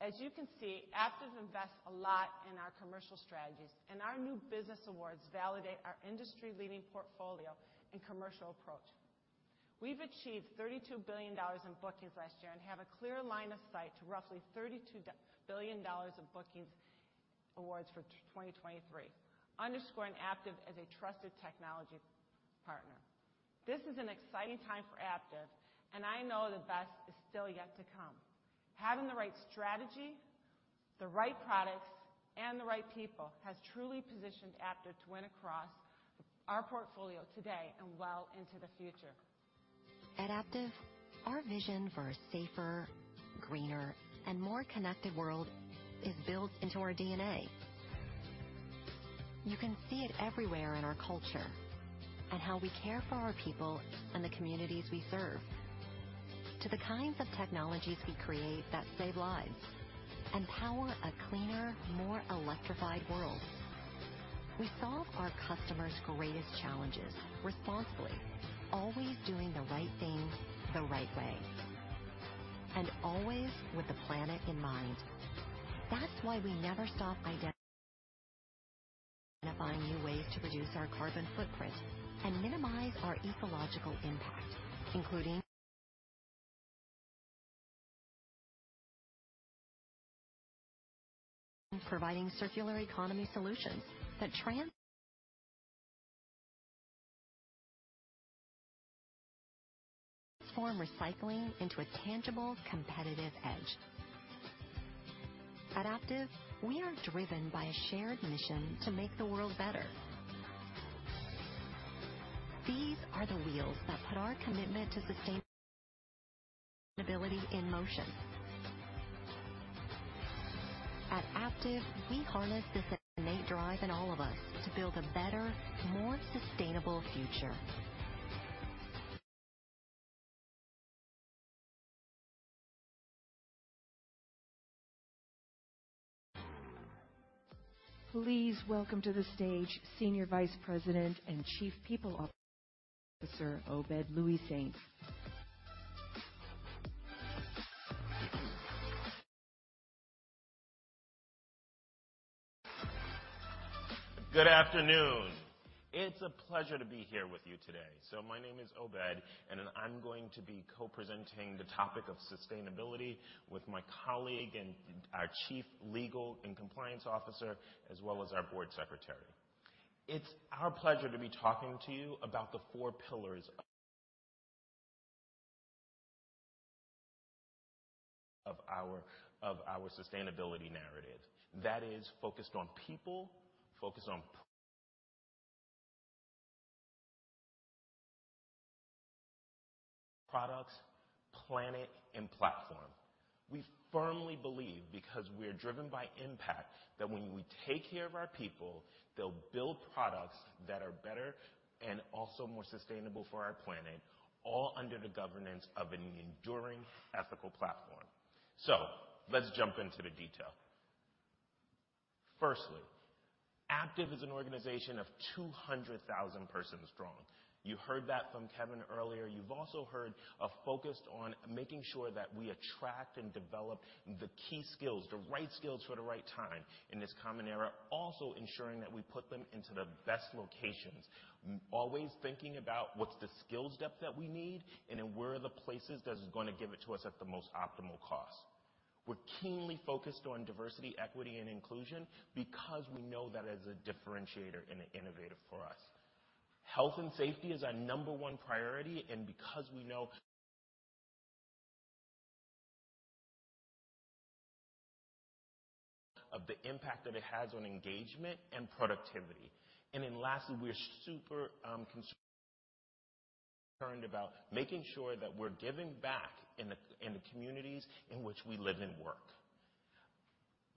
As you can see, Aptiv invests a lot in our commercial strategies, and our new business awards validate our industry-leading portfolio and commercial approach. We've achieved $32 billion in bookings last year and have a clear line of sight to roughly $32 billion of bookings awards for 2023, underscoring Aptiv as a trusted technology partner. This is an exciting time for Aptiv, and I know the best is still yet to come. Having the right strategy, the right products, and the right people has truly positioned Aptiv to win across our portfolio today and well into the future. At Aptiv, our vision for a safer, greener, and more connected world is built into our DNA. You can see it everywhere in our culture and how we care for our people and the communities we serve, to the kinds of technologies we create that save lives and power a cleaner, more electrified world. We solve our customers' greatest challenges responsibly, always doing the right thing the right way, and always with the planet in mind. That's why we never stop identifying new ways to reduce our carbon footprint and minimize our ecological impact, including providing circular economy solutions that transform recycling into a tangible, competitive edge. At Aptiv, we are driven by a shared mission to make the world better. These are the wheels that put our commitment to sustainability in motion. At Aptiv, we harness this innate drive in all of us to build a better, more sustainable future. Please welcome to the stage Senior Vice President and Chief People Officer, Obed Louissaint. Good afternoon. It's a pleasure to be here with you today. My name is Obed, I'm going to be co-presenting the topic of sustainability with my colleague and our Chief Legal and Compliance Officer, as well as our Board Secretary. It's our pleasure to be talking to you about the four pillars of our sustainability narrative that is focused on people, focused on products, planet, and platform. We firmly believe because we're driven by impact, that when we take care of our people, they'll build products that are better and also more sustainable for our planet, all under the governance of an enduring ethical platform. Let's jump into the detail. Firstly, Aptiv is an organization of 200,000 persons strong. You heard that from Kevin earlier. You've also heard a focus on making sure that we attract and develop the key skills, the right skills for the right time in this common era. Ensuring that we put them into the best locations, always thinking about what's the skills depth that we need, and then where are the places that is gonna give it to us at the most optimal cost. We're keenly focused on diversity, equity, and inclusion because we know that as a differentiator and an innovator for us. Health and safety is our number 1 priority, because we know of the impact that it has on engagement and productivity. Lastly, we're super concerned about making sure that we're giving back in the communities in which we live and work.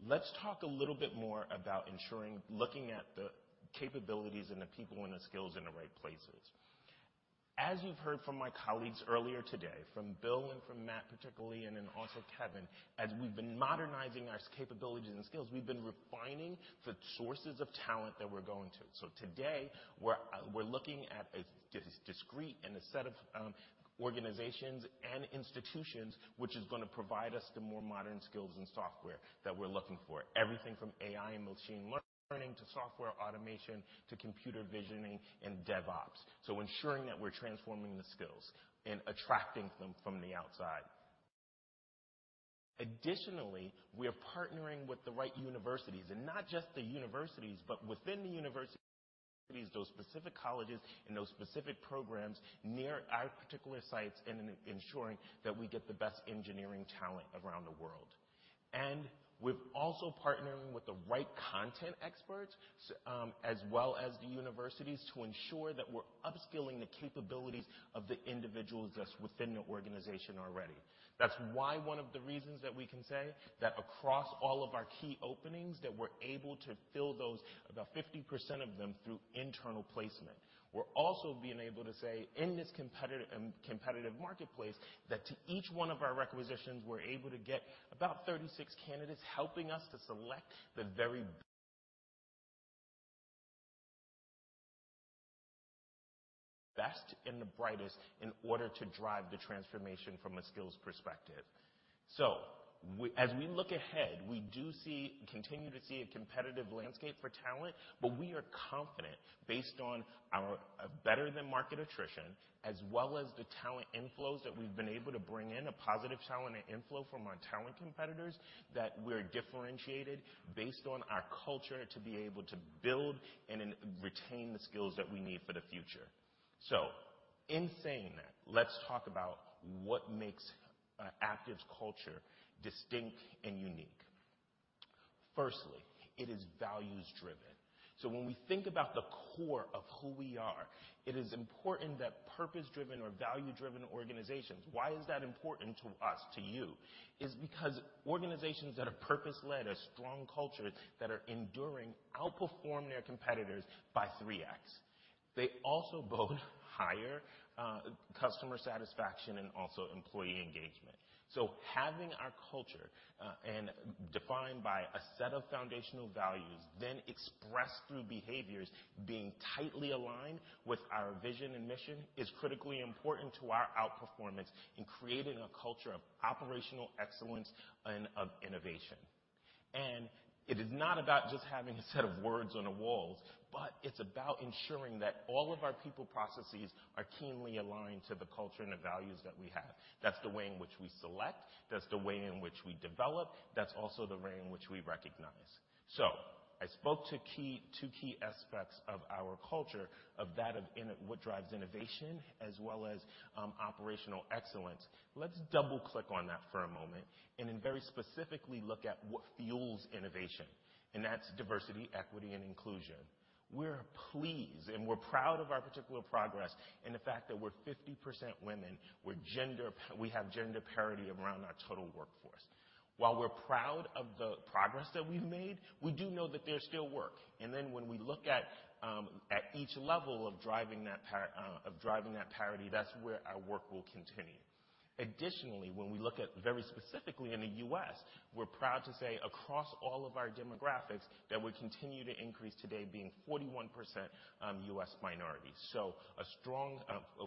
Let's talk a little bit more about ensuring looking at the capabilities and the people and the skills in the right places. As you've heard from my colleagues earlier today, from Bill and from Matt particularly, and then also Kevin, as we've been modernizing our capabilities and skills, we've been refining the sources of talent that we're going to. Today we're looking at a discrete and a set of organizations and institutions, which is going to provide us the more modern skills and software that we're looking for. Everything from AI and machine learning to software automation to computer visioning and DevOps. Ensuring that we're transforming the skills and attracting them from the outside. Additionally, we are partnering with the right universities and not just the universities, but within the universities, those specific colleges and those specific programs near our particular sites and ensuring that we get the best engineering talent around the world. We've also partnering with the right content experts, as well as the universities to ensure that we're upskilling the capabilities of the individuals that's within the organization already. One of the reasons that we can say that across all of our key openings, that we're able to fill those, about 50% of them through internal placement. We're also being able to say in this competitive marketplace, that to each one of our requisitions, we're able to get about 36 candidates helping us to select the very best and the brightest in order to drive the transformation from a skills perspective. As we look ahead, we continue to see a competitive landscape for talent, but we are confident based on our better than market attrition as well as the talent inflows that we've been able to bring in, a positive talent inflow from our talent competitors, that we're differentiated based on our culture to be able to build and then retain the skills that we need for the future. In saying that, let's talk about what makes Aptiv's culture distinct and unique. Firstly, it is values-driven. When we think about the core of who we are, it is important that purpose-driven or value-driven organizations, why is that important to us, to you, is because organizations that are purpose-led a strong culture that are enduring outperform their competitors by 3x. They also both higher customer satisfaction and also employee engagement. Having our culture and defined by a set of foundational values, then expressed through behaviors being tightly aligned with our vision and mission, is critically important to our outperformance in creating a culture of operational excellence and of innovation. It is not about just having a set of words on the walls, but it's about ensuring that all of our people processes are keenly aligned to the culture and the values that we have. That's the way in which we select, that's the way in which we develop, that's also the way in which we recognize. I spoke to two key aspects of our culture of that of what drives innovation as well as operational excellence. Let's double click on that for a moment and then very specifically look at what fuels innovation, and that's diversity, equity, and inclusion. We're pleased, and we're proud of our particular progress, and the fact that we're 50% women, we have gender parity around our total workforce. While we're proud of the progress that we've made, we do know that there's still work. When we look at each level of driving that parity, that's where our work will continue. Additionally, when we look at very specifically in the U.S., we're proud to say across all of our demographics that we continue to increase today being 41% US minorities. A strong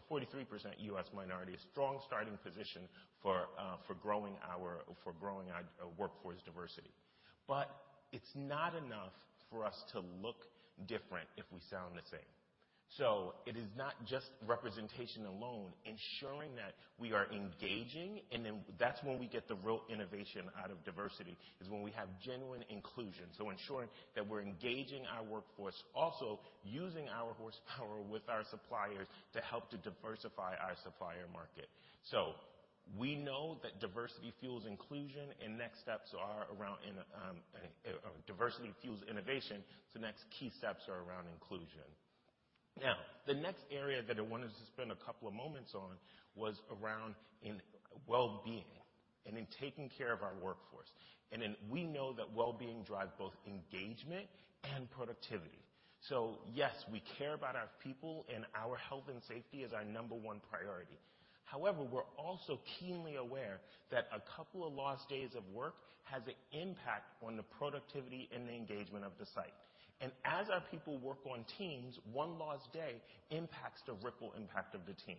43% US minority, a strong starting position for growing our workforce diversity. It's not enough for us to look different if we sound the same. It is not just representation alone, ensuring that we are engaging and then that's when we get the real innovation out of diversity, is when we have genuine inclusion. Ensuring that we're engaging our workforce, also using our horsepower with our suppliers to help to diversify our supplier market. We know that diversity fuels inclusion, and next steps are around in. Diversity fuels innovation. Next key steps are around inclusion. The next area that I wanted to spend a couple of moments on was around well-being and taking care of our workforce. We know that well-being drive both engagement and productivity. Yes, we care about our people, and our health and safety is our number one priority. However, we're also keenly aware that a couple of lost days of work has an impact on the productivity and the engagement of the site. As our people work on teams, one lost day impacts the ripple impact of the team.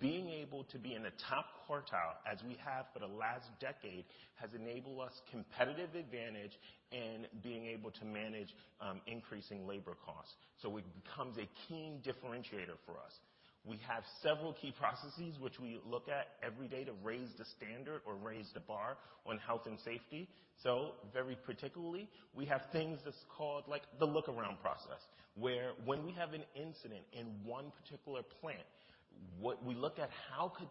Being able to be in the top quartile as we have for the last decade, has enabled us competitive advantage in being able to manage increasing labor costs. It becomes a key differentiator for us. We have several key processes which we look at every day to raise the standard or raise the bar on health and safety. Very particularly, we have things that's called the look-around process, where when we have an incident in one particular plant, what we look at how could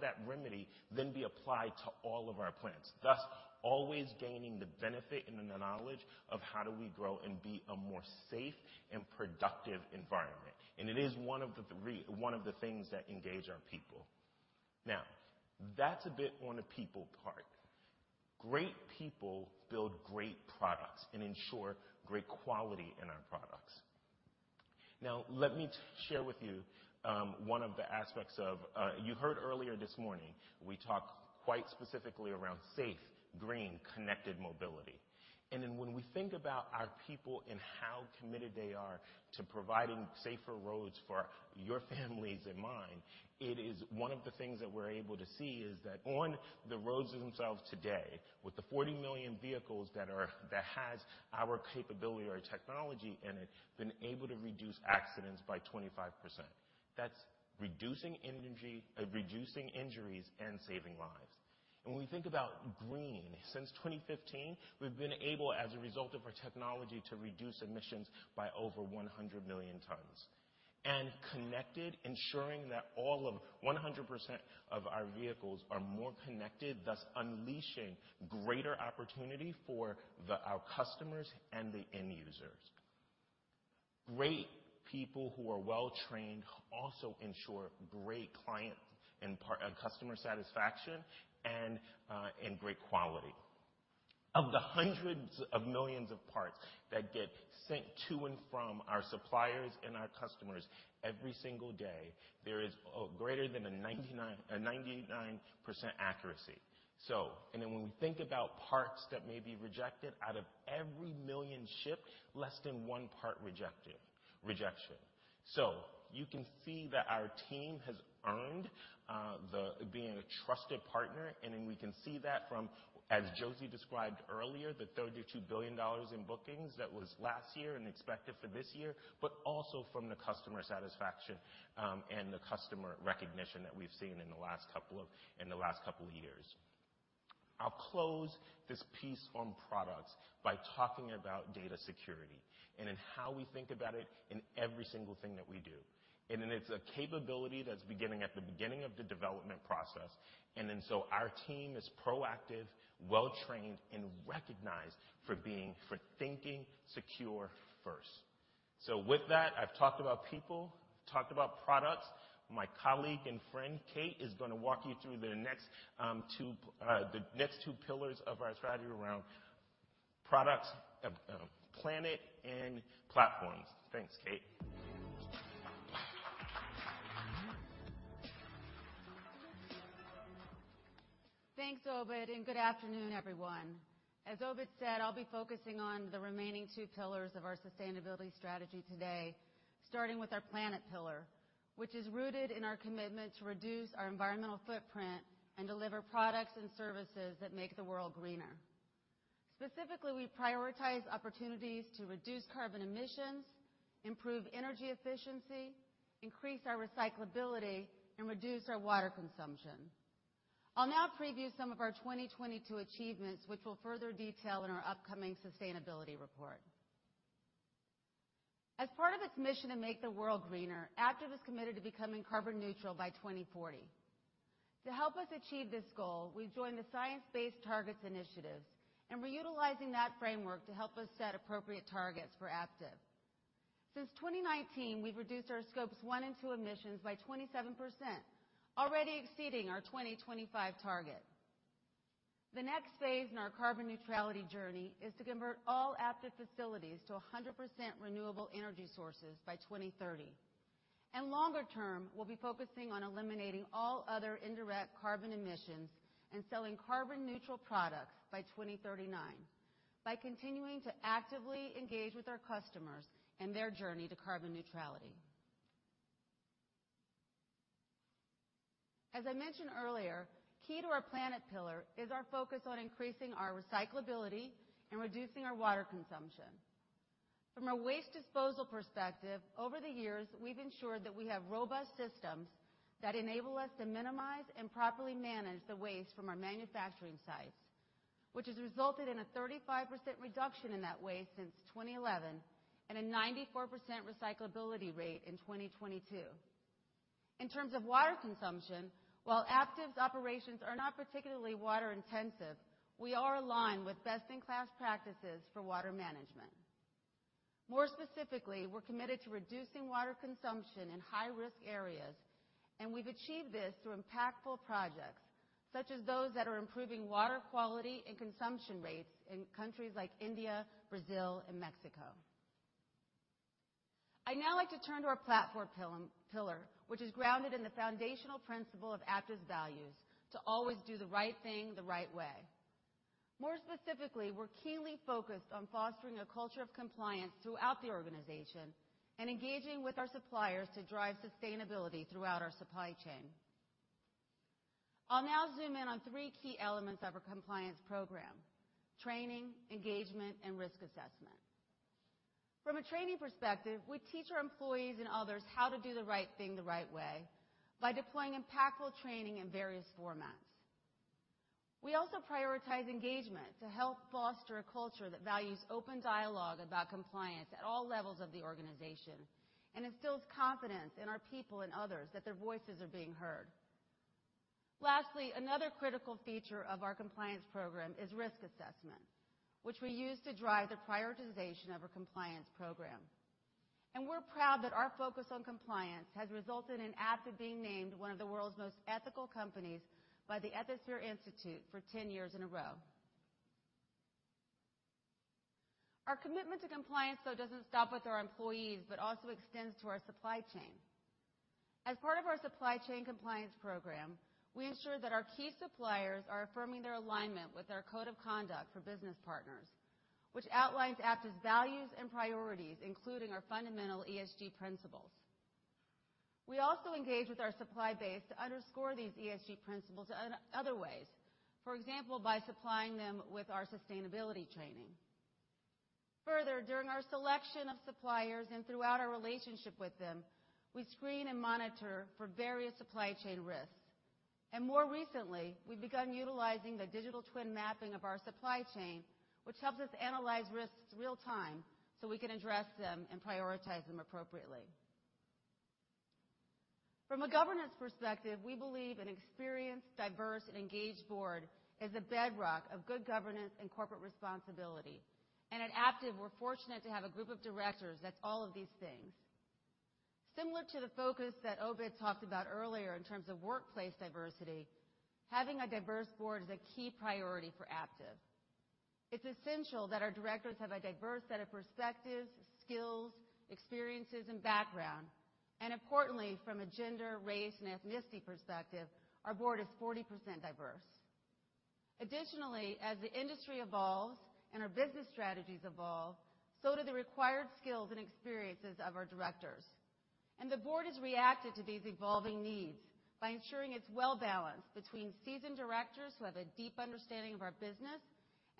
that remedy then be applied to all of our plants, thus always gaining the benefit and the knowledge of how do we grow and be a more safe and productive environment. It is one of the things that engage our people. That's a bit on the people part. Great people build great products and ensure great quality in our products. Let me share with you one of the aspects of, you heard earlier this morning, we talked quite specifically around safe, green, connected mobility. When we think about our people and how committed they are to providing safer roads for your families and mine, it is one of the things that we're able to see is that on the roads themselves today, with the 40 million vehicles that has our capability or technology in it, been able to reduce accidents by 25%. That's reducing injuries and saving lives. When we think about green, since 2015, we've been able, as a result of our technology, to reduce emissions by over 100 million tons. Connected, ensuring that all of 100% of our vehicles are more connected, thus unleashing greater opportunity for our customers and the end users. Great people who are well-trained also ensure great client and customer satisfaction and great quality. Of the hundreds of millions of parts that get sent to and from our suppliers and our customers every single day, there is greater than a 98% accuracy. When we think about parts that may be rejected out of every 1 million shipped, less than 1 part rejected. You can see that our team has earned the being a trusted partner. We can see that from, as Josie described earlier, the $32 billion in bookings that was last year and expected for this year, but also from the customer satisfaction, and the customer recognition that we've seen in the last couple of years. I'll close this piece on products by talking about data security and in how we think about it in every single thing that we do. It's a capability that's beginning at the beginning of the development process. Our team is proactive, well-trained, and recognized for thinking secure first. With that, I've talked about people, talked about products. My colleague and friend, Kate, is gonna walk you through the next 2 pillars of our strategy around products, planet and platforms. Thanks, Kate. Thanks, Obid, good afternoon, everyone. As Obid said, I'll be focusing on the remaining two pillars of our sustainability strategy today, starting with our planet pillar, which is rooted in our commitment to reduce our environmental footprint and deliver products and services that make the world greener. Specifically, we prioritize opportunities to reduce carbon emissions, improve energy efficiency, increase our recyclability, and reduce our water consumption. I'll now preview some of our 2022 achievements, which we'll further detail in our upcoming sustainability report. As part of its mission to make the world greener, Aptiv is committed to becoming carbon neutral by 2040. To help us achieve this goal, we've joined the Science Based Targets initiative, and we're utilizing that framework to help us set appropriate targets for Aptiv. Since 2019, we've reduced our Scope 1 and Scope 2 emissions by 27%, already exceeding our 2025 target. The next phase in our carbon neutrality journey is to convert all Aptiv facilities to 100% renewable energy sources by 2030. Longer term, we'll be focusing on eliminating all other indirect carbon emissions and selling carbon neutral products by 2039, by continuing to actively engage with our customers in their journey to carbon neutrality. As I mentioned earlier, key to our planet pillar is our focus on increasing our recyclability and reducing our water consumption. From a waste disposal perspective, over the years, we've ensured that we have robust systems that enable us to minimize and properly manage the waste from our manufacturing sites, which has resulted in a 35% reduction in that waste since 2011 and a 94% recyclability rate in 2022. In terms of water consumption, while Aptiv's operations are not particularly water-intensive, we are aligned with best-in-class practices for water management. More specifically, we're committed to reducing water consumption in high-risk areas, and we've achieved this through impactful projects, such as those that are improving water quality and consumption rates in countries like India, Brazil, and Mexico. I'd now like to turn to our platform pillar, which is grounded in the foundational principle of Aptiv's values to always do the right thing, the right way. More specifically, we're keenly focused on fostering a culture of compliance throughout the organization and engaging with our suppliers to drive sustainability throughout our supply chain. I'll now zoom in on 3 key elements of our compliance program: training, engagement, and risk assessment. From a training perspective, we teach our employees and others how to do the right thing the right way by deploying impactful training in various formats. We also prioritize engagement to help foster a culture that values open dialogue about compliance at all levels of the organization and instills confidence in our people and others that their voices are being heard. Lastly, another critical feature of our compliance program is risk assessment, which we use to drive the prioritization of our compliance program. We're proud that our focus on compliance has resulted in Aptiv being named one of the world's most ethical companies by the Ethisphere Institute for 10 years in a row. Our commitment to compliance, though, doesn't stop with our employees, but also extends to our supply chain. As part of our supply chain compliance program, we ensure that our key suppliers are affirming their alignment with our code of conduct for business partners, which outlines Aptiv's values and priorities, including our fundamental ESG principles. We also engage with our supply base to underscore these ESG principles in other ways, for example, by supplying them with our sustainability training. During our selection of suppliers and throughout our relationship with them, we screen and monitor for various supply chain risks. More recently, we've begun utilizing the digital twin mapping of our supply chain, which helps us analyze risks real-time so we can address them and prioritize them appropriately. From a governance perspective, we believe an experienced, diverse, and engaged board is the bedrock of good governance and corporate responsibility. At Aptiv, we're fortunate to have a group of directors that's all of these things. Similar to the focus that Ovid talked about earlier in terms of workplace diversity, having a diverse board is a key priority for Aptiv. It's essential that our directors have a diverse set of perspectives, skills, experiences, and background. Importantly, from a gender, race, and ethnicity perspective, our board is 40% diverse. Additionally, as the industry evolves and our business strategies evolve, so do the required skills and experiences of our directors. The board has reacted to these evolving needs by ensuring it's well-balanced between seasoned directors who have a deep understanding of our business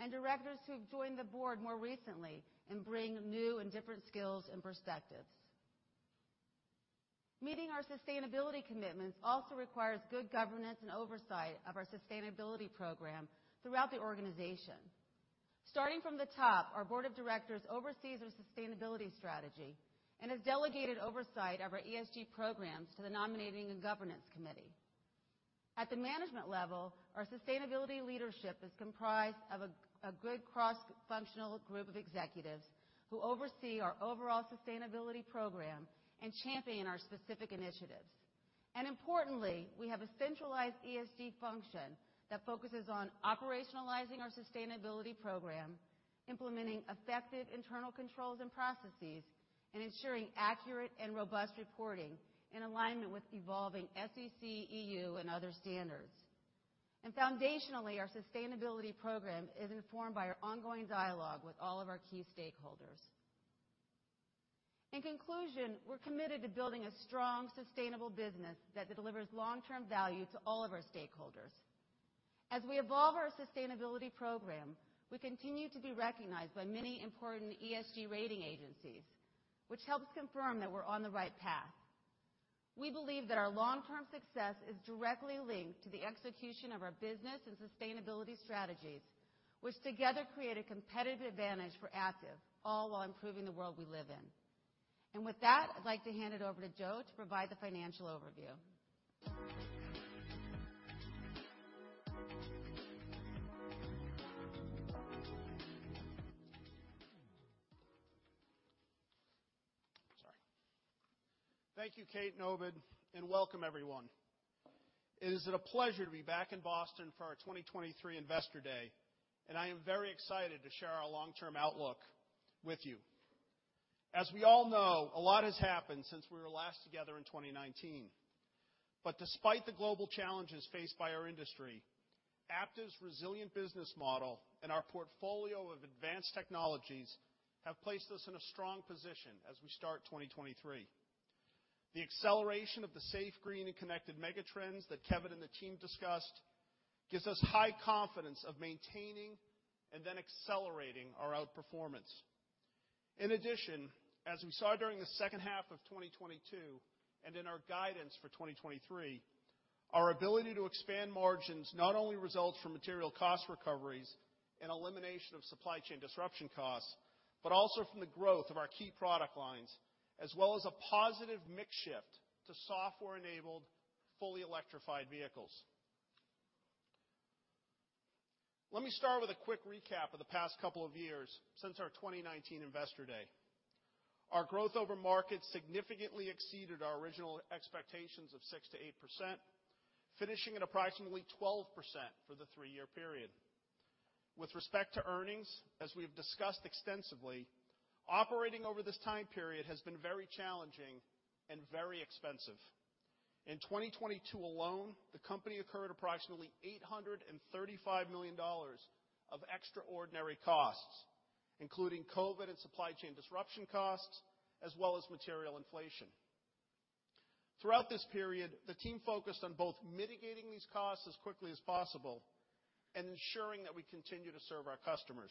and directors who've joined the board more recently and bring new and different skills and perspectives. Meeting our sustainability commitments also requires good governance and oversight of our sustainability program throughout the organization. Starting from the top, our board of directors oversees our sustainability strategy and has delegated oversight of our ESG programs to the nominating and governance committee. At the management level, our sustainability leadership is comprised of a good cross-functional group of executives who oversee our overall sustainability program and champion our specific initiatives. Importantly, we have a centralized ESG function that focuses on operationalizing our sustainability program, implementing effective internal controls and processes, and ensuring accurate and robust reporting in alignment with evolving SEC, EU, and other standards. Foundationally, our sustainability program is informed by our ongoing dialogue with all of our key stakeholders. In conclusion, we're committed to building a strong, sustainable business that delivers long-term value to all of our stakeholders. As we evolve our sustainability program, we continue to be recognized by many important ESG rating agencies, which helps confirm that we're on the right path. We believe that our long-term success is directly linked to the execution of our business and sustainability strategies, which together create a competitive advantage for Aptiv, all while improving the world we live in. With that, I'd like to hand it over to Joe to provide the financial overview. Sorry. Thank you, Kate and Ovid. Welcome everyone. It is a pleasure to be back in Boston for our 2023 Investor Day, and I am very excited to share our long-term outlook with you. As we all know, a lot has happened since we were last together in 2019. Despite the global challenges faced by our industry, Aptiv's resilient business model and our portfolio of advanced technologies have placed us in a strong position as we start 2023. The acceleration of the safe, green, and connected megatrends that Kevin and the team discussed gives us high confidence of maintaining and then accelerating our outperformance. In addition, as we saw during the second half of 2022 and in our guidance for 2023. Our ability to expand margins not only results from material cost recoveries and elimination of supply chain disruption costs, but also from the growth of our key product lines, as well as a positive mix shift to software-enabled, fully electrified vehicles. Let me start with a quick recap of the past couple of years since our 2019 Investor Day. Our growth over market significantly exceeded our original expectations of 6%-8%, finishing at approximately 12% for the three-year period. With respect to earnings, as we've discussed extensively, operating over this time period has been very challenging and very expensive. In 2022 alone, the company incurred approximately $835 million of extraordinary costs, including COVID and supply chain disruption costs, as well as material inflation. Throughout this period, the team focused on both mitigating these costs as quickly as possible and ensuring that we continue to serve our customers.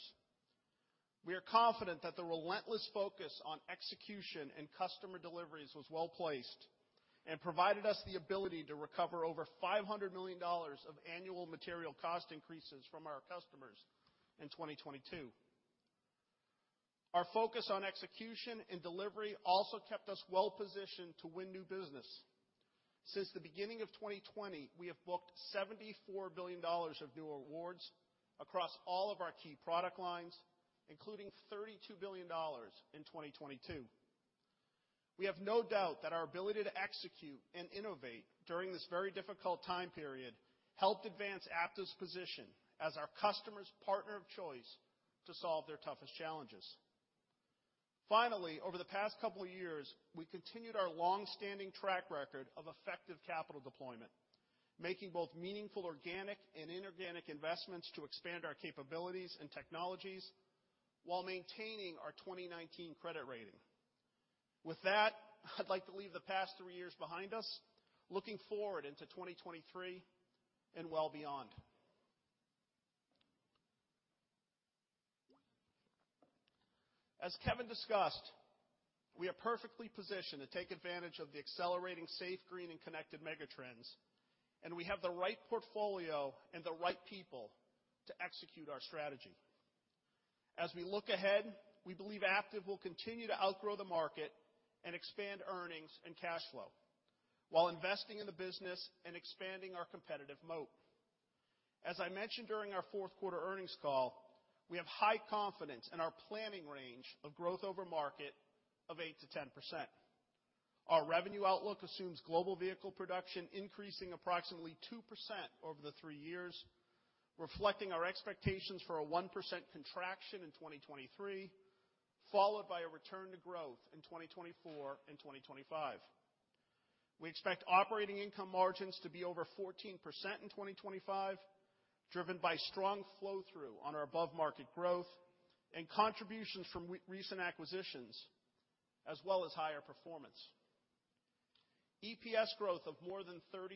We are confident that the relentless focus on execution and customer deliveries was well-placed and provided us the ability to recover over $500 million of annual material cost increases from our customers in 2022. Our focus on execution and delivery also kept us well-positioned to win new business. Since the beginning of 2020, we have booked $74 billion of new awards across all of our key product lines, including $32 billion in 2022. We have no doubt that our ability to execute and innovate during this very difficult time period helped advance Aptiv's position as our customers' partner of choice to solve their toughest challenges. Finally, over the past couple of years, we continued our long-standing track record of effective capital deployment, making both meaningful organic and inorganic investments to expand our capabilities and technologies while maintaining our 2019 credit rating. With that, I'd like to leave the past three years behind us, looking forward into 2023 and well beyond. As Kevin discussed, we are perfectly positioned to take advantage of the accelerating safe, green, and connected megatrends, and we have the right portfolio and the right people to execute our strategy. As we look ahead, we believe Aptiv will continue to outgrow the market and expand earnings and cash flow while investing in the business and expanding our competitive moat. As I mentioned during our fourth quarter earnings call, we have high confidence in our planning range of growth over market of 8%-10%. Our revenue outlook assumes global vehicle production increasing approximately 2% over the three years, reflecting our expectations for a 1% contraction in 2023, followed by a return to growth in 2024 and 2025. We expect operating income margins to be over 14% in 2025, driven by strong flow-through on our above-market growth and contributions from recent acquisitions, as well as higher performance. EPS growth of more than 30%,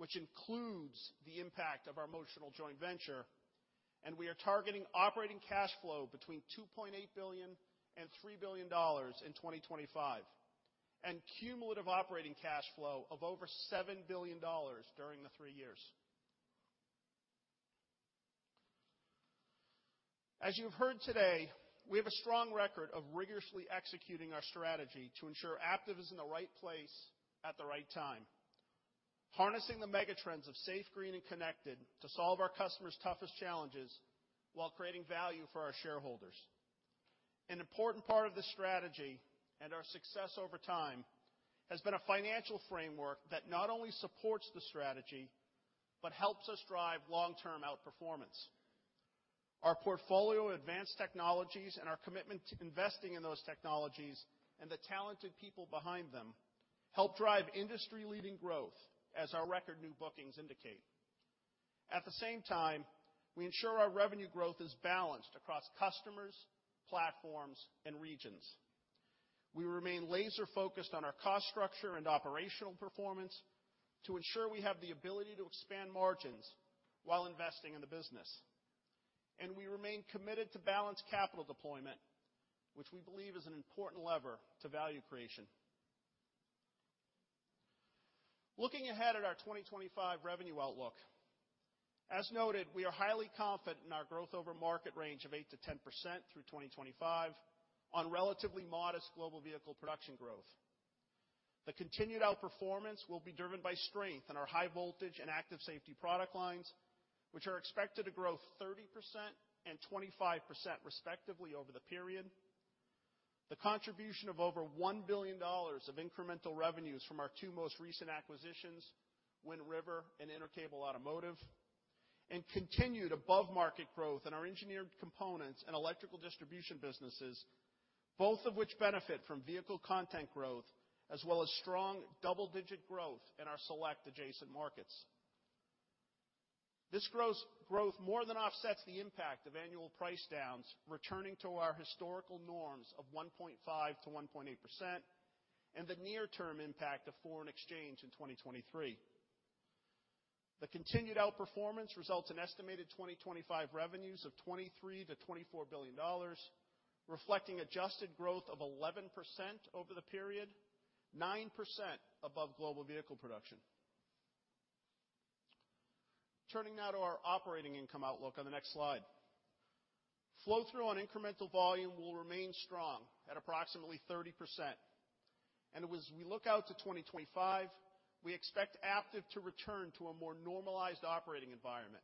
which includes the impact of our Motional joint venture. We are targeting operating cash flow between $2.8 billion and $3 billion in 2025, and cumulative operating cash flow of over $7 billion during the three years. As you've heard today, we have a strong record of rigorously executing our strategy to ensure Aptiv is in the right place at the right time. Harnessing the megatrends of safe, green, and connected to solve our customers' toughest challenges while creating value for our shareholders. An important part of this strategy and our success over time has been a financial framework that not only supports the strategy, but helps us drive long-term outperformance. Our portfolio of advanced technologies and our commitment to investing in those technologies and the talented people behind them help drive industry-leading growth as our record new bookings indicate. At the same time, we ensure our revenue growth is balanced across customers, platforms, and regions. We remain laser-focused on our cost structure and operational performance to ensure we have the ability to expand margins while investing in the business. We remain committed to balanced capital deployment, which we believe is an important lever to value creation. Looking ahead at our 2025 revenue outlook, as noted, we are highly confident in our growth over market range of 8%-10% through 2025 on relatively modest global vehicle production growth. The continued outperformance will be driven by strength in our high voltage and active safety product lines, which are expected to grow 30% and 25% respectively over the period. The contribution of over $1 billion of incremental revenues from our two most recent acquisitions, Wind River and Intercable Automotive, and continued above-market growth in our engineered components and electrical distribution businesses, both of which benefit from vehicle content growth as well as strong double-digit growth in our select adjacent markets. This gross-growth more than offsets the impact of annual price downs returning to our historical norms of 1.5%-1.8% and the near-term impact of foreign exchange in 2023. The continued outperformance results in estimated 2025 revenues of $23 billion-$24 billion, reflecting adjusted growth of 11% over the period, 9% above global vehicle production. Turning now to our operating income outlook on the next slide. Flow-through on incremental volume will remain strong at approximately 30%. As we look out to 2025, we expect Aptiv to return to a more normalized operating environment,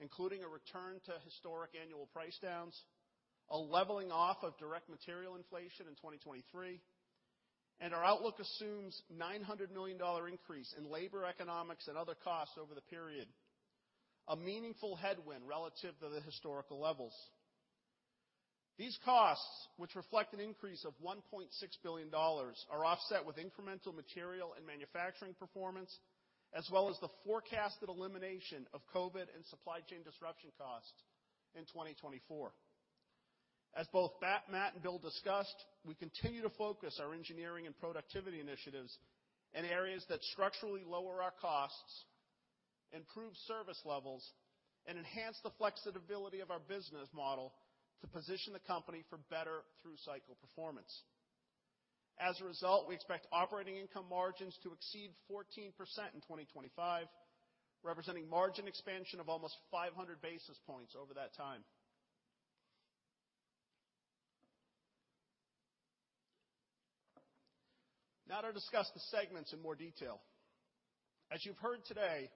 including a return to historic annual price downs, a leveling off of direct material inflation in 2023, and our outlook assumes $900 million increase in labor economics and other costs over the period, a meaningful headwind relative to the historical levels. These costs, which reflect an increase of $1.6 billion, are offset with incremental material and manufacturing performance, as well as the forecasted elimination of COVID and supply chain disruption costs in 2024. As both Matt and Bill discussed, we continue to focus our engineering and productivity initiatives in areas that structurally lower our costs, improve service levels, and enhance the flexibility of our business model to position the company for better through-cycle performance. As a result, we expect operating income margins to exceed 14% in 2025, representing margin expansion of almost 500 basis points over that time. To discuss the segments in more detail. As you've heard today,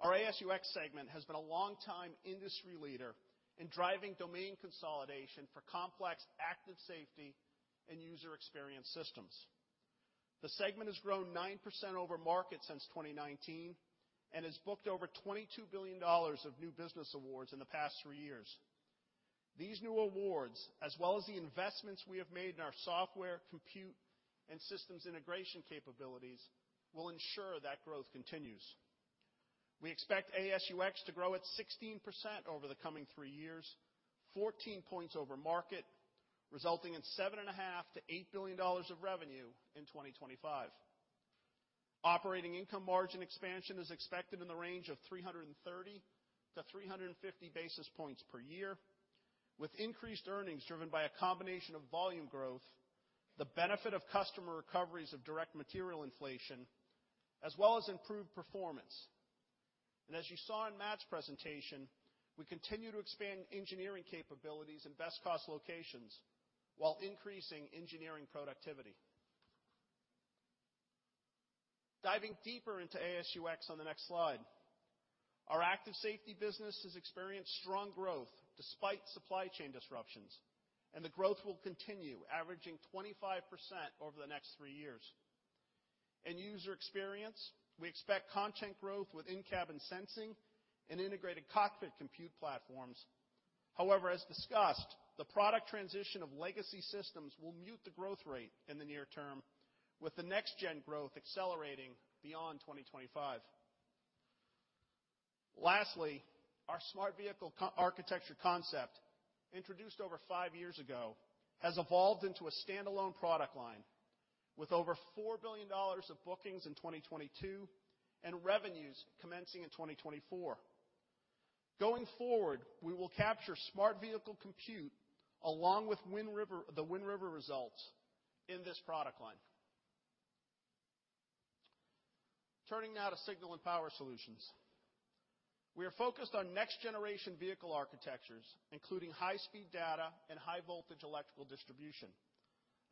our AS&UX segment has been a long time industry leader in driving domain consolidation for complex active safety and user experience systems. The segment has grown 9% over market since 2019 and has booked over $22 billion of new business awards in the past three years. These new awards, as well as the investments we have made in our software, compute, and systems integration capabilities, will ensure that growth continues. We expect ASUX to grow at 16% over the coming three years, 14 points over market, resulting in seven and a half to $8 billion of revenue in 2025. Operating income margin expansion is expected in the range of 330-350 basis points per year, with increased earnings driven by a combination of volume growth, the benefit of customer recoveries of direct material inflation, as well as improved performance. As you saw in Matt's presentation, we continue to expand engineering capabilities in best cost locations while increasing engineering productivity. Diving deeper into AS&UX on the next slide. Our active safety business has experienced strong growth despite supply chain disruptions, and the growth will continue, averaging 25% over the next three years. In user experience, we expect content growth with in-cabin sensing and integrated cockpit compute platforms. However, as discussed, the product transition of legacy systems will mute the growth rate in the near term, with the next gen growth accelerating beyond 2025. Lastly, our Smart Vehicle Architecture concept, introduced over five years ago, has evolved into a standalone product line with over $4 billion of bookings in 2022 and revenues commencing in 2024. Going forward, we will capture smart vehicle compute along with Wind River, the Wind River results in this product line. Turning now to Signal and Power Solutions. We are focused on next generation vehicle architectures, including high-speed data and high-voltage electrical distribution,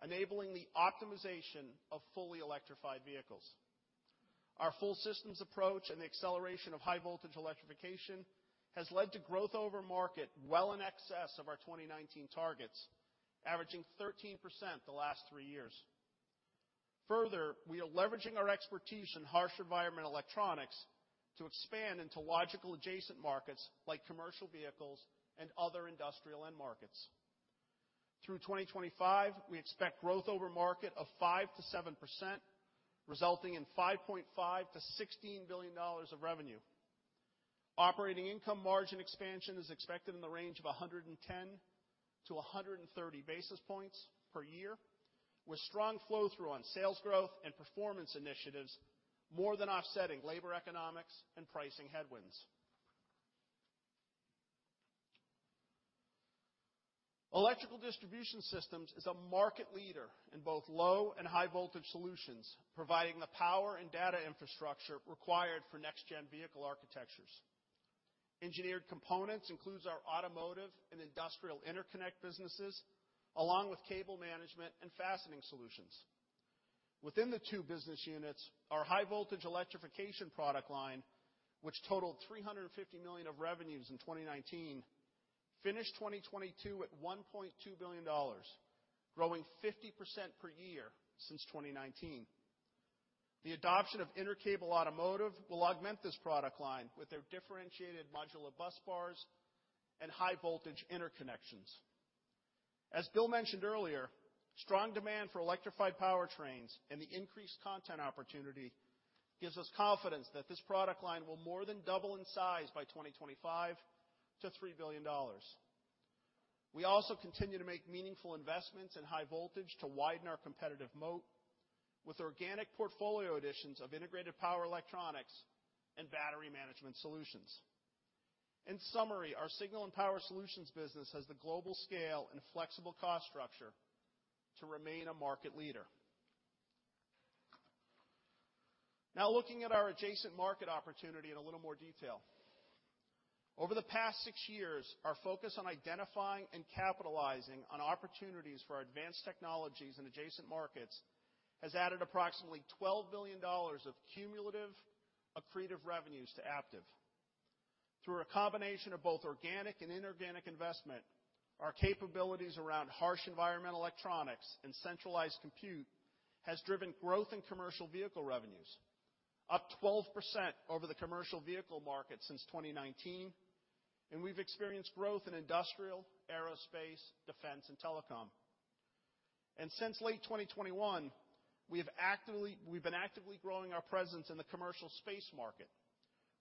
enabling the optimization of fully electrified vehicles. Our full systems approach and the acceleration of high voltage electrification has led to growth over market well in excess of our 2019 targets, averaging 13% the last 3 years. We are leveraging our expertise in harsh environment electronics to expand into logical adjacent markets like commercial vehicles and other industrial end markets. Through 2025, we expect growth over market of 5%-7%, resulting in $5.5 billion-$16 billion of revenue. Operating income margin expansion is expected in the range of 110 to 130 basis points per year, with strong flow-through on sales growth and performance initiatives more than offsetting labor economics and pricing headwinds. Electrical distribution systems is a market leader in both low and high voltage solutions, providing the power and data infrastructure required for next gen vehicle architectures. Engineered components includes our automotive and industrial interconnect businesses, along with cable management and fastening solutions. Within the two business units, our high voltage electrification product line, which totaled $350 million of revenues in 2019, finished 2022 at $1.2 billion, growing 50% per year since 2019. The adoption of Intercable automotive will augment this product line with their differentiated modular busbars and high voltage interconnections. As Bill mentioned earlier, strong demand for electrified powertrains and the increased content opportunity gives us confidence that this product line will more than double in size by 2025 to $3 billion. We also continue to make meaningful investments in high voltage to widen our competitive moat with organic portfolio additions of integrated power electronics and battery management solutions. In summary, our Signal and Power Solutions business has the global scale and flexible cost structure to remain a market leader. Looking at our adjacent market opportunity in a little more detail. Over the past six years, our focus on identifying and capitalizing on opportunities for our advanced technologies in adjacent markets has added approximately $12 billion of cumulative accretive revenues to Aptiv. Through a combination of both organic and inorganic investment, our capabilities around harsh environment electronics and centralized compute has driven growth in commercial vehicle revenues, up 12% over the commercial vehicle market since 2019, and we've experienced growth in industrial, aerospace, defense, and telecom. Since late 2021, we've been actively growing our presence in the commercial space market,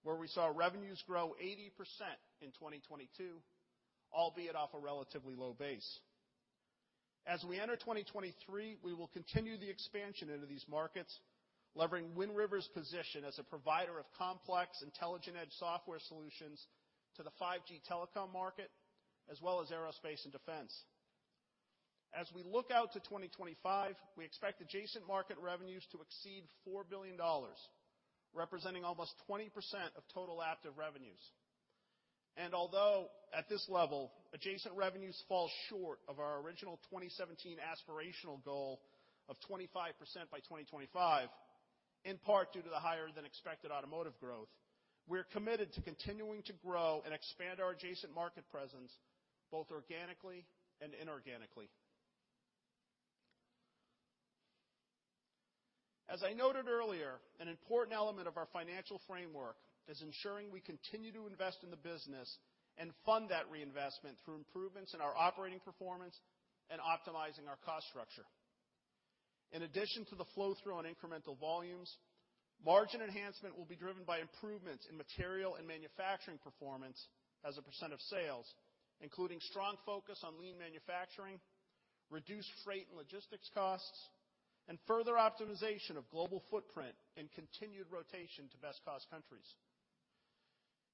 where we saw revenues grow 80% in 2022, albeit off a relatively low base. As we enter 2023, we will continue the expansion into these markets, levering Wind River's position as a provider of complex, intelligent edge software solutions to the 5G telecom market, as well as aerospace and defense. As we look out to 2025, we expect adjacent market revenues to exceed $4 billion, representing almost 20% of total Aptiv revenues. Although at this level, adjacent revenues fall short of our original 2017 aspirational goal of 25% by 2025, in part due to the higher than expected automotive growth, we're committed to continuing to grow and expand our adjacent market presence, both organically and inorganically. As I noted earlier, an important element of our financial framework is ensuring we continue to invest in the business and fund that reinvestment through improvements in our operating performance and optimizing our cost structure. In addition to the flow-through on incremental volumes, margin enhancement will be driven by improvements in material and manufacturing performance as a % of sales, including strong focus on lean manufacturing, reduced freight and logistics costs, and further optimization of global footprint and continued rotation to best cost countries.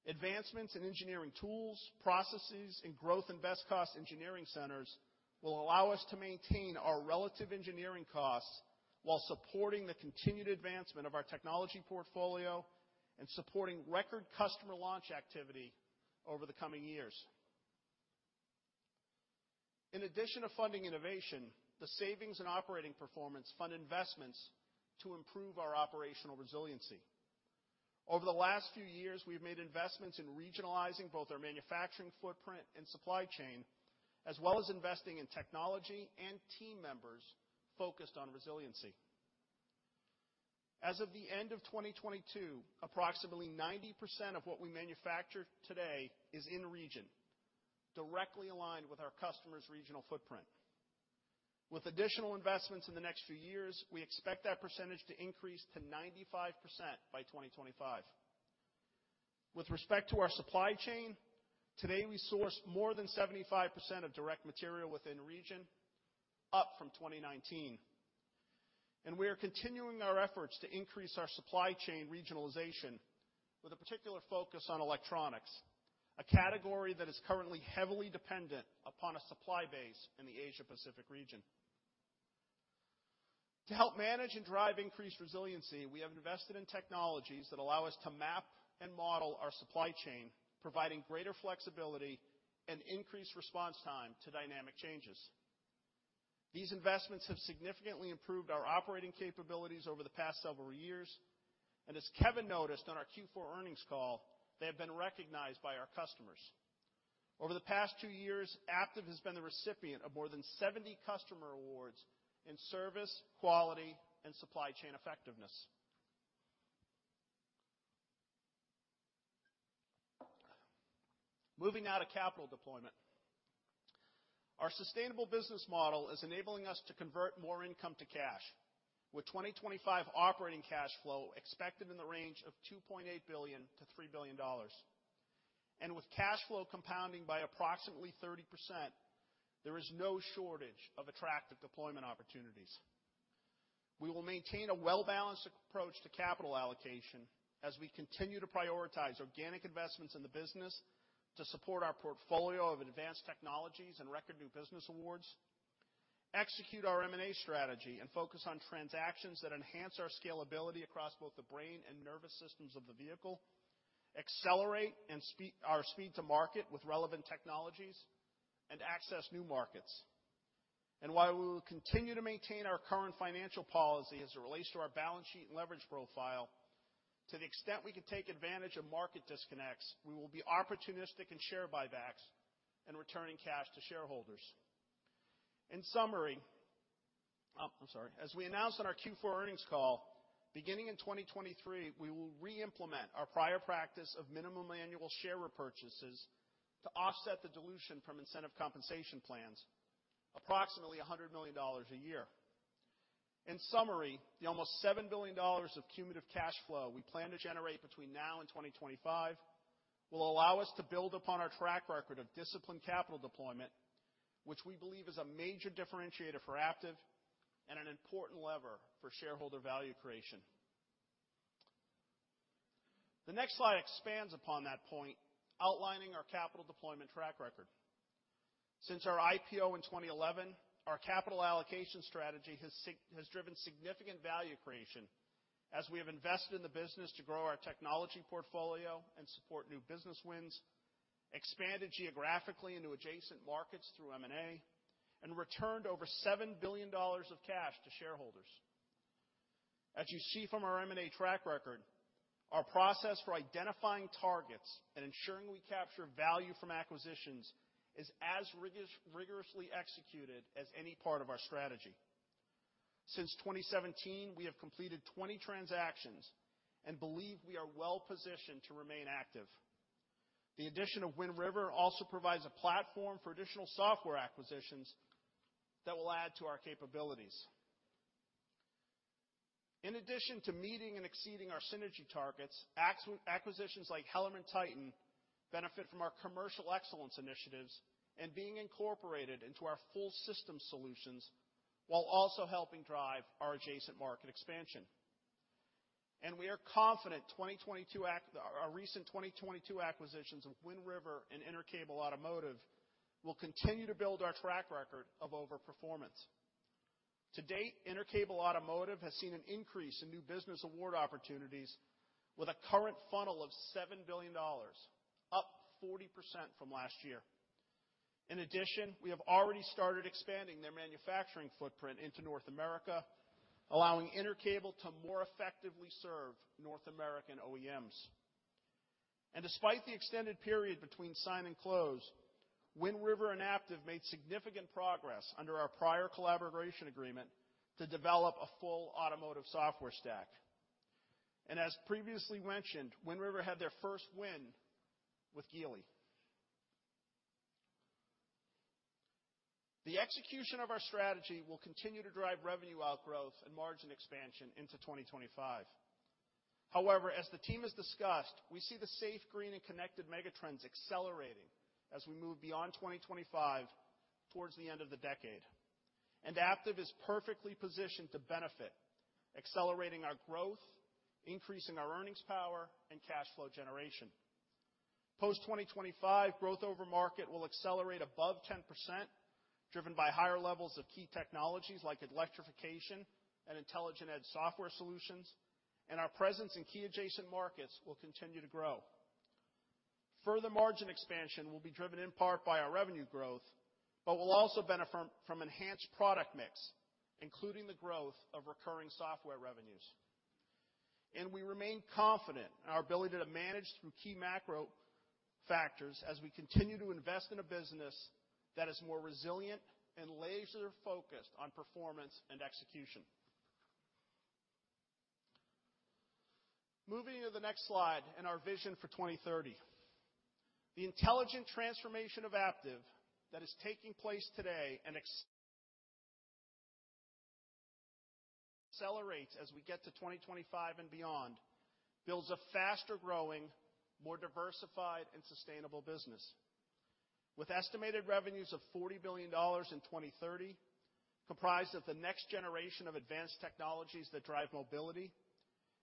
Advancements in engineering tools, processes, and growth in best cost engineering centers will allow us to maintain our relative engineering costs while supporting the continued advancement of our technology portfolio and supporting record customer launch activity over the coming years. In addition to funding innovation, the savings and operating performance fund investments to improve our operational resiliency. Over the last few years, we've made investments in regionalizing both our manufacturing footprint and supply chain, as well as investing in technology and team members focused on resiliency. As of the end of 2022, approximately 90% of what we manufacture today is in region, directly aligned with our customers' regional footprint. With additional investments in the next few years, we expect that percentage to increase to 95% by 2025. With respect to our supply chain, today we source more than 75% of direct material within region, up from 2019. We are continuing our efforts to increase our supply chain regionalization with a particular focus on electronics, a category that is currently heavily dependent upon a supply base in the Asia Pacific region. To help manage and drive increased resiliency, we have invested in technologies that allow us to map and model our supply chain, providing greater flexibility and increased response time to dynamic changes. These investments have significantly improved our operating capabilities over the past several years. As Kevin noticed on our Q4 earnings call, they have been recognized by our customers. Over the past 2 years, Aptiv has been the recipient of more than 70 customer awards in service, quality, and supply chain effectiveness. Moving now to capital deployment. Our sustainable business model is enabling us to convert more income to cash, with 2025 operating cash flow expected in the range of $2.8 billion-$3 billion. With cash flow compounding by approximately 30%, there is no shortage of attractive deployment opportunities. We will maintain a well-balanced approach to capital allocation as we continue to prioritize organic investments in the business to support our portfolio of advanced technologies and record new business awards, execute our M&A strategy and focus on transactions that enhance our scalability across both the brain and nervous systems of the vehicle, accelerate our speed to market with relevant technologies, and access new markets. While we will continue to maintain our current financial policy as it relates to our balance sheet and leverage profile, to the extent we can take advantage of market disconnects, we will be opportunistic in share buybacks and returning cash to shareholders. In summary. Oh, I'm sorry. As we announced on our Q4 earnings call, beginning in 2023, we will re-implement our prior practice of minimum annual share repurchases to offset the dilution from incentive compensation plans, approximately $100 million a year. In summary, the almost $7 billion of cumulative cash flow we plan to generate between now and 2025 will allow us to build upon our track record of disciplined capital deployment, which we believe is a major differentiator for Aptiv and an important lever for shareholder value creation. The next slide expands upon that point, outlining our capital deployment track record. Since our IPO in 2011, our capital allocation strategy has driven significant value creation as we have invested in the business to grow our technology portfolio and support new business wins, expanded geographically into adjacent markets through M&A, and returned over $7 billion of cash to shareholders. As you see from our M&A track record, our process for identifying targets and ensuring we capture value from acquisitions is as rigorously executed as any part of our strategy. Since 2017, we have completed 20 transactions and believe we are well-positioned to remain active. The addition of Wind River also provides a platform for additional software acquisitions that will add to our capabilities. In addition to meeting and exceeding our synergy targets, acquisitions like HellermannTyton benefit from our commercial excellence initiatives and being incorporated into our full system solutions while also helping drive our adjacent market expansion. We are confident our recent 2022 acquisitions of Wind River and Intercable Automotive will continue to build our track record of overperformance. To date, Intercable Automotive has seen an increase in new business award opportunities with a current funnel of $7 billion, up 40% from last year. In addition, we have already started expanding their manufacturing footprint into North America, allowing Intercable to more effectively serve North American OEMs. Despite the extended period between sign and close, Wind River and Aptiv made significant progress under our prior collaboration agreement to develop a full automotive software stack. As previously mentioned, Wind River had their first win with Geely. The execution of our strategy will continue to drive revenue outgrowth and margin expansion into 2025. However, as the team has discussed, we see the safe, green, and connected megatrends accelerating as we move beyond 2025 towards the end of the decade. Aptiv is perfectly positioned to benefit, accelerating our growth, increasing our earnings power, and cash flow generation. Post 2025, growth over market will accelerate above 10%, driven by higher levels of key technologies like electrification and intelligent edge software solutions, and our presence in key adjacent markets will continue to grow. Further margin expansion will be driven in part by our revenue growth, but will also benefit from enhanced product mix, including the growth of recurring software revenues. We remain confident in our ability to manage through key macro factors as we continue to invest in a business that is more resilient and laser-focused on performance and execution. Moving to the next slide and our vision for 2030. The intelligent transformation of Aptiv that is taking place today and accelerates as we get to 2025 and beyond builds a faster-growing, more diversified, and sustainable business. With estimated revenues of $40 billion in 2030, comprised of the next generation of advanced technologies that drive mobility,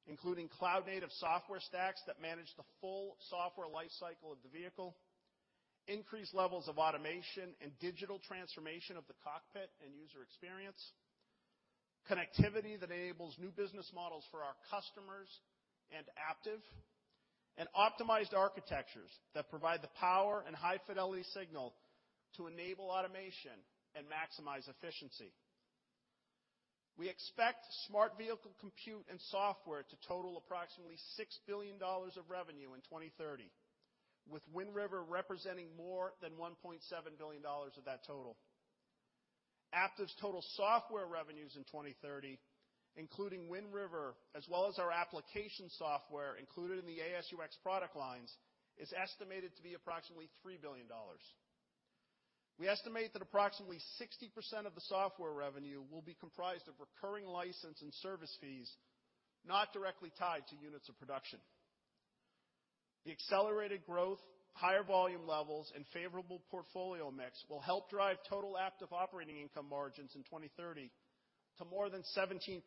including cloud-native software stacks that manage the full software life cycle of the vehicle, increased levels of automation and digital transformation of the cockpit and user experience, connectivity that enables new business models for our customers and Aptiv, and optimized architectures that provide the power and high-fidelity signal to enable automation and maximize efficiency. We expect smart vehicle compute and software to total approximately $6 billion of revenue in 2030, with Wind River representing more than $1.7 billion of that total. Aptiv's total software revenues in 2030, including Wind River, as well as our application software included in the AS&UX product lines, is estimated to be approximately $3 billion. We estimate that approximately 60% of the software revenue will be comprised of recurring license and service fees, not directly tied to units of production. The accelerated growth, higher volume levels, and favorable portfolio mix will help drive total Aptiv operating income margins in 2030 to more than 17%,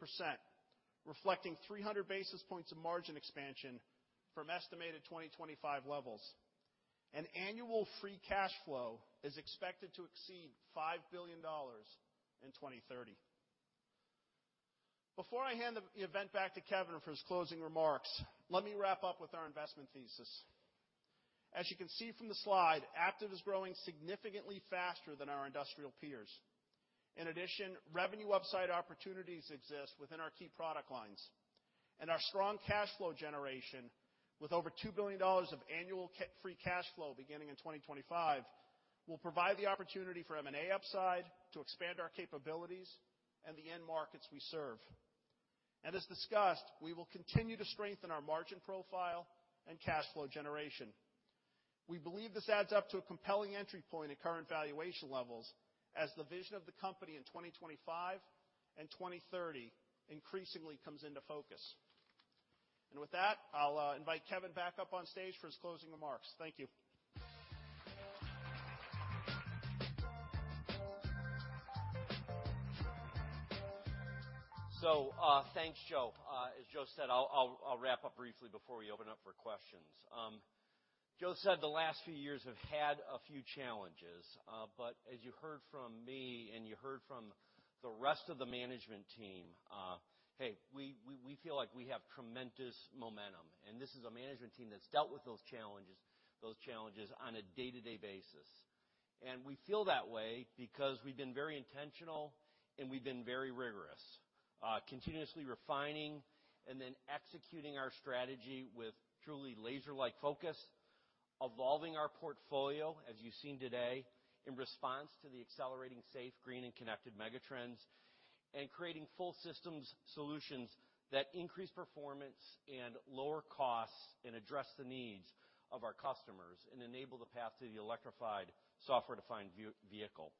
reflecting 300 basis points of margin expansion from estimated 2025 levels. Annual free cash flow is expected to exceed $5 billion in 2030. Before I hand the event back to Kevin for his closing remarks, let me wrap up with our investment thesis. As you can see from the slide, Aptiv is growing significantly faster than our industrial peers. In addition, revenue upside opportunities exist within our key product lines. Our strong cash flow generation, with over $2 billion of annual free cash flow beginning in 2025, will provide the opportunity for M&A upside to expand our capabilities and the end markets we serve. As discussed, we will continue to strengthen our margin profile and cash flow generation. We believe this adds up to a compelling entry point at current valuation levels as the vision of the company in 2025 and 2030 increasingly comes into focus. With that, I'll invite Kevin back up on stage for his closing remarks. Thank you. Thanks, Joe. As Joe said, I'll wrap up briefly before we open up for questions. Joe said the last few years have had a few challenges, but as you heard from me and you heard from the rest of the management team, hey, we feel like we have tremendous momentum, and this is a management team that's dealt with those challenges on a day-to-day basis. We feel that way because we've been very intentional and we've been very rigorous, continuously refining and then executing our strategy with truly laser-like focus, evolving our portfolio, as you've seen today, in response to the accelerating safe, green, and connected megatrends. Creating full systems solutions that increase performance and lower costs and address the needs of our customers and enable the path to the electrified software-defined vehicle.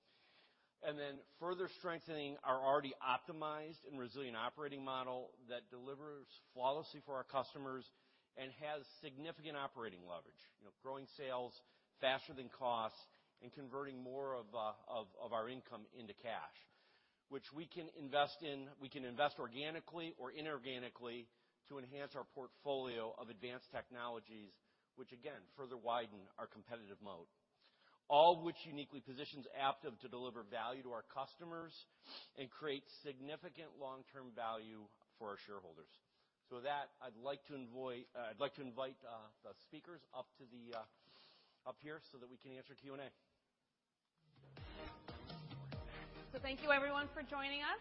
Further strengthening our already optimized and resilient operating model that delivers flawlessly for our customers and has significant operating leverage. You know, growing sales faster than costs and converting more of our income into cash, which we can invest in. We can invest organically or inorganically to enhance our portfolio of advanced technologies, which again, further widen our competitive moat. All which uniquely positions Aptiv to deliver value to our customers and create significant long-term value for our shareholders. With that, I'd like to invite the speakers up to the up here so that we can answer Q&A. Thank you everyone for joining us.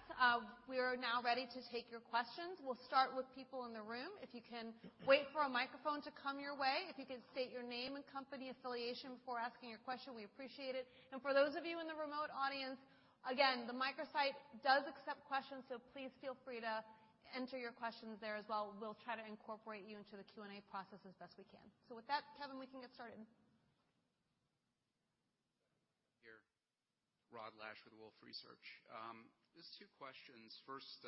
We are now ready to take your questions. We'll start with people in the room. If you can wait for a microphone to come your way. If you can state your name and company affiliation before asking your question, we appreciate it. For those of you in the remote audience, again, the microsite does accept questions, so please feel free to enter your questions there as well. We'll try to incorporate you into the Q&A process as best we can. With that, Kevin, we can get started. Rod Lache with Wolfe Research. Just two questions. First,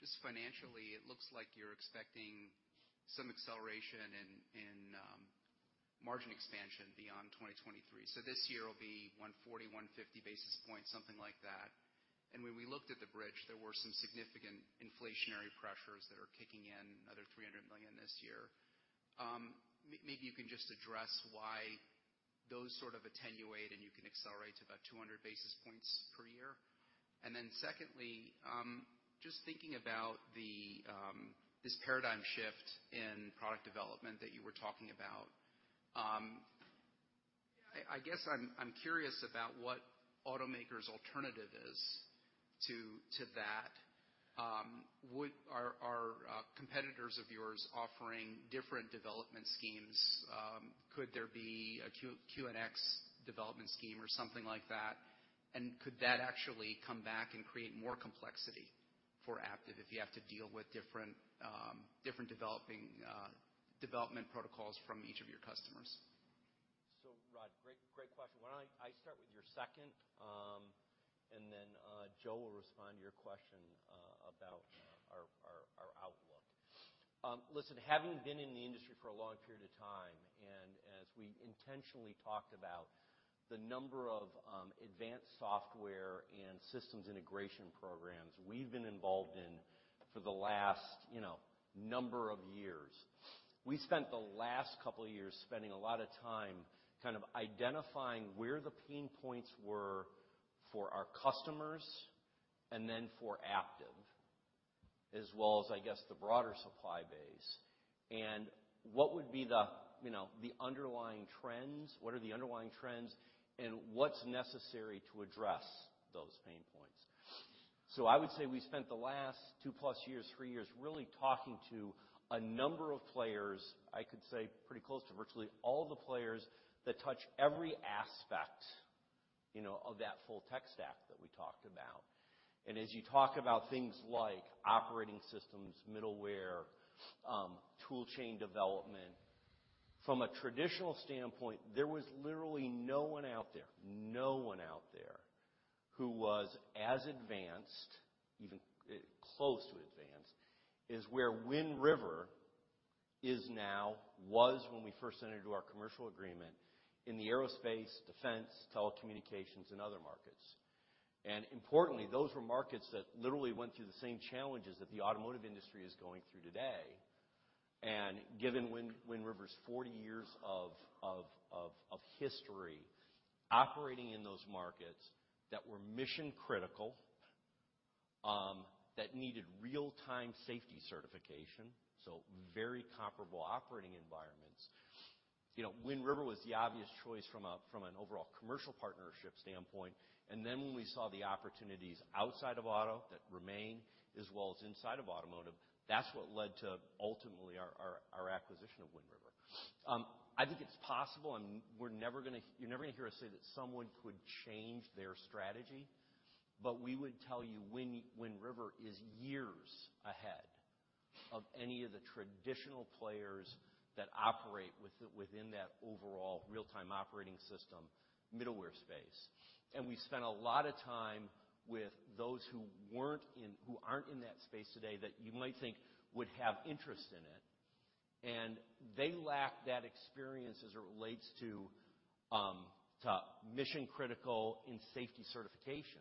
just financially, it looks like you're expecting some acceleration in margin expansion beyond 2023. This year will be 140-150 basis points, something like that. When we looked at the bridge, there were some significant inflationary pressures that are kicking in, another $300 million this year. Maybe you can just address why those sort of attenuate and you can accelerate to about 200 basis points per year. Secondly, just thinking about the this paradigm shift in product development that you were talking about, I guess I'm curious about what automakers alternative is to that. Are competitors of yours offering different development schemes? Could there be a QNX development scheme or something like that? Could that actually come back and create more complexity for Aptiv if you have to deal with different developing, development protocols from each of your customers? Rod, great question. Why don't I start with your second, and then Joe will respond to your question about our outlook. Listen, having been in the industry for a long period of time, and as we intentionally talked about the number of advanced software and systems integration programs we've been involved in for the last, you know, number of years, we spent the last couple of years spending a lot of time kind of identifying where the pain points were for our customers and then for Aptiv, as well as I guess the broader supply base. What are the underlying trends and what's necessary to address those pain points. I would say we spent the last 2+ years, three years, really talking to a number of players, I could say pretty close to virtually all the players, that touch every aspect, you know, of that full tech stack that we talked about. As you talk about things like operating systems, middleware, tool chain development. From a traditional standpoint, there was literally no one out there, no one out there who was as advanced, even close to advanced, as where Wind River is now, was when we first entered into our commercial agreement in the aerospace, defense, telecommunications, and other markets. Importantly, those were markets that literally went through the same challenges that the automotive industry is going through today. Given Wind River's 40 years of history operating in those markets that were mission critical, that needed real-time safety certification, so very comparable operating environments. You know, Wind River was the obvious choice from an overall commercial partnership standpoint. Then when we saw the opportunities outside of auto that remain, as well as inside of automotive. That's what led to ultimately our acquisition of Wind River. I think it's possible and you're never gonna hear us say that someone could change their strategy, but we would tell you Wind River is years ahead of any of the traditional players that operate within that overall real-time operating system, middleware space. We spent a lot of time with those who aren't in that space today that you might think would have interest in it, and they lack that experience as it relates to mission critical and safety certification.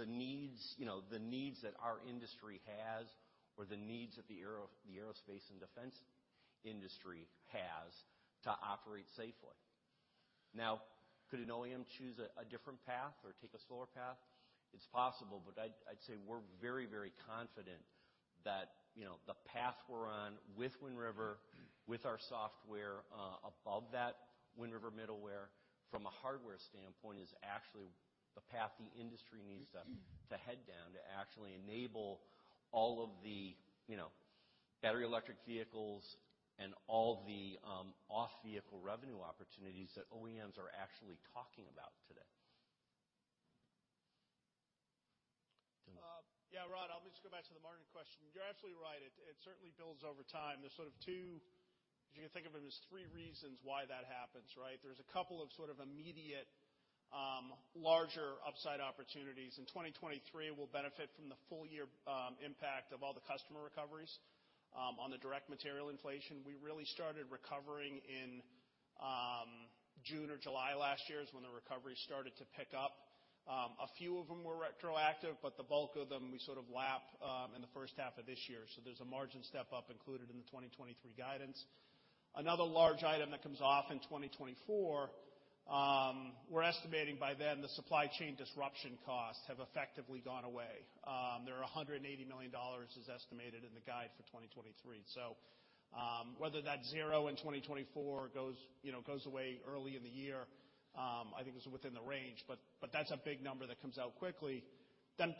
The needs, you know, the needs that our industry has or the needs that the aerospace and defense industry has to operate safely. Could an OEM choose a different path or take a slower path? It's possible, but I'd say we're very, very confident that, you know, the path we're on with Wind River, with our software, above that Wind River middleware from a hardware standpoint is actually the path the industry needs to head down to actually enable all of the, you know, battery electric vehicles and all the off-vehicle revenue opportunities that OEMs are actually talking about today. Yeah, Rod, I'll just go back to the margin question. You're absolutely right. It certainly builds over time. There's sort of two. If you can think of it as 3 reasons why that happens, right? There's a couple of sort of immediate, larger upside opportunities. In 2023, we'll benefit from the full year, impact of all the customer recoveries. On the direct material inflation, we really started recovering in June or July last year is when the recovery started to pick up. A few of them were retroactive, but the bulk of them, we sort of lap in the first half of this year. There's a margin step up included in the 2023 guidance. Another large item that comes off in 2024, we're estimating by then the supply chain disruption costs have effectively gone away. They're $180 million is estimated in the guide for 2023. Whether that's zero in 2024 goes away early in the year, I think is within the range. But that's a big number that comes out quickly.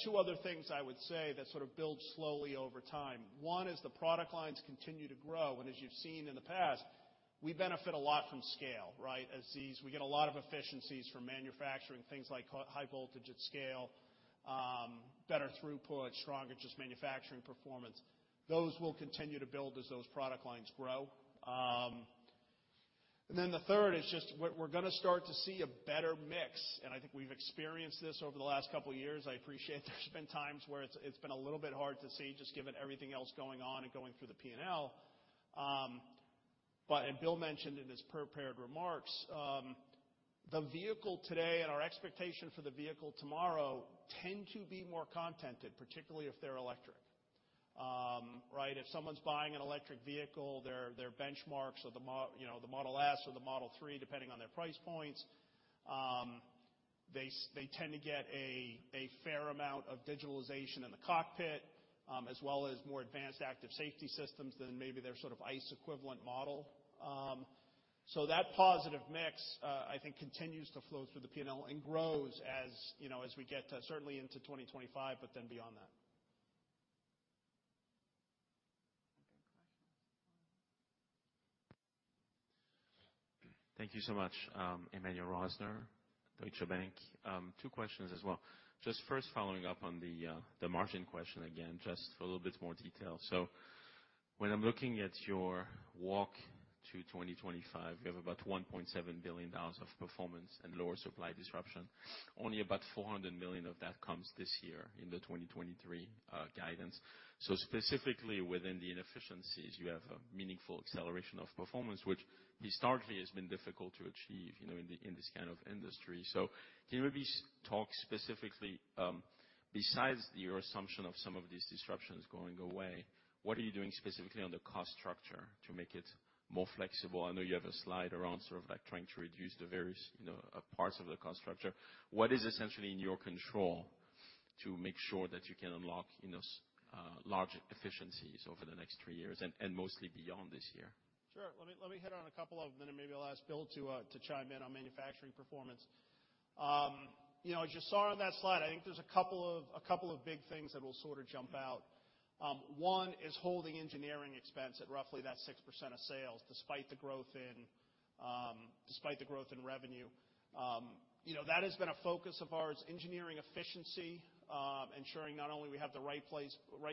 Two other things I would say that sort of build slowly over time. One is the product lines continue to grow. As you've seen in the past, we benefit a lot from scale, right? We get a lot of efficiencies from manufacturing things like high-voltage at scale, better throughput, stronger just manufacturing performance. Those will continue to build as those product lines grow. The third is just we're gonna start to see a better mix. I think we've experienced this over the last couple of years. I appreciate there's been times where it's been a little bit hard to see, just given everything else going on and going through the P&L. Bill mentioned in his prepared remarks, the vehicle today and our expectation for the vehicle tomorrow tend to be more content, and particularly if they're electric. Right? If someone's buying an electric vehicle, their benchmarks or you know, the Model S or the Model 3, depending on their price points, they tend to get a fair amount of digitalization in the cockpit, as well as more advanced active safety systems than maybe their sort of ICE equivalent model. That positive mix, I think continues to flow through the P&L and grows as, you know, as we get, certainly into 2025, but then beyond that. Thank you so much. Emmanuel Rosner, Deutsche Bank. Two questions as well. Just first following up on the margin question again, just for a little bit more detail. When I'm looking at your walk to 2025, you have about $1.7 billion of performance and lower supply disruption. Only about $400 million of that comes this year in the 2023 guidance. Specifically within the inefficiencies, you have a meaningful acceleration of performance, which historically has been difficult to achieve, you know, in this kind of industry. Can you maybe talk specifically, besides your assumption of some of these disruptions going away, what are you doing specifically on the cost structure to make it more flexible? I know you have a slide around sort of like trying to reduce the various, you know, parts of the cost structure. What is essentially in your control to make sure that you can unlock, you know, large efficiencies over the next three years and mostly beyond this year? Sure. Let me hit on a couple of them, and then maybe I'll ask Bill to chime in on manufacturing performance. You know, as you saw on that slide, I think there's a couple of big things that will sort of jump out. One is holding engineering expense at roughly that 6% of sales despite the growth in revenue. You know, that has been a focus of ours, engineering efficiency, ensuring not only we have the right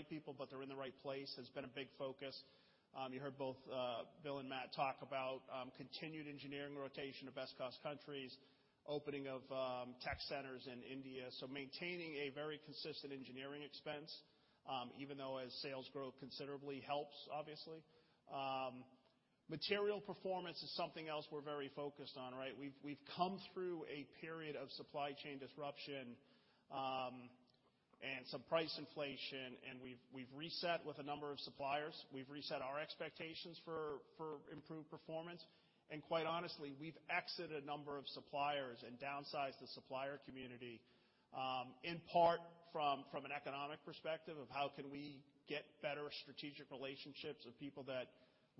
people, but they're in the right place, has been a big focus. You heard both Bill and Matt talk about continued engineering rotation of best cost countries, opening of tech centers in India. Maintaining a very consistent engineering expense, even though as sales grow considerably helps obviously. Material performance is something else we're very focused on, right? We've come through a period of supply chain disruption and some price inflation, and we've reset with a number of suppliers. We've reset our expectations for improved performance. Quite honestly, we've exited a number of suppliers and downsized the supplier community, in part from an economic perspective of how can we get better strategic relationships with people that,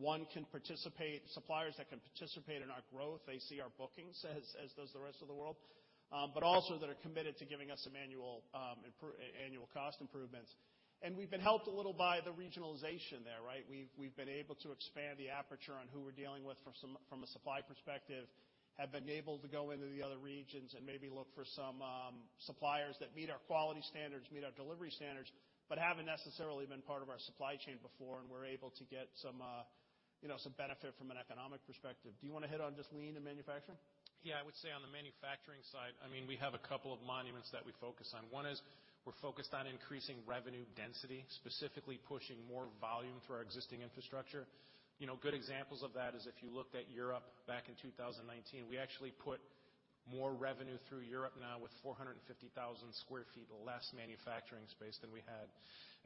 one, suppliers that can participate in our growth. They see our bookings as does the rest of the world. Also that are committed to giving us a man-... annual cost improvements. We've been helped a little by the regionalization there, right? We've been able to expand the aperture on who we're dealing with from a supply perspective, have been able to go into the other regions and maybe look for some suppliers that meet our quality standards, meet our delivery standards, but haven't necessarily been part of our supply chain before, and we're able to get some, you know, some benefit from an economic perspective. Do you wanna hit on just lean and manufacturing? Yeah. I would say on the manufacturing side, I mean, we have a couple of monuments that we focus on. One is we're focused on increasing revenue density, specifically pushing more volume through our existing infrastructure. You know, good examples of that is if you looked at Europe back in 2019, we actually put more revenue through Europe now with 450,000 sq ft of less manufacturing space than we had.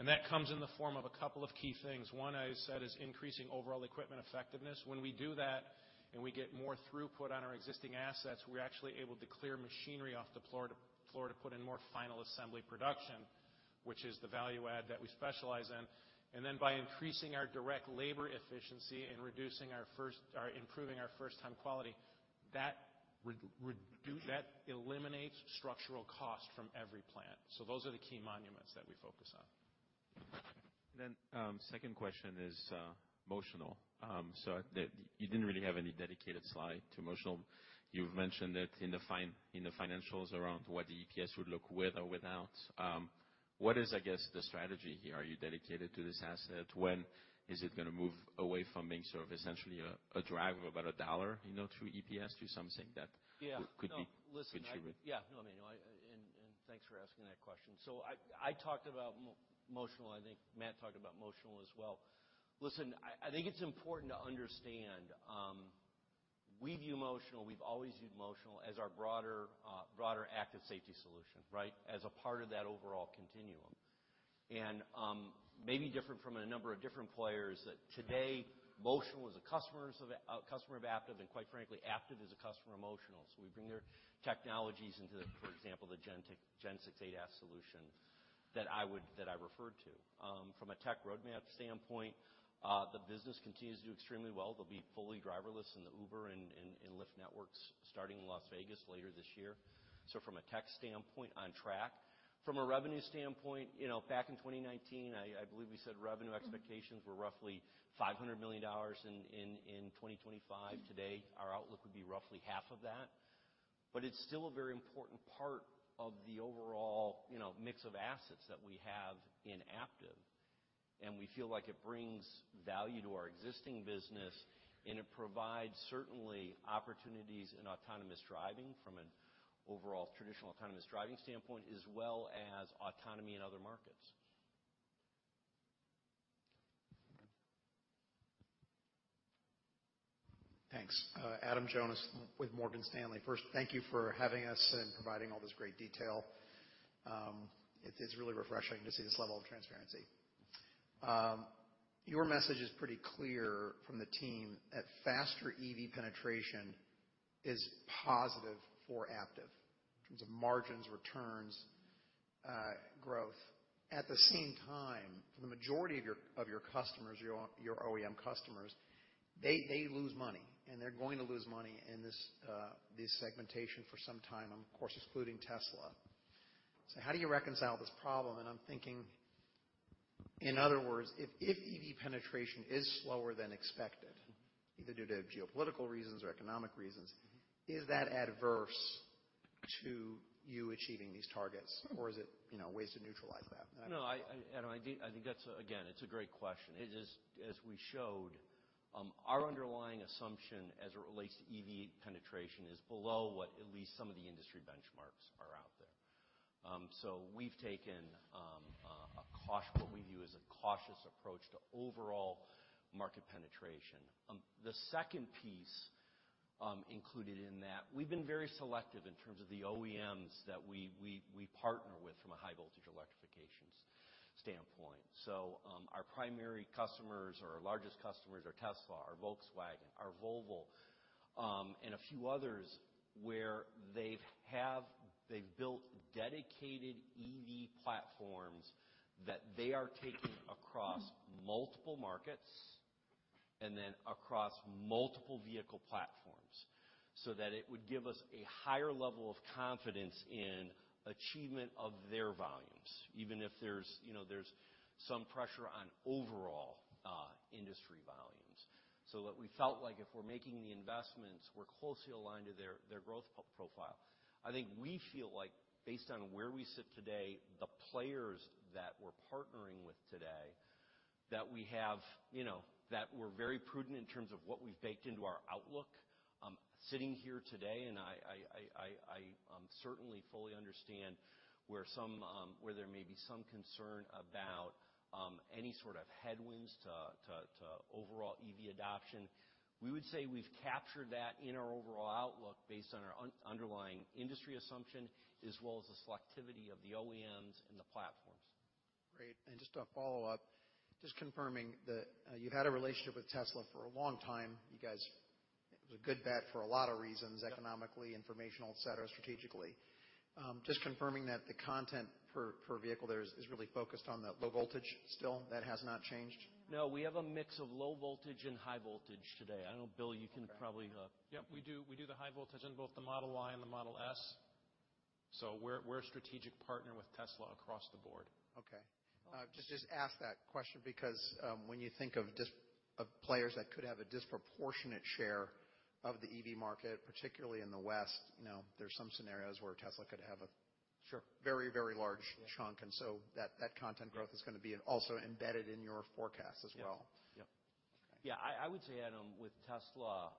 That comes in the form of a couple of key things. One, I said, is increasing overall equipment effectiveness. When we do that and we get more throughput on our existing assets, we're actually able to clear machinery off the floor to put in more final assembly production, which is the value add that we specialize in. By increasing our direct labor efficiency and reducing our first... Improving our first time quality. That eliminates structural costs from every plant. Those are the key monuments that we focus on. Second question is Motional? You didn't really have any dedicated slide to Motional. You've mentioned it in the financials around what the EPS would look with or without. What is, I guess, the strategy here? Are you dedicated to this asset? When is it gonna move away from being sort of essentially a drag of about $1, you know, through EPS to something that- Yeah. could be contributed? No. Listen. Yeah. No, I mean, thanks for asking that question. I talked about Motional. I think Matt talked about Motional as well. Listen, I think it's important to understand, we view Motional, we've always viewed Motional as our broader active safety solution, right? As a part of that overall continuum. Maybe different from a number of different players that today Motional is a customer of Aptiv, and quite frankly, Aptiv is a customer of Motional. We bring their technologies into the, for example, the Gen 6 ADAS solution that I referred to. From a tech roadmap standpoint, the business continues to do extremely well. They'll be fully driverless in the Uber and Lyft networks starting Las Vegas later this year. From a tech standpoint, on track. From a revenue standpoint, you know, back in 2019, I believe we said revenue expectations were roughly $500 million in 2025. Today, our outlook would be roughly half of that. It's still a very important part of the overall, you know, mix of assets that we have in Aptiv, and we feel like it brings value to our existing business, and it provides certainly opportunities in autonomous driving from an overall traditional autonomous driving standpoint, as well as autonomy in other markets. Thanks. Adam Jonas with Morgan Stanley. First, thank you for having us and providing all this great detail. It's really refreshing to see this level of transparency. Your message is pretty clear from the team that faster EV penetration is positive for Aptiv in terms of margins, returns, growth. At the same time, for the majority of your OEM customers, they lose money, and they're going to lose money in this segmentation for some time, of course, excluding Tesla. How do you reconcile this problem? I'm thinking, in other words, if EV penetration is slower than expected, either due to geopolitical reasons or economic reasons, is that adverse to you achieving these targets? Is it, you know, ways to neutralize that? No. Adam, I think that's, again, it's a great question. It is, as we showed, our underlying assumption as it relates to EV penetration is below what at least some of the industry benchmarks are out there. We've taken a cautious approach to overall market penetration. The second piece included in that, we've been very selective in terms of the OEMs that we partner with from a high voltage electrifications standpoint. Our primary customers or our largest customers are Tesla, are Volkswagen, are Volvo, and a few others where they've built dedicated EV platforms that they are taking across multiple markets and then across multiple vehicle platforms so that it would give us a higher level of confidence in achievement of their volumes, even if there's, you know, there's some pressure on overall industry volumes. What we felt like if we're making the investments, we're closely aligned to their growth profile. I think we feel like based on where we sit today, the players that we're partnering with today, that we have, you know, that we're very prudent in terms of what we've baked into our outlook, sitting here today, and I, I certainly fully understand where some, where there may be some concern about any sort of headwinds to overall EV adoption. We would say we've captured that in our overall outlook based on our underlying industry assumption, as well as the selectivity of the OEMs and the platforms. Great. Just to follow up, just confirming that you had a relationship with Tesla for a long time. It was a good bet for a lot of reasons. Yeah. economically, informational, et cetera, strategically. Just confirming that the content per vehicle there is really focused on the low voltage still. That has not changed? No. We have a mix of low voltage and high voltage today. I know, Bill, you can probably. Yep. We do the high voltage in both the Model Y and the Model S. We're a strategic partner with Tesla across the board. Okay. just ask that question because when you think of players that could have a disproportionate share of the EV market, particularly in the West, you know, there's some scenarios where Tesla could have a- Sure. very, very large chunk, and so that content growth is gonna be also embedded in your forecast as well. Yep. Yep. Okay. Yeah, I would say, Adam, with Tesla,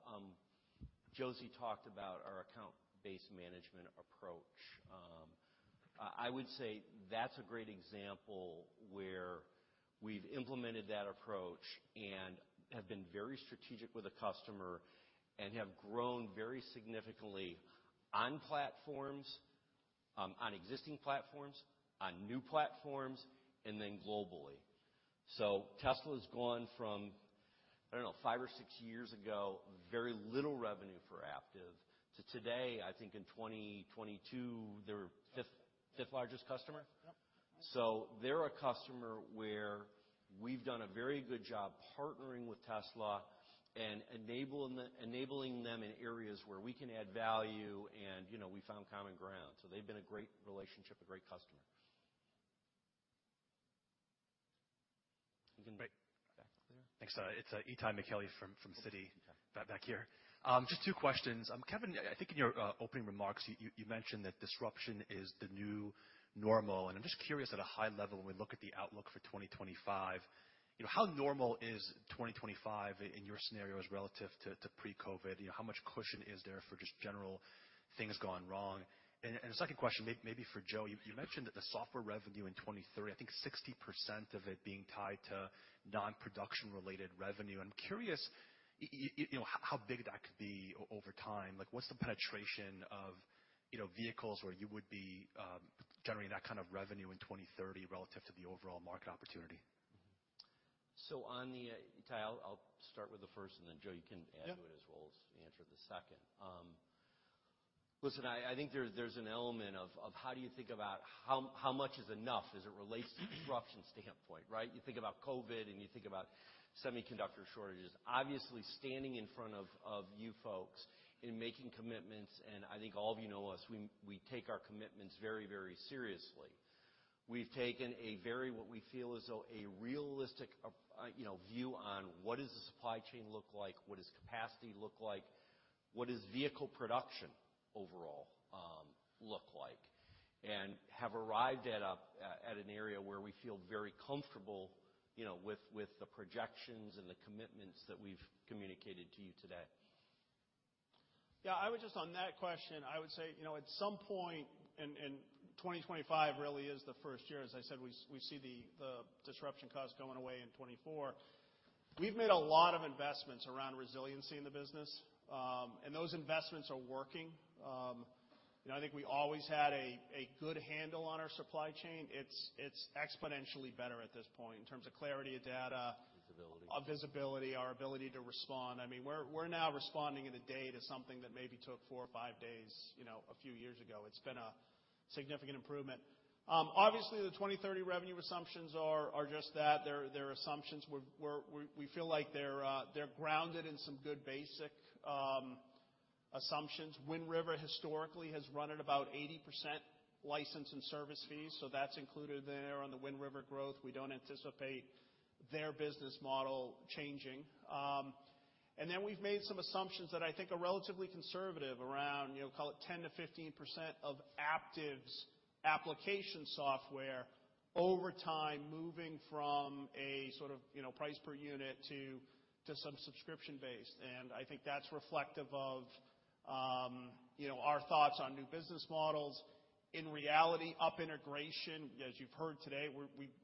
Josie talked about our account-based management approach. I would say that's a great example where we've implemented that approach and have been very strategic with the customer and have grown very significantly on platforms, on existing platforms, on new platforms, and then globally. Tesla's gone from, I don't know, five or six years ago, very little revenue for Aptiv to today, I think in 2022, their fifth largest customer. Yep. They're a customer where we've done a very good job partnering with Tesla and enabling them in areas where we can add value and, you know, we found common ground. They've been a great relationship, a great customer. You can- Great. Back there. Thanks. It's Itay Michaeli from Citi. Okay. Back here. Just two questions. Kevin, I think in your opening remarks, you mentioned that disruption is the new normal, I'm just curious at a high level when we look at the outlook for 2025, you know, how normal is 2025 in your scenarios relative to pre-COVID? You know, how much cushion is there for just general things gone wrong? The second question maybe for Joe, you mentioned that the software revenue in 2030, I think 60% of it being tied to non-production related revenue. I'm curious you know, how big that could be over time. Like, what's the penetration of, you know, vehicles where you would be generating that kind of revenue in 2030 relative to the overall market opportunity? Itay, I'll start with the first, and then Joe, you can add to it. Yeah. -as well as answer the second. listen, I think there's an element of how do you think about how much is enough as it relates to disruption standpoint, right? You think about COVID, and you think about semiconductor shortages. Obviously, standing in front of you folks and making commitments, and I think all of you know us, we take our commitments very, very seriously. We've taken a very what we feel as though a realistic, you know, view on what does the supply chain look like, what does capacity look like, what does vehicle production overall, look like? have arrived at a, at an area where we feel very comfortable, you know, with the projections and the commitments that we've communicated to you today. Yeah. I would just on that question, I would say, you know, at some point in 2025 really is the first year, as I said, we see the disruption costs going away in 2024. We've made a lot of investments around resiliency in the business, and those investments are working. You know, I think we always had a good handle on our supply chain. It's exponentially better at this point in terms of clarity of data. Visibility. of visibility, our ability to respond. I mean, we're now responding in a day to something that maybe took 4 or 5 days, you know, a few years ago. It's been a significant improvement. obviously the 2030 revenue assumptions are just that. They're, we feel like they're grounded in some good basic assumptions. Wind River historically has run at about 80% license and service fees, so that's included there. On the Wind River growth, we don't anticipate their business model changing. then we've made some assumptions that I think are relatively conservative around, you know, call it 10%-15% of Aptiv's application software over time moving from a sort of, you know, price per unit to some subscription-based. I think that's reflective of, you know, our thoughts on new business models. In reality, up integration, as you've heard today,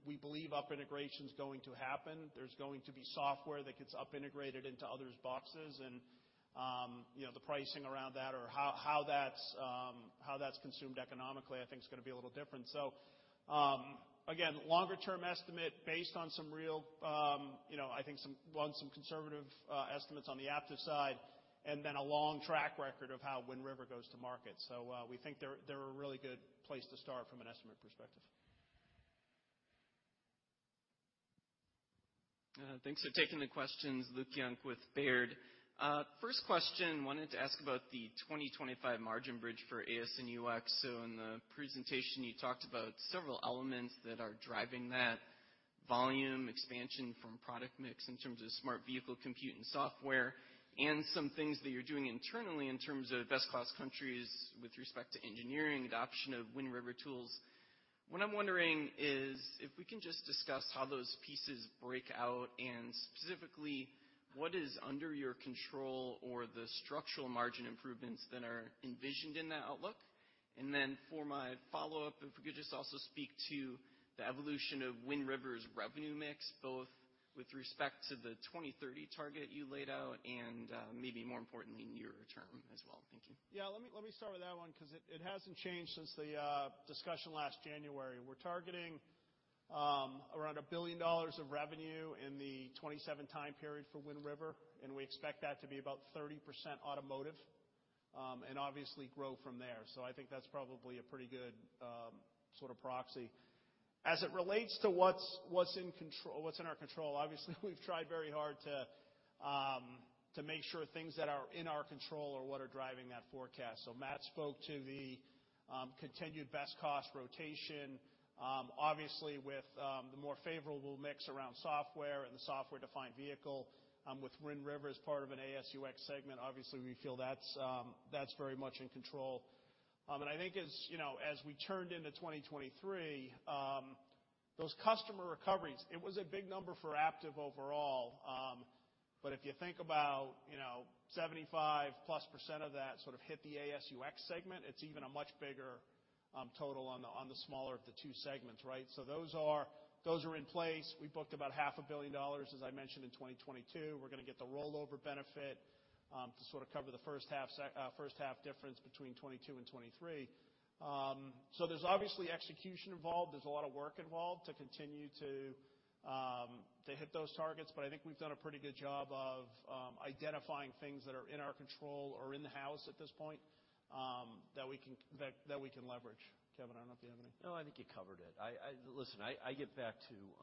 we believe up integration is going to happen. There's going to be software that gets up integrated into others' boxes and, you know, the pricing around that or how that's consumed economically, I think it's gonna be a little different. Again, longer term estimate based on some real, you know, I think some conservative estimates on the Aptiv side, and then a long track record of how Wind River goes to market. We think they're a really good place to start from an estimate perspective. Thanks for taking the questions. Luke Junk with Baird. First question, wanted to ask about the 2025 margin bridge for AS&UX. In the presentation, you talked about several elements that are driving that volume expansion from product mix in terms of smart vehicle compute and software, and some things that you're doing internally in terms of best cost countries with respect to engineering, adoption of Wind River tools. What I'm wondering is if we can just discuss how those pieces break out, and specifically, what is under your control or the structural margin improvements that are envisioned in that outlook. For my follow-up, if we could just also speak to the evolution of Wind River's revenue mix, both with respect to the 2030 target you laid out and maybe more importantly, near-term as well. Thank you. Let me start with that one 'cause it hasn't changed since the discussion last January. We're targeting around $1 billion of revenue in the 2027 time period for Wind River, and we expect that to be about 30% automotive, and obviously grow from there. I think that's probably a pretty good sort of proxy. As it relates to what's in our control, obviously, we've tried very hard to make sure things that are in our control are what are driving that forecast. Matt spoke to the continued best cost rotation. Obviously, with the more favorable mix around software and the software-defined vehicle, with Wind River as part of an ASUX segment, obviously, we feel that's very much in control. I think as, you know, as we turned into 2023, those customer recoveries, it was a big number for Aptiv overall. If you think about, you know, 75+% of that sort of hit the ASUX segment, it's even a much bigger total on the, on the smaller of the two segments, right? Those are, those are in place. We booked about half a billion dollars, as I mentioned, in 2022. We're gonna get the rollover benefit to sort of cover the first half difference between 2022 and 2023. There's obviously execution involved. There's a lot of work involved to continue to hit those targets, but I think we've done a pretty good job of, identifying things that are in our control or in the house at this point, that we can, that we can leverage. Kevin, I don't know if you have any. No, I think you covered it. I Listen, I get back to, you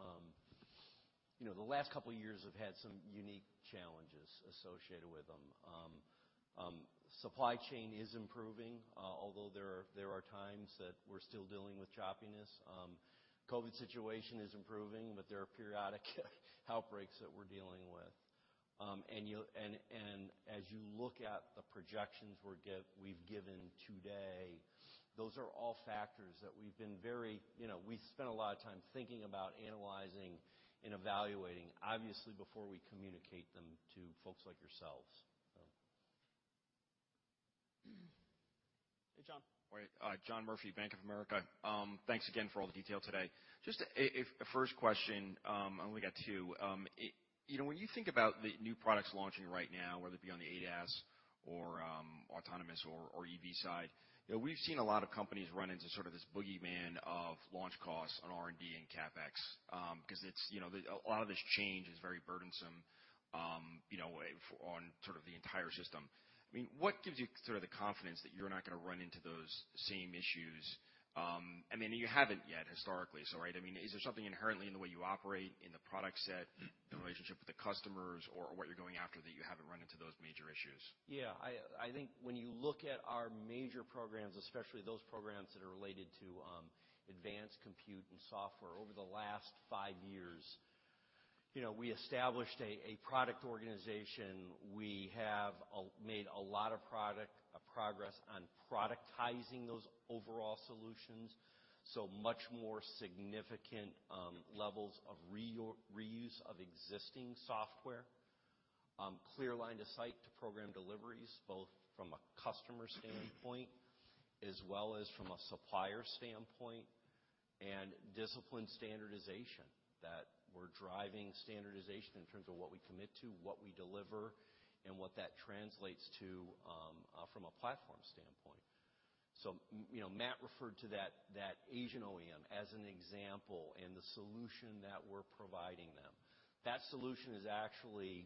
know, the last couple years have had some unique challenges associated with them. Supply chain is improving, although there are times that we're still dealing with choppiness. COVID situation is improving, but there are periodic outbreaks that we're dealing with. As you look at the projections we've given today, those are all factors that we've been very, you know, we spent a lot of time thinking about analyzing and evaluating, obviously before we communicate them to folks like yourselves, so. Hey, John. All right, John Murphy, Bank of America. Thanks again for all the detail today. Just a first question, I only got two. You know, when you think about the new products launching right now, whether it be on the ADAS or autonomous or EV side, you know, we've seen a lot of companies run into sort of this boogeyman of launch costs on R&D and CapEx, 'cause it's, you know, a lot of this change is very burdensome, you know, on sort of the entire system. I mean, what gives you sort of the confidence that you're not gonna run into those same issues? I mean, you haven't yet, historically, so, right? I mean, is there something inherently in the way you operate, in the product set, the relationship with the customers or what you haven't run into those major issues? I think when you look at our major programs, especially those programs that are related to advanced compute and software over the last five years, you know, we established a product organization. We have made a lot of progress on productizing those overall solutions, so much more significant levels of reuse of existing software. Clear line of sight to program deliveries, both from a customer standpoint as well as from a supplier standpoint. Disciplined standardization, that we're driving standardization in terms of what we commit to, what we deliver, and what that translates to from a platform standpoint. You know, Matt referred to that Asian OEM as an example and the solution that we're providing them. That solution is actually,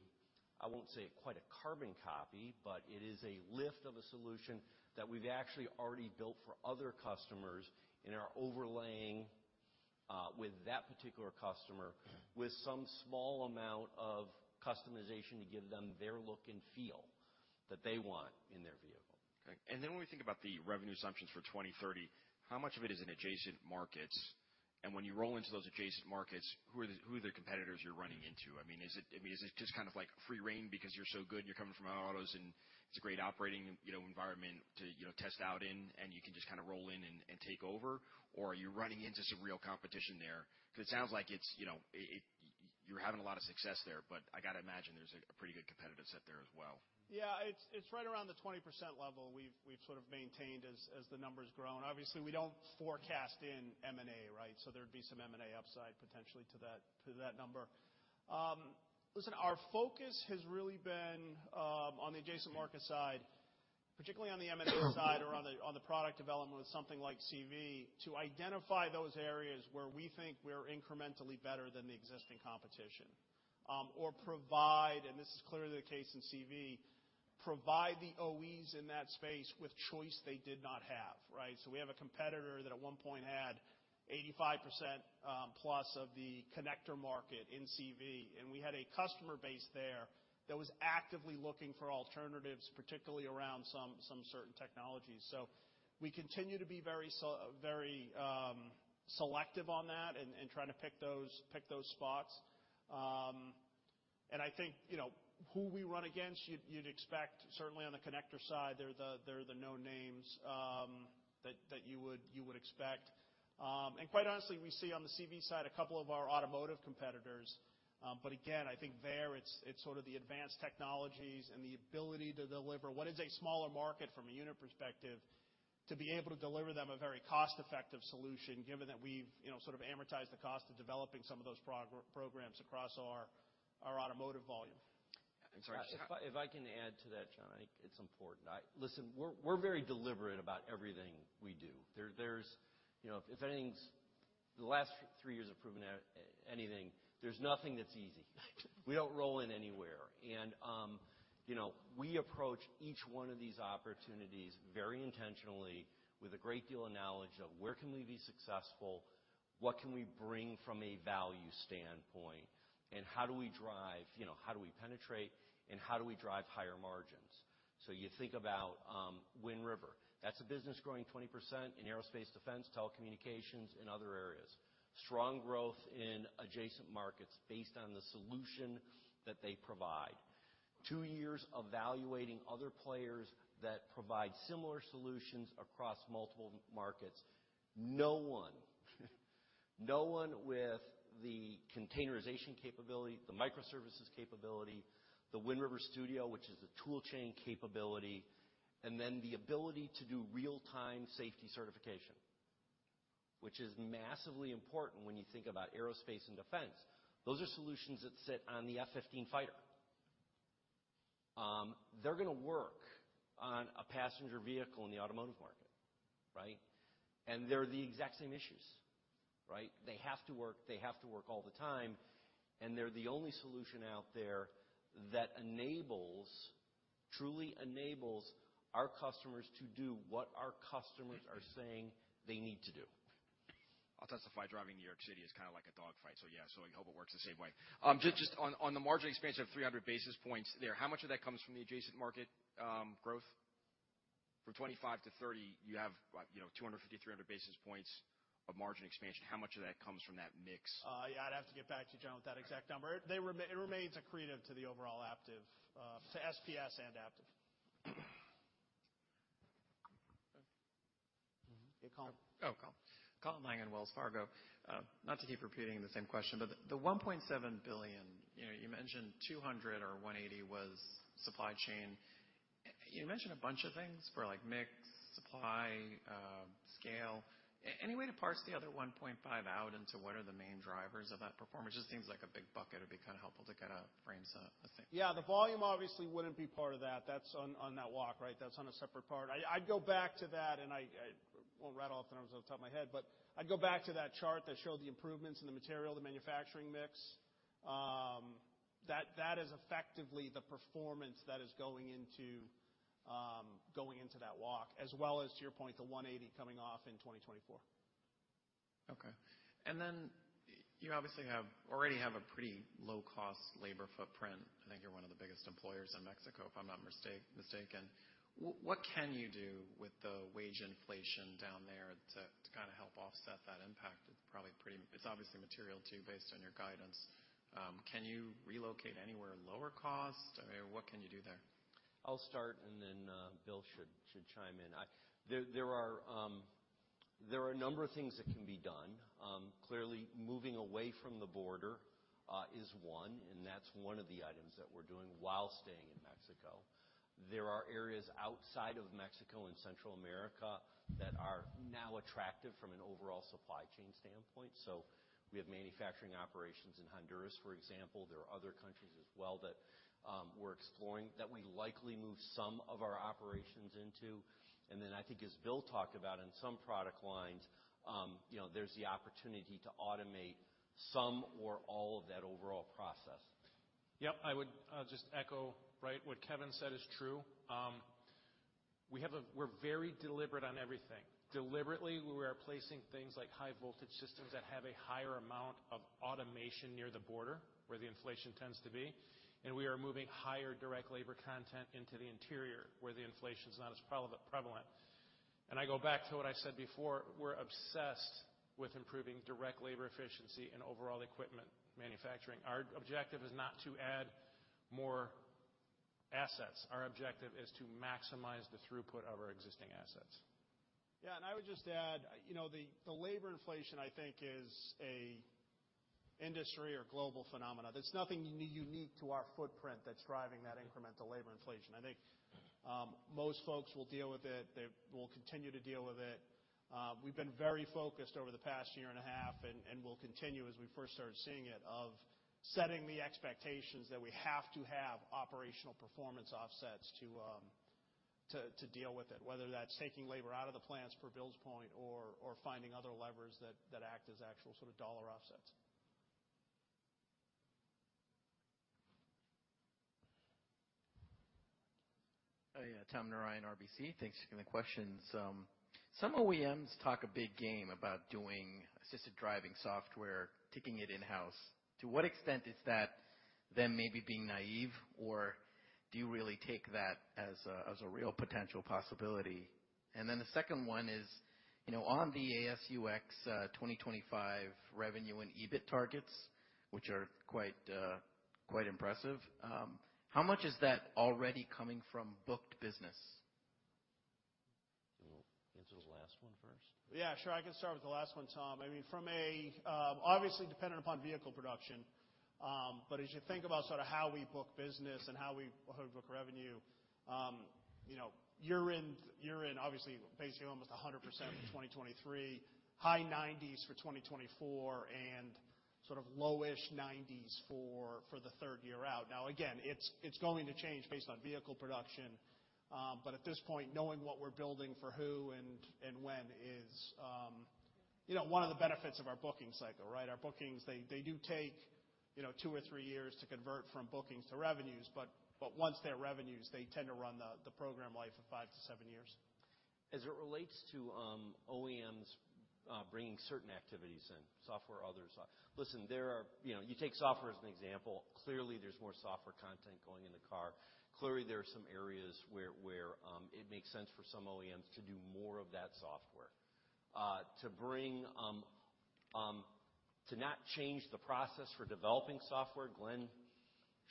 I won't say quite a carbon copy, but it is a lift of a solution that we've actually already built for other customers and are overlaying with that particular customer with some small amount of customization to give them their look and feel that they want in their vehicle. Okay. Then when we think about the revenue assumptions for 2030, how much of it is in adjacent markets? When you roll into those adjacent markets, who are the competitors you're running into? I mean, is it just kind of like free rein because you're so good and you're coming from autos, and it's a great operating, you know, environment to, you know, test out in and you can just kind of roll in and take over? Are you running into some real competition there? Because it sounds like it's, you know, You're having a lot of success there, but I got to imagine there's a pretty good competitive set there as well. It's right around the 20% level we've maintained as the number's grown. Obviously, we don't forecast in M&A, right? There'd be some M&A upside potentially to that, to that number. Listen, our focus has really been on the adjacent market side, particularly on the M&A side or on the product development with something like CV, to identify those areas where we think we're incrementally better than the existing competition. Or provide, and this is clearly the case in CV, provide the OEs in that space with choice they did not have, right? We have a competitor that at one point had 85%+ of the connector market in CV, and we had a customer base there that was actively looking for alternatives, particularly around some certain technologies. We continue to be very selective on that and trying to pick those spots. I think, you know, who we run against, you'd expect certainly on the connector side, they're the no names that you would expect. And quite honestly, we see on the CV side a couple of our automotive competitors. But again, I think there it's sort of the advanced technologies and the ability to deliver what is a smaller market from a unit perspective, to be able to deliver them a very cost-effective solution, given that we've, you know, sort of amortized the cost of developing some of those programs across our automotive volume. If I can add to that, John, I think it's important. Listen, we're very deliberate about everything we do. There's, you know, if anything, the last 3 years have proven anything. There's nothing that's easy. We don't roll in anywhere. You know, we approach each one of these opportunities very intentionally with a great deal of knowledge of where can we be successful, what can we bring from a value standpoint, and how do we drive, you know, how do we penetrate, and how do we drive higher margins. You think about Wind River. That's a business growing 20% in aerospace defense, telecommunications, and other areas. Strong growth in adjacent markets based on the solution that they provide. 2 years evaluating other players that provide similar solutions across multiple markets. No one, no one with the containerization capability, the microservices capability, the Wind River Studio, which is a tool chain capability, and then the ability to do real-time safety certification, which is massively important when you think about aerospace and defense. Those are solutions that sit on the F-15 fighter. They're gonna work on a passenger vehicle in the automotive market, right? They're the exact same issues, right? They have to work all the time, and they're the only solution out there that enables, truly enables our customers to do what our customers are saying they need to do. I'll testify, driving New York City is kinda like a dog fight, so yeah, so I hope it works the same way. Just on the margin expansion of 300 basis points there, how much of that comes from the adjacent market growth? From 25 to 30, you have, what, you know, 250, 300 basis points of margin expansion. How much of that comes from that mix? Yeah, I'd have to get back to you, John, with that exact number. It remains accretive to the overall Aptiv, to SPS and Aptiv. Okay. Colin. Oh, Colin. Colin Langan, Wells Fargo. Not to keep repeating the same question, the $1.7 billion, you know, you mentioned $200 million or $180 million was supply chain. You mentioned a bunch of things for like mix, supply, scale. Any way to parse the other $1.5 billion out into what are the main drivers of that performance? It just seems like a big bucket. It'd be kinda helpful to get a frames of the thing. The volume obviously wouldn't be part of that. That's on that walk, right? That's on a separate part. Well, right off the terms off the top of my head, I'd go back to that chart that showed the improvements in the material, the manufacturing mix. That is effectively the performance that is going into that walk, as well as to your point, the 180 coming off in 2024. Okay. Then you obviously already have a pretty low-cost labor footprint. I think you're one of the biggest employers in Mexico, if I'm not mistaken. What can you do with the wage inflation down there to kinda help offset that impact? It's obviously material to you based on your guidance. Can you relocate anywhere lower cost? I mean, what can you do there? I'll start. Then Bill should chime in. There are a number of things that can be done. Clearly, moving away from the border is one, and that's one of the items that we're doing while staying in Mexico. There are areas outside of Mexico and Central America that are now attractive from an overall supply chain standpoint. We have manufacturing operations in Honduras, for example. There are other countries as well that we're exploring, that we likely move some of our operations into. Then I think as Bill talked about in some product lines, you know, there's the opportunity to automate some or all of that overall process. Yeah. I would just echo, right? What Kevin said is true. We're very deliberate on everything. Deliberately, we are placing things like high voltage systems that have a higher amount of automation near the border, where the inflation tends to be, and we are moving higher direct labor content into the interior where the inflation's not as prevalent. I go back to what I said before, we're obsessed with improving direct labor efficiency and overall equipment manufacturing. Our objective is not to add more assets. Our objective is to maximize the throughput of our existing assets. Yeah. I would just add, you know, the labor inflation, I think, is an industry or global phenomena. There's nothing unique to our footprint that's driving that incremental labor inflation. I think most folks will deal with it. They will continue to deal with it. We've been very focused over the past year and a half and will continue as we first started seeing it, of setting the expectations that we have to have operational performance offsets to deal with it, whether that's taking labor out of the plans for Bill's point or finding other levers that act as actual sort of dollar offsets. Yeah, Tom Narayan, RBC. Thanks. Gonna question some. Some OEMs talk a big game about doing assisted driving software, taking it in-house. To what extent is that them maybe being naive, or do you really take that as a, as a real potential possibility? The second one is, you know, on the ASUX, 2025 revenue and EBIT targets, which are quite impressive, how much is that already coming from booked business? We'll answer the last one first. Yeah, sure. I can start with the last one, Tom. I mean, from a. Obviously, dependent upon vehicle production, but as you think about sort of how we book business and how we book revenue, you know, you're in obviously basically almost 100% for 2023, high 90s for 2024. Sort of low-ish 90s for the third year out. Now, again, it's going to change based on vehicle production. But at this point, knowing what we're building for who and when is, you know, one of the benefits of our booking cycle, right? Our bookings, they do take, you know, two or three years to convert from bookings to revenues, but once they're revenues, they tend to run the program life of 5- 7 years. As it relates to OEMs bringing certain activities in, software or other, listen. You know, you take software as an example. Clearly, there's more software content going in the car. Clearly, there are some areas where it makes sense for some OEMs to do more of that software. To not change the process for developing software, Glen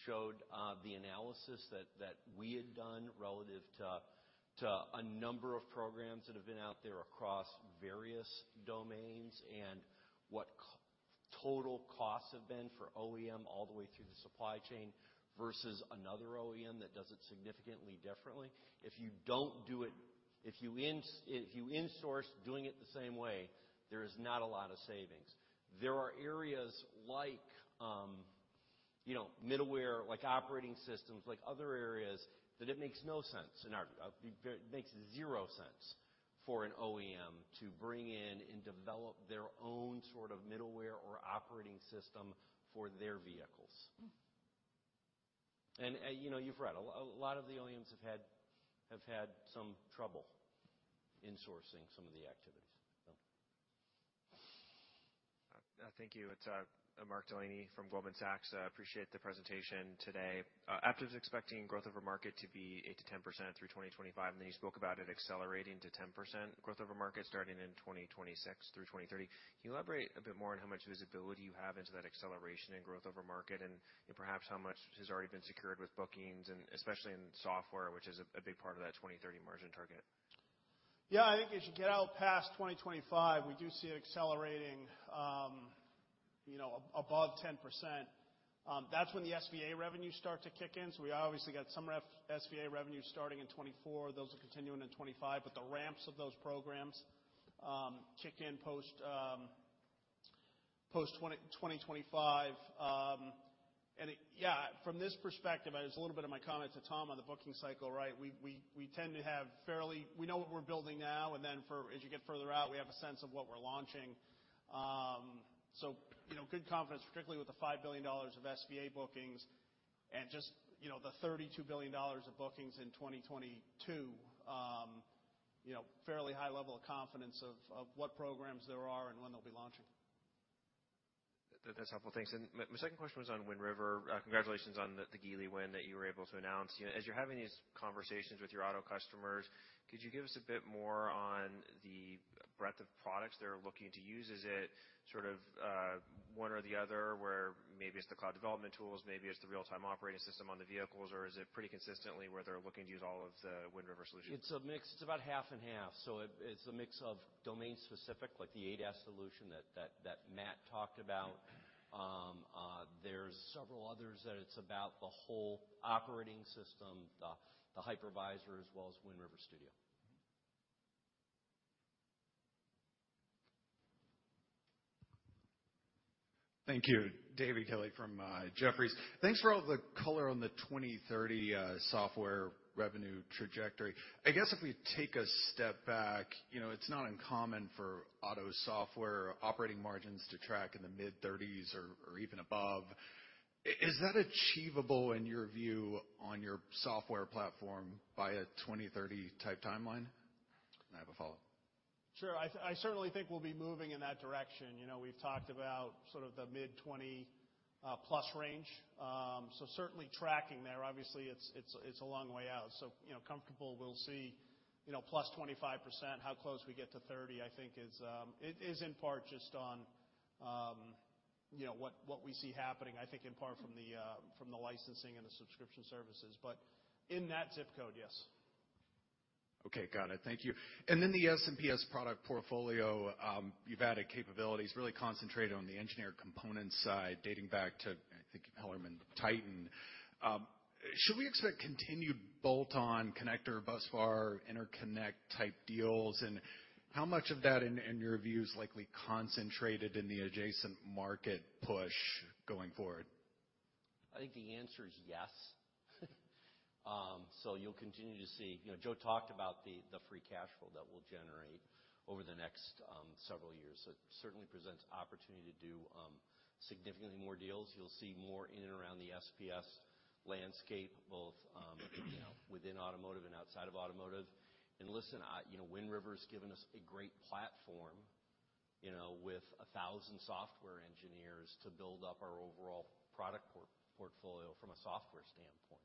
showed the analysis that we had done relative to a number of programs that have been out there across various domains and what total costs have been for OEM all the way through the supply chain versus another OEM that does it significantly differently. If you don't do it. If you insource doing it the same way, there is not a lot of savings. There are areas like, you know, middleware, like operating systems, like other areas that it makes no sense in our view. It makes zero sense for an OEM to bring in and develop their own sort of middleware or operating system for their vehicles. You know, you've read. A lot of the OEMs have had some trouble insourcing some of the activities. Thank you. It's Mark Delaney from Goldman Sachs. I appreciate the presentation today. Aptiv's expecting growth of a market to be 8%-10% through 2025, and then you spoke about it accelerating to 10% growth of a market starting in 2026 through 2030. Can you elaborate a bit more on how much visibility you have into that acceleration and growth of a market, and perhaps how much has already been secured with bookings, and especially in software, which is a big part of that 2030 margin target? Yeah. I think as you get out past 2025, we do see it accelerating, you know, above 10%. That's when the SVA revenues start to kick in. We obviously got some SVA revenue starting in 2024. Those are continuing in 2025. The ramps of those programs kick in post 2025. Yeah, from this perspective, it was a little bit of my comment to Tom on the booking cycle, right? We tend to have We know what we're building now, and then as you get further out, we have a sense of what we're launching. You know, good confidence, particularly with the $5 billion of SVA bookings and just, you know, the $32 billion of bookings in 2022, you know, fairly high level of confidence of what programs there are and when they'll be launching. That's helpful. Thanks. My second question was on Wind River. Congratulations on the Geely win that you were able to announce. As you're having these conversations with your auto customers, could you give us a bit more on the breadth of products they're looking to use? Is it sort of one or the other, where maybe it's the cloud development tools, maybe it's the real-time operating system on the vehicles, or is it pretty consistently where they're looking to use all of the Wind River solutions? It's a mix. It's about half and half. It's a mix of domain-specific, like the ADAS solution that Matt talked about. There's several others that it's about the whole operating system, the hypervisor, as well as Wind River Studio. Mm-hmm. Thank you. David Kelly from Jefferies. Thanks for all the color on the 2030 software revenue trajectory. I guess if we take a step back, you know, it's not uncommon for auto software operating margins to track in the mid-30s or even above. Is that achievable in your view on your software platform by a 2030 type timeline? I have a follow-up. Sure. I certainly think we'll be moving in that direction. You know, we've talked about sort of the mid-20+ range. Certainly tracking there. Obviously, it's a long way out. Comfortable we'll see, you know, +25%. How close we get to 30, I think, is in part just on, you know, what we see happening, I think in part from the licensing and the subscription services. In that ZIP code, yes. Okay. Got it. Thank you. The SPS product portfolio, you've added capabilities really concentrated on the engineered components side dating back to, I think, HellermannTyton. Should we expect continued bolt-on connector busbar interconnect type deals? How much of that in your view is likely concentrated in the adjacent market push going forward? I think the answer is yes. You'll continue to see... You know, Joe talked about the free cash flow that we'll generate over the next several years. It certainly presents opportunity to do significantly more deals. You'll see more in and around the SPS landscape, both, you know, within automotive and outside of automotive. Listen, you know, Wind River's given us a great platform, you know, with 1,000 software engineers to build up our overall portfolio from a software standpoint.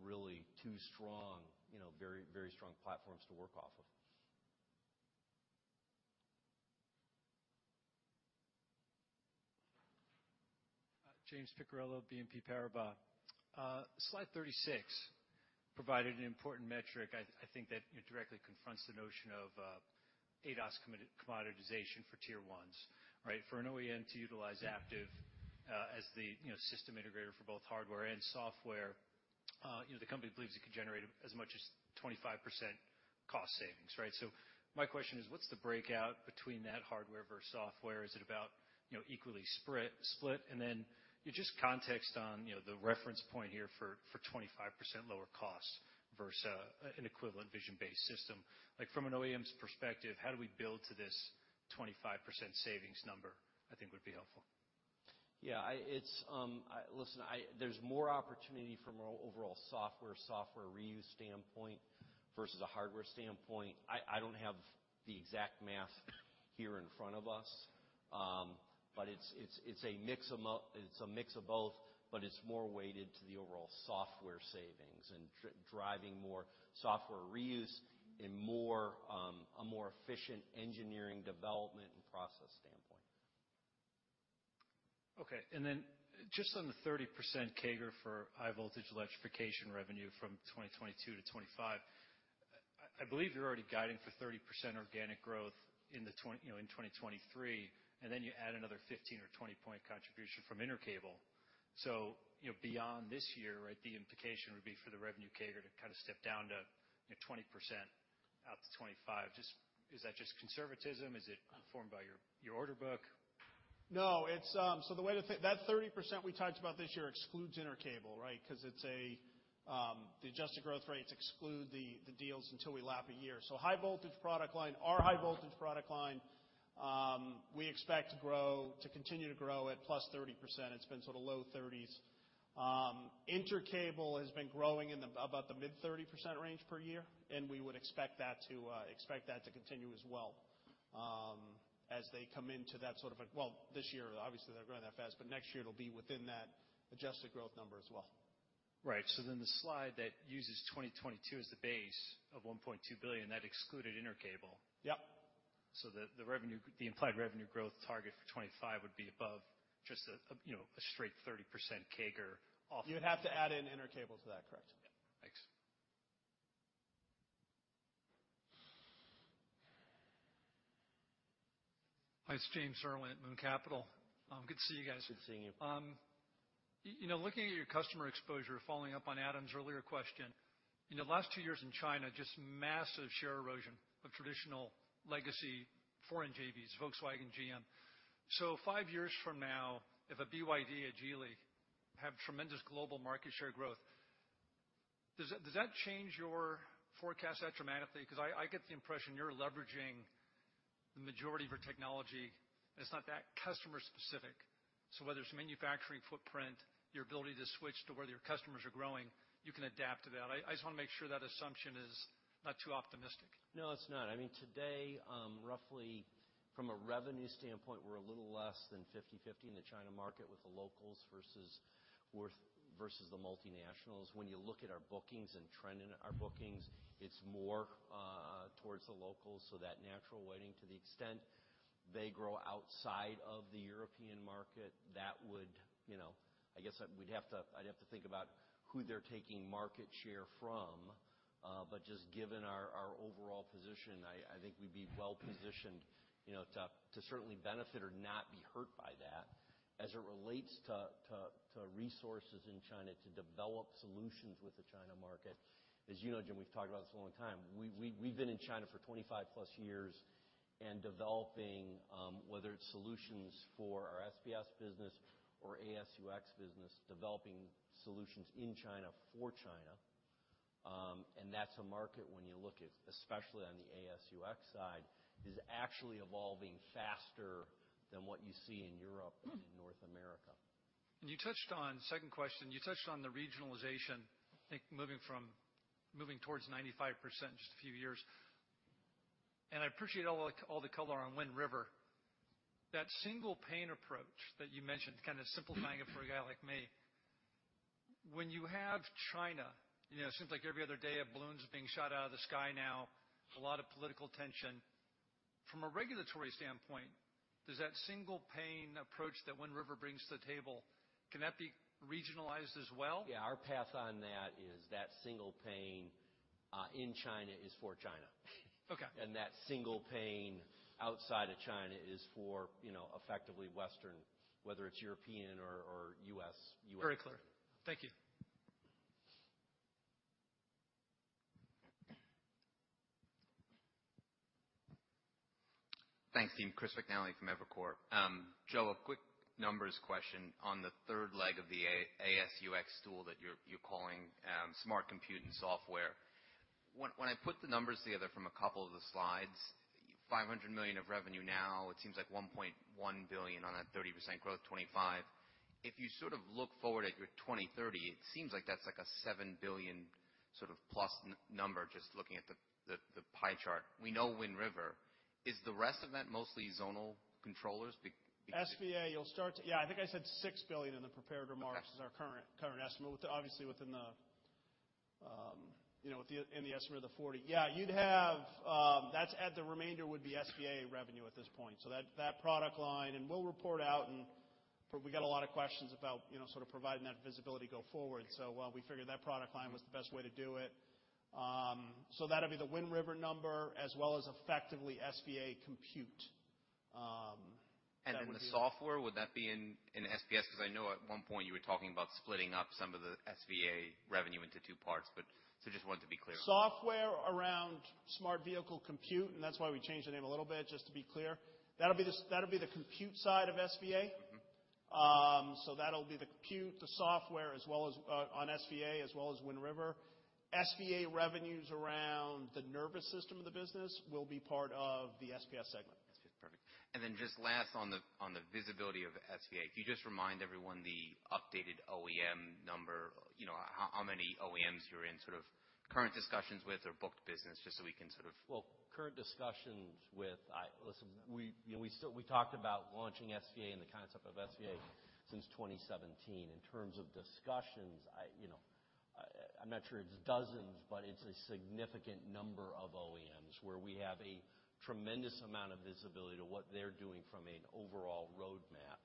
Really two strong, you know, very, very strong platforms to work off of. James Picariello, BNP Paribas. Slide 36 provided an important metric, I think, that, you know, directly confronts the notion of ADAS commoditization for tier ones, right? For an OEM to utilize Aptiv, as the, you know, system integrator for both hardware and software, you know, the company believes it could generate as much as 25% cost savings, right? My question is, what's the breakout between that hardware versus software? Is it about, you know, equally split? And then can you just context on, you know, the reference point here for 25% lower costs versus an equivalent vision-based system. Like, from an OEM's perspective, how do we build to this 25% savings number, I think would be helpful. There's more opportunity from our overall software reuse standpoint versus a hardware standpoint. I don't have the exact math here in front of us. It's a mix of both, but it's more weighted to the overall software savings and driving more software reuse in more, a more efficient engineering development and process standpoint. Okay. Just on the 30% CAGR for high voltage electrification revenue from 2022-2025, I believe you're already guiding for 30% organic growth in, you know, 2023, and then you add another 15 or 20 point contribution from Intercable. You know, beyond this year, right, the implication would be for the revenue CAGR to kind of step down to, you know, 20% out to 2025. Just, is that just conservatism? Is it informed by your order book? No. It's the way to That 30% we talked about this year excludes Intercable, right? 'Cause it's a. The adjusted growth rates exclude the deals until we lap a year. Our high voltage product line, we expect to continue to grow at +30%. It's been sort of low 30s. Intercable has been growing about the mid-30% range per year, and we would expect that to continue as well, as they come into that sort of. This year obviously they're growing that fast, but next year it'll be within that adjusted growth number as well. Right. The slide that uses 2022 as the base of $1.2 billion, that excluded Intercable. Yep. The revenue, the implied revenue growth target for 25 would be above just a straight 30% CAGR off. You would have to add in Intercable to that. Correct. Yeah. Thanks. Hi, it's James Irwin at Moon Capital. Good to see you guys. Good seeing you. You know, looking at your customer exposure, following up on Adam's earlier question, in the last two years in China, just massive share erosion of traditional legacy foreign JVs, Volkswagen, GM. Five years from now, if a BYD, a Geely have tremendous global market share growth, does that change your forecast that dramatically? I get the impression you're leveraging the majority of your technology, and it's not that customer specific. Whether it's manufacturing footprint, your ability to switch to where your customers are growing, you can adapt to that. I just wanna make sure that assumption is not too optimistic. No, it's not. I mean, today, roughly from a revenue standpoint, we're a little less than 50/50 in the China market with the locals versus the multinationals. When you look at our bookings and trend in our bookings, it's more towards the locals. That natural weighting to the extent they grow outside of the European market, that would, you know... I guess we'd have to think about who they're taking market share from. Just given our overall position, I think we'd be well positioned, you know, to certainly benefit or not be hurt by that. As it relates to resources in China to develop solutions with the China market, as you know, Jim, we've talked about this a long time. We've been in China for 25+ years and developing, whether it's solutions for our SPS business or AS&UX business, developing solutions in China for China. That's a market when you look at, especially on the AS&UX side, is actually evolving faster than what you see in Europe and in North America. You touched on, second question, you touched on the regionalization, I think moving from, moving towards 95% in just a few years. I appreciate all the color on Wind River. That single pane approach that you mentioned, kinda simplifying it for a guy like me, when you have China, you know, it seems like every other day a balloon's being shot out of the sky now, a lot of political tension. From a regulatory standpoint, does that single pane approach that Wind River brings to the table, can that be regionalized as well? Our path on that is that single pane in China is for China. Okay. That single pane outside of China is for, you know, effectively Western, whether it's European or U.S. Very clear. Thank you. Thanks, team. Chris McNally from Evercore. Joe, a quick numbers question on the third leg of the ASUX tool that you're calling, smart compute and software. When I put the numbers together from a couple of the slides, $500 million of revenue now, it seems like $1.1 billion on a 30% growth 25. If you sort of look forward at your 2030, it seems like that's like a $7 billion sort of plus number, just looking at the, the pie chart. We know Wind River. Is the rest of that mostly zonal controllers? SVA. Yeah, I think I said $6 billion in the prepared remarks. Okay ...is our current estimate with obviously within the, you know, with the, in the estimate of the 40. Yeah, you'd have... That's at the remainder would be SVA revenue at this point. That product line, and we'll report out and we got a lot of questions about, you know, sort of providing that visibility go forward. While we figured that product line was the best way to do it. That'll be the Wind River number as well as effectively SVA Compute. The software, would that be in SPS? 'Cause I know at one point you were talking about splitting up some of the SVA revenue into two parts. Just wanted to be clear. Software around Smart Vehicle Compute, that's why we changed the name a little bit, just to be clear. That'll be the compute side of SVA. Mm-hmm. That'll be the compute, the software, as well as, on SVA as well as Wind River. SVA revenues around the nervous system of the business will be part of the SPS segment. SPS. Perfect. Just last on the, on the visibility of SVA. Could you just remind everyone the updated OEM number? You know, how many OEMs you're in sort of current discussions with or booked business, just so we can sort of. Well, current discussions with Listen, we, you know, we talked about launching SVA and the concept of SVA since 2017. In terms of discussions, I, you know, I'm not sure if it's dozens, but it's a significant number of OEMs where we have a tremendous amount of visibility to what they're doing from an overall roadmap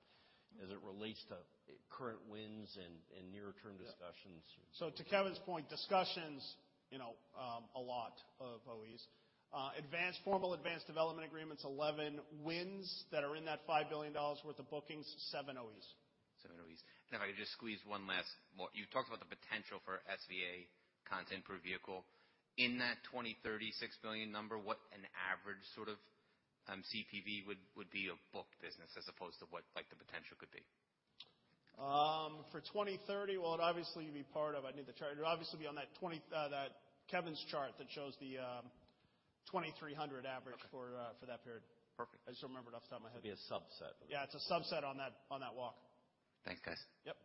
as it relates to current wins and near-term discussions. Yeah. To Kevin's point, discussions, you know, a lot of OEs. Advanced formal, advanced development agreements 11. Wins that are in that $5 billion worth of bookings, 7 OEs. 7 OEs. Well, you talked about the potential for SVA content per vehicle. In that 2030 $6 billion number, what an average sort of CPV would be a book business as opposed to what, like, the potential could be? for 2030, well, it'd obviously be part of... I'd need the chart. It'd obviously be on that 20, that Kevin's chart that shows the, 2,300 average- Okay. for that period. Perfect. I just remembered off the top of my head. It'd be a subset. Yeah, it's a subset on that, on that walk. Thanks, guys. Yep.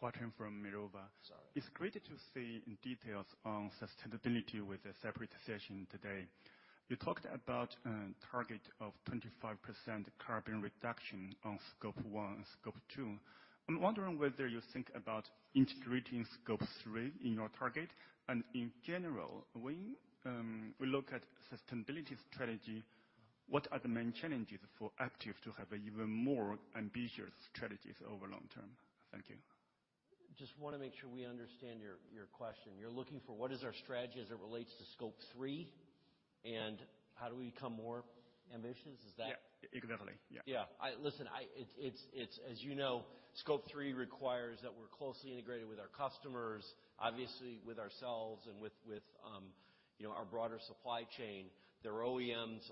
Hua Qing from Mirva. Sorry. It's great to see in details on sustainability with a separate session today. You talked about a target of 25% carbon reduction on Scope 1 and Scope 2. I'm wondering whether you think about integrating Scope 3 in your target. In general, when we look at sustainability strategy, what are the main challenges for Aptiv to have even more ambitious strategies over long term? Thank you. Just wanna make sure we understand your question. You're looking for what is our strategy as it relates to Scope 3, and how do we become more ambitious? Is that? Yeah. Definitely. Yeah. Yeah. Listen, it's, as you know, Scope 3 requires that we're closely integrated with our customers, obviously with ourselves and with, you know, our broader supply chain. There are OEMs,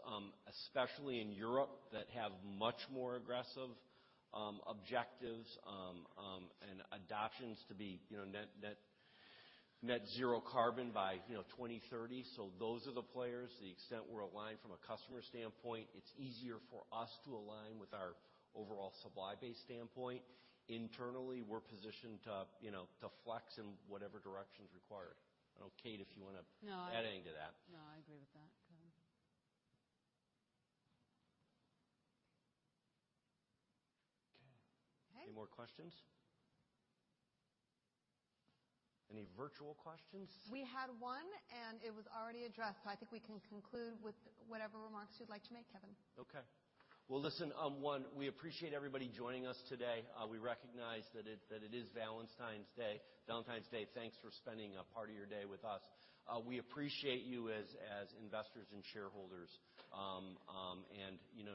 especially in Europe, that have much more aggressive objectives and adoptions to be, you know, net zero carbon by, you know, 2030. Those are the players. To the extent we're aligned from a customer standpoint, it's easier for us to align with our overall supply base standpoint. Internally, we're positioned, you know, to flex in whatever direction's required. I don't know, Kate, if you wanna. No. add anything to that. No, I agree with that, Kevin. Okay. Okay. Any more questions? Any virtual questions? We had one. It was already addressed. I think we can conclude with whatever remarks you'd like to make, Kevin. Okay. Well, listen, one, we appreciate everybody joining us today. We recognize that it is Valentine's Day. Thanks for spending a part of your day with us. We appreciate you as investors and shareholders. You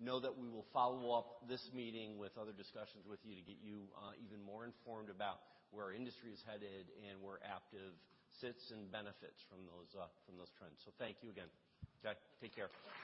know that we will follow up this meeting with other discussions with you to get you even more informed about where our industry is headed and where Aptiv sits and benefits from those from those trends. Thank you again. Jack, take care.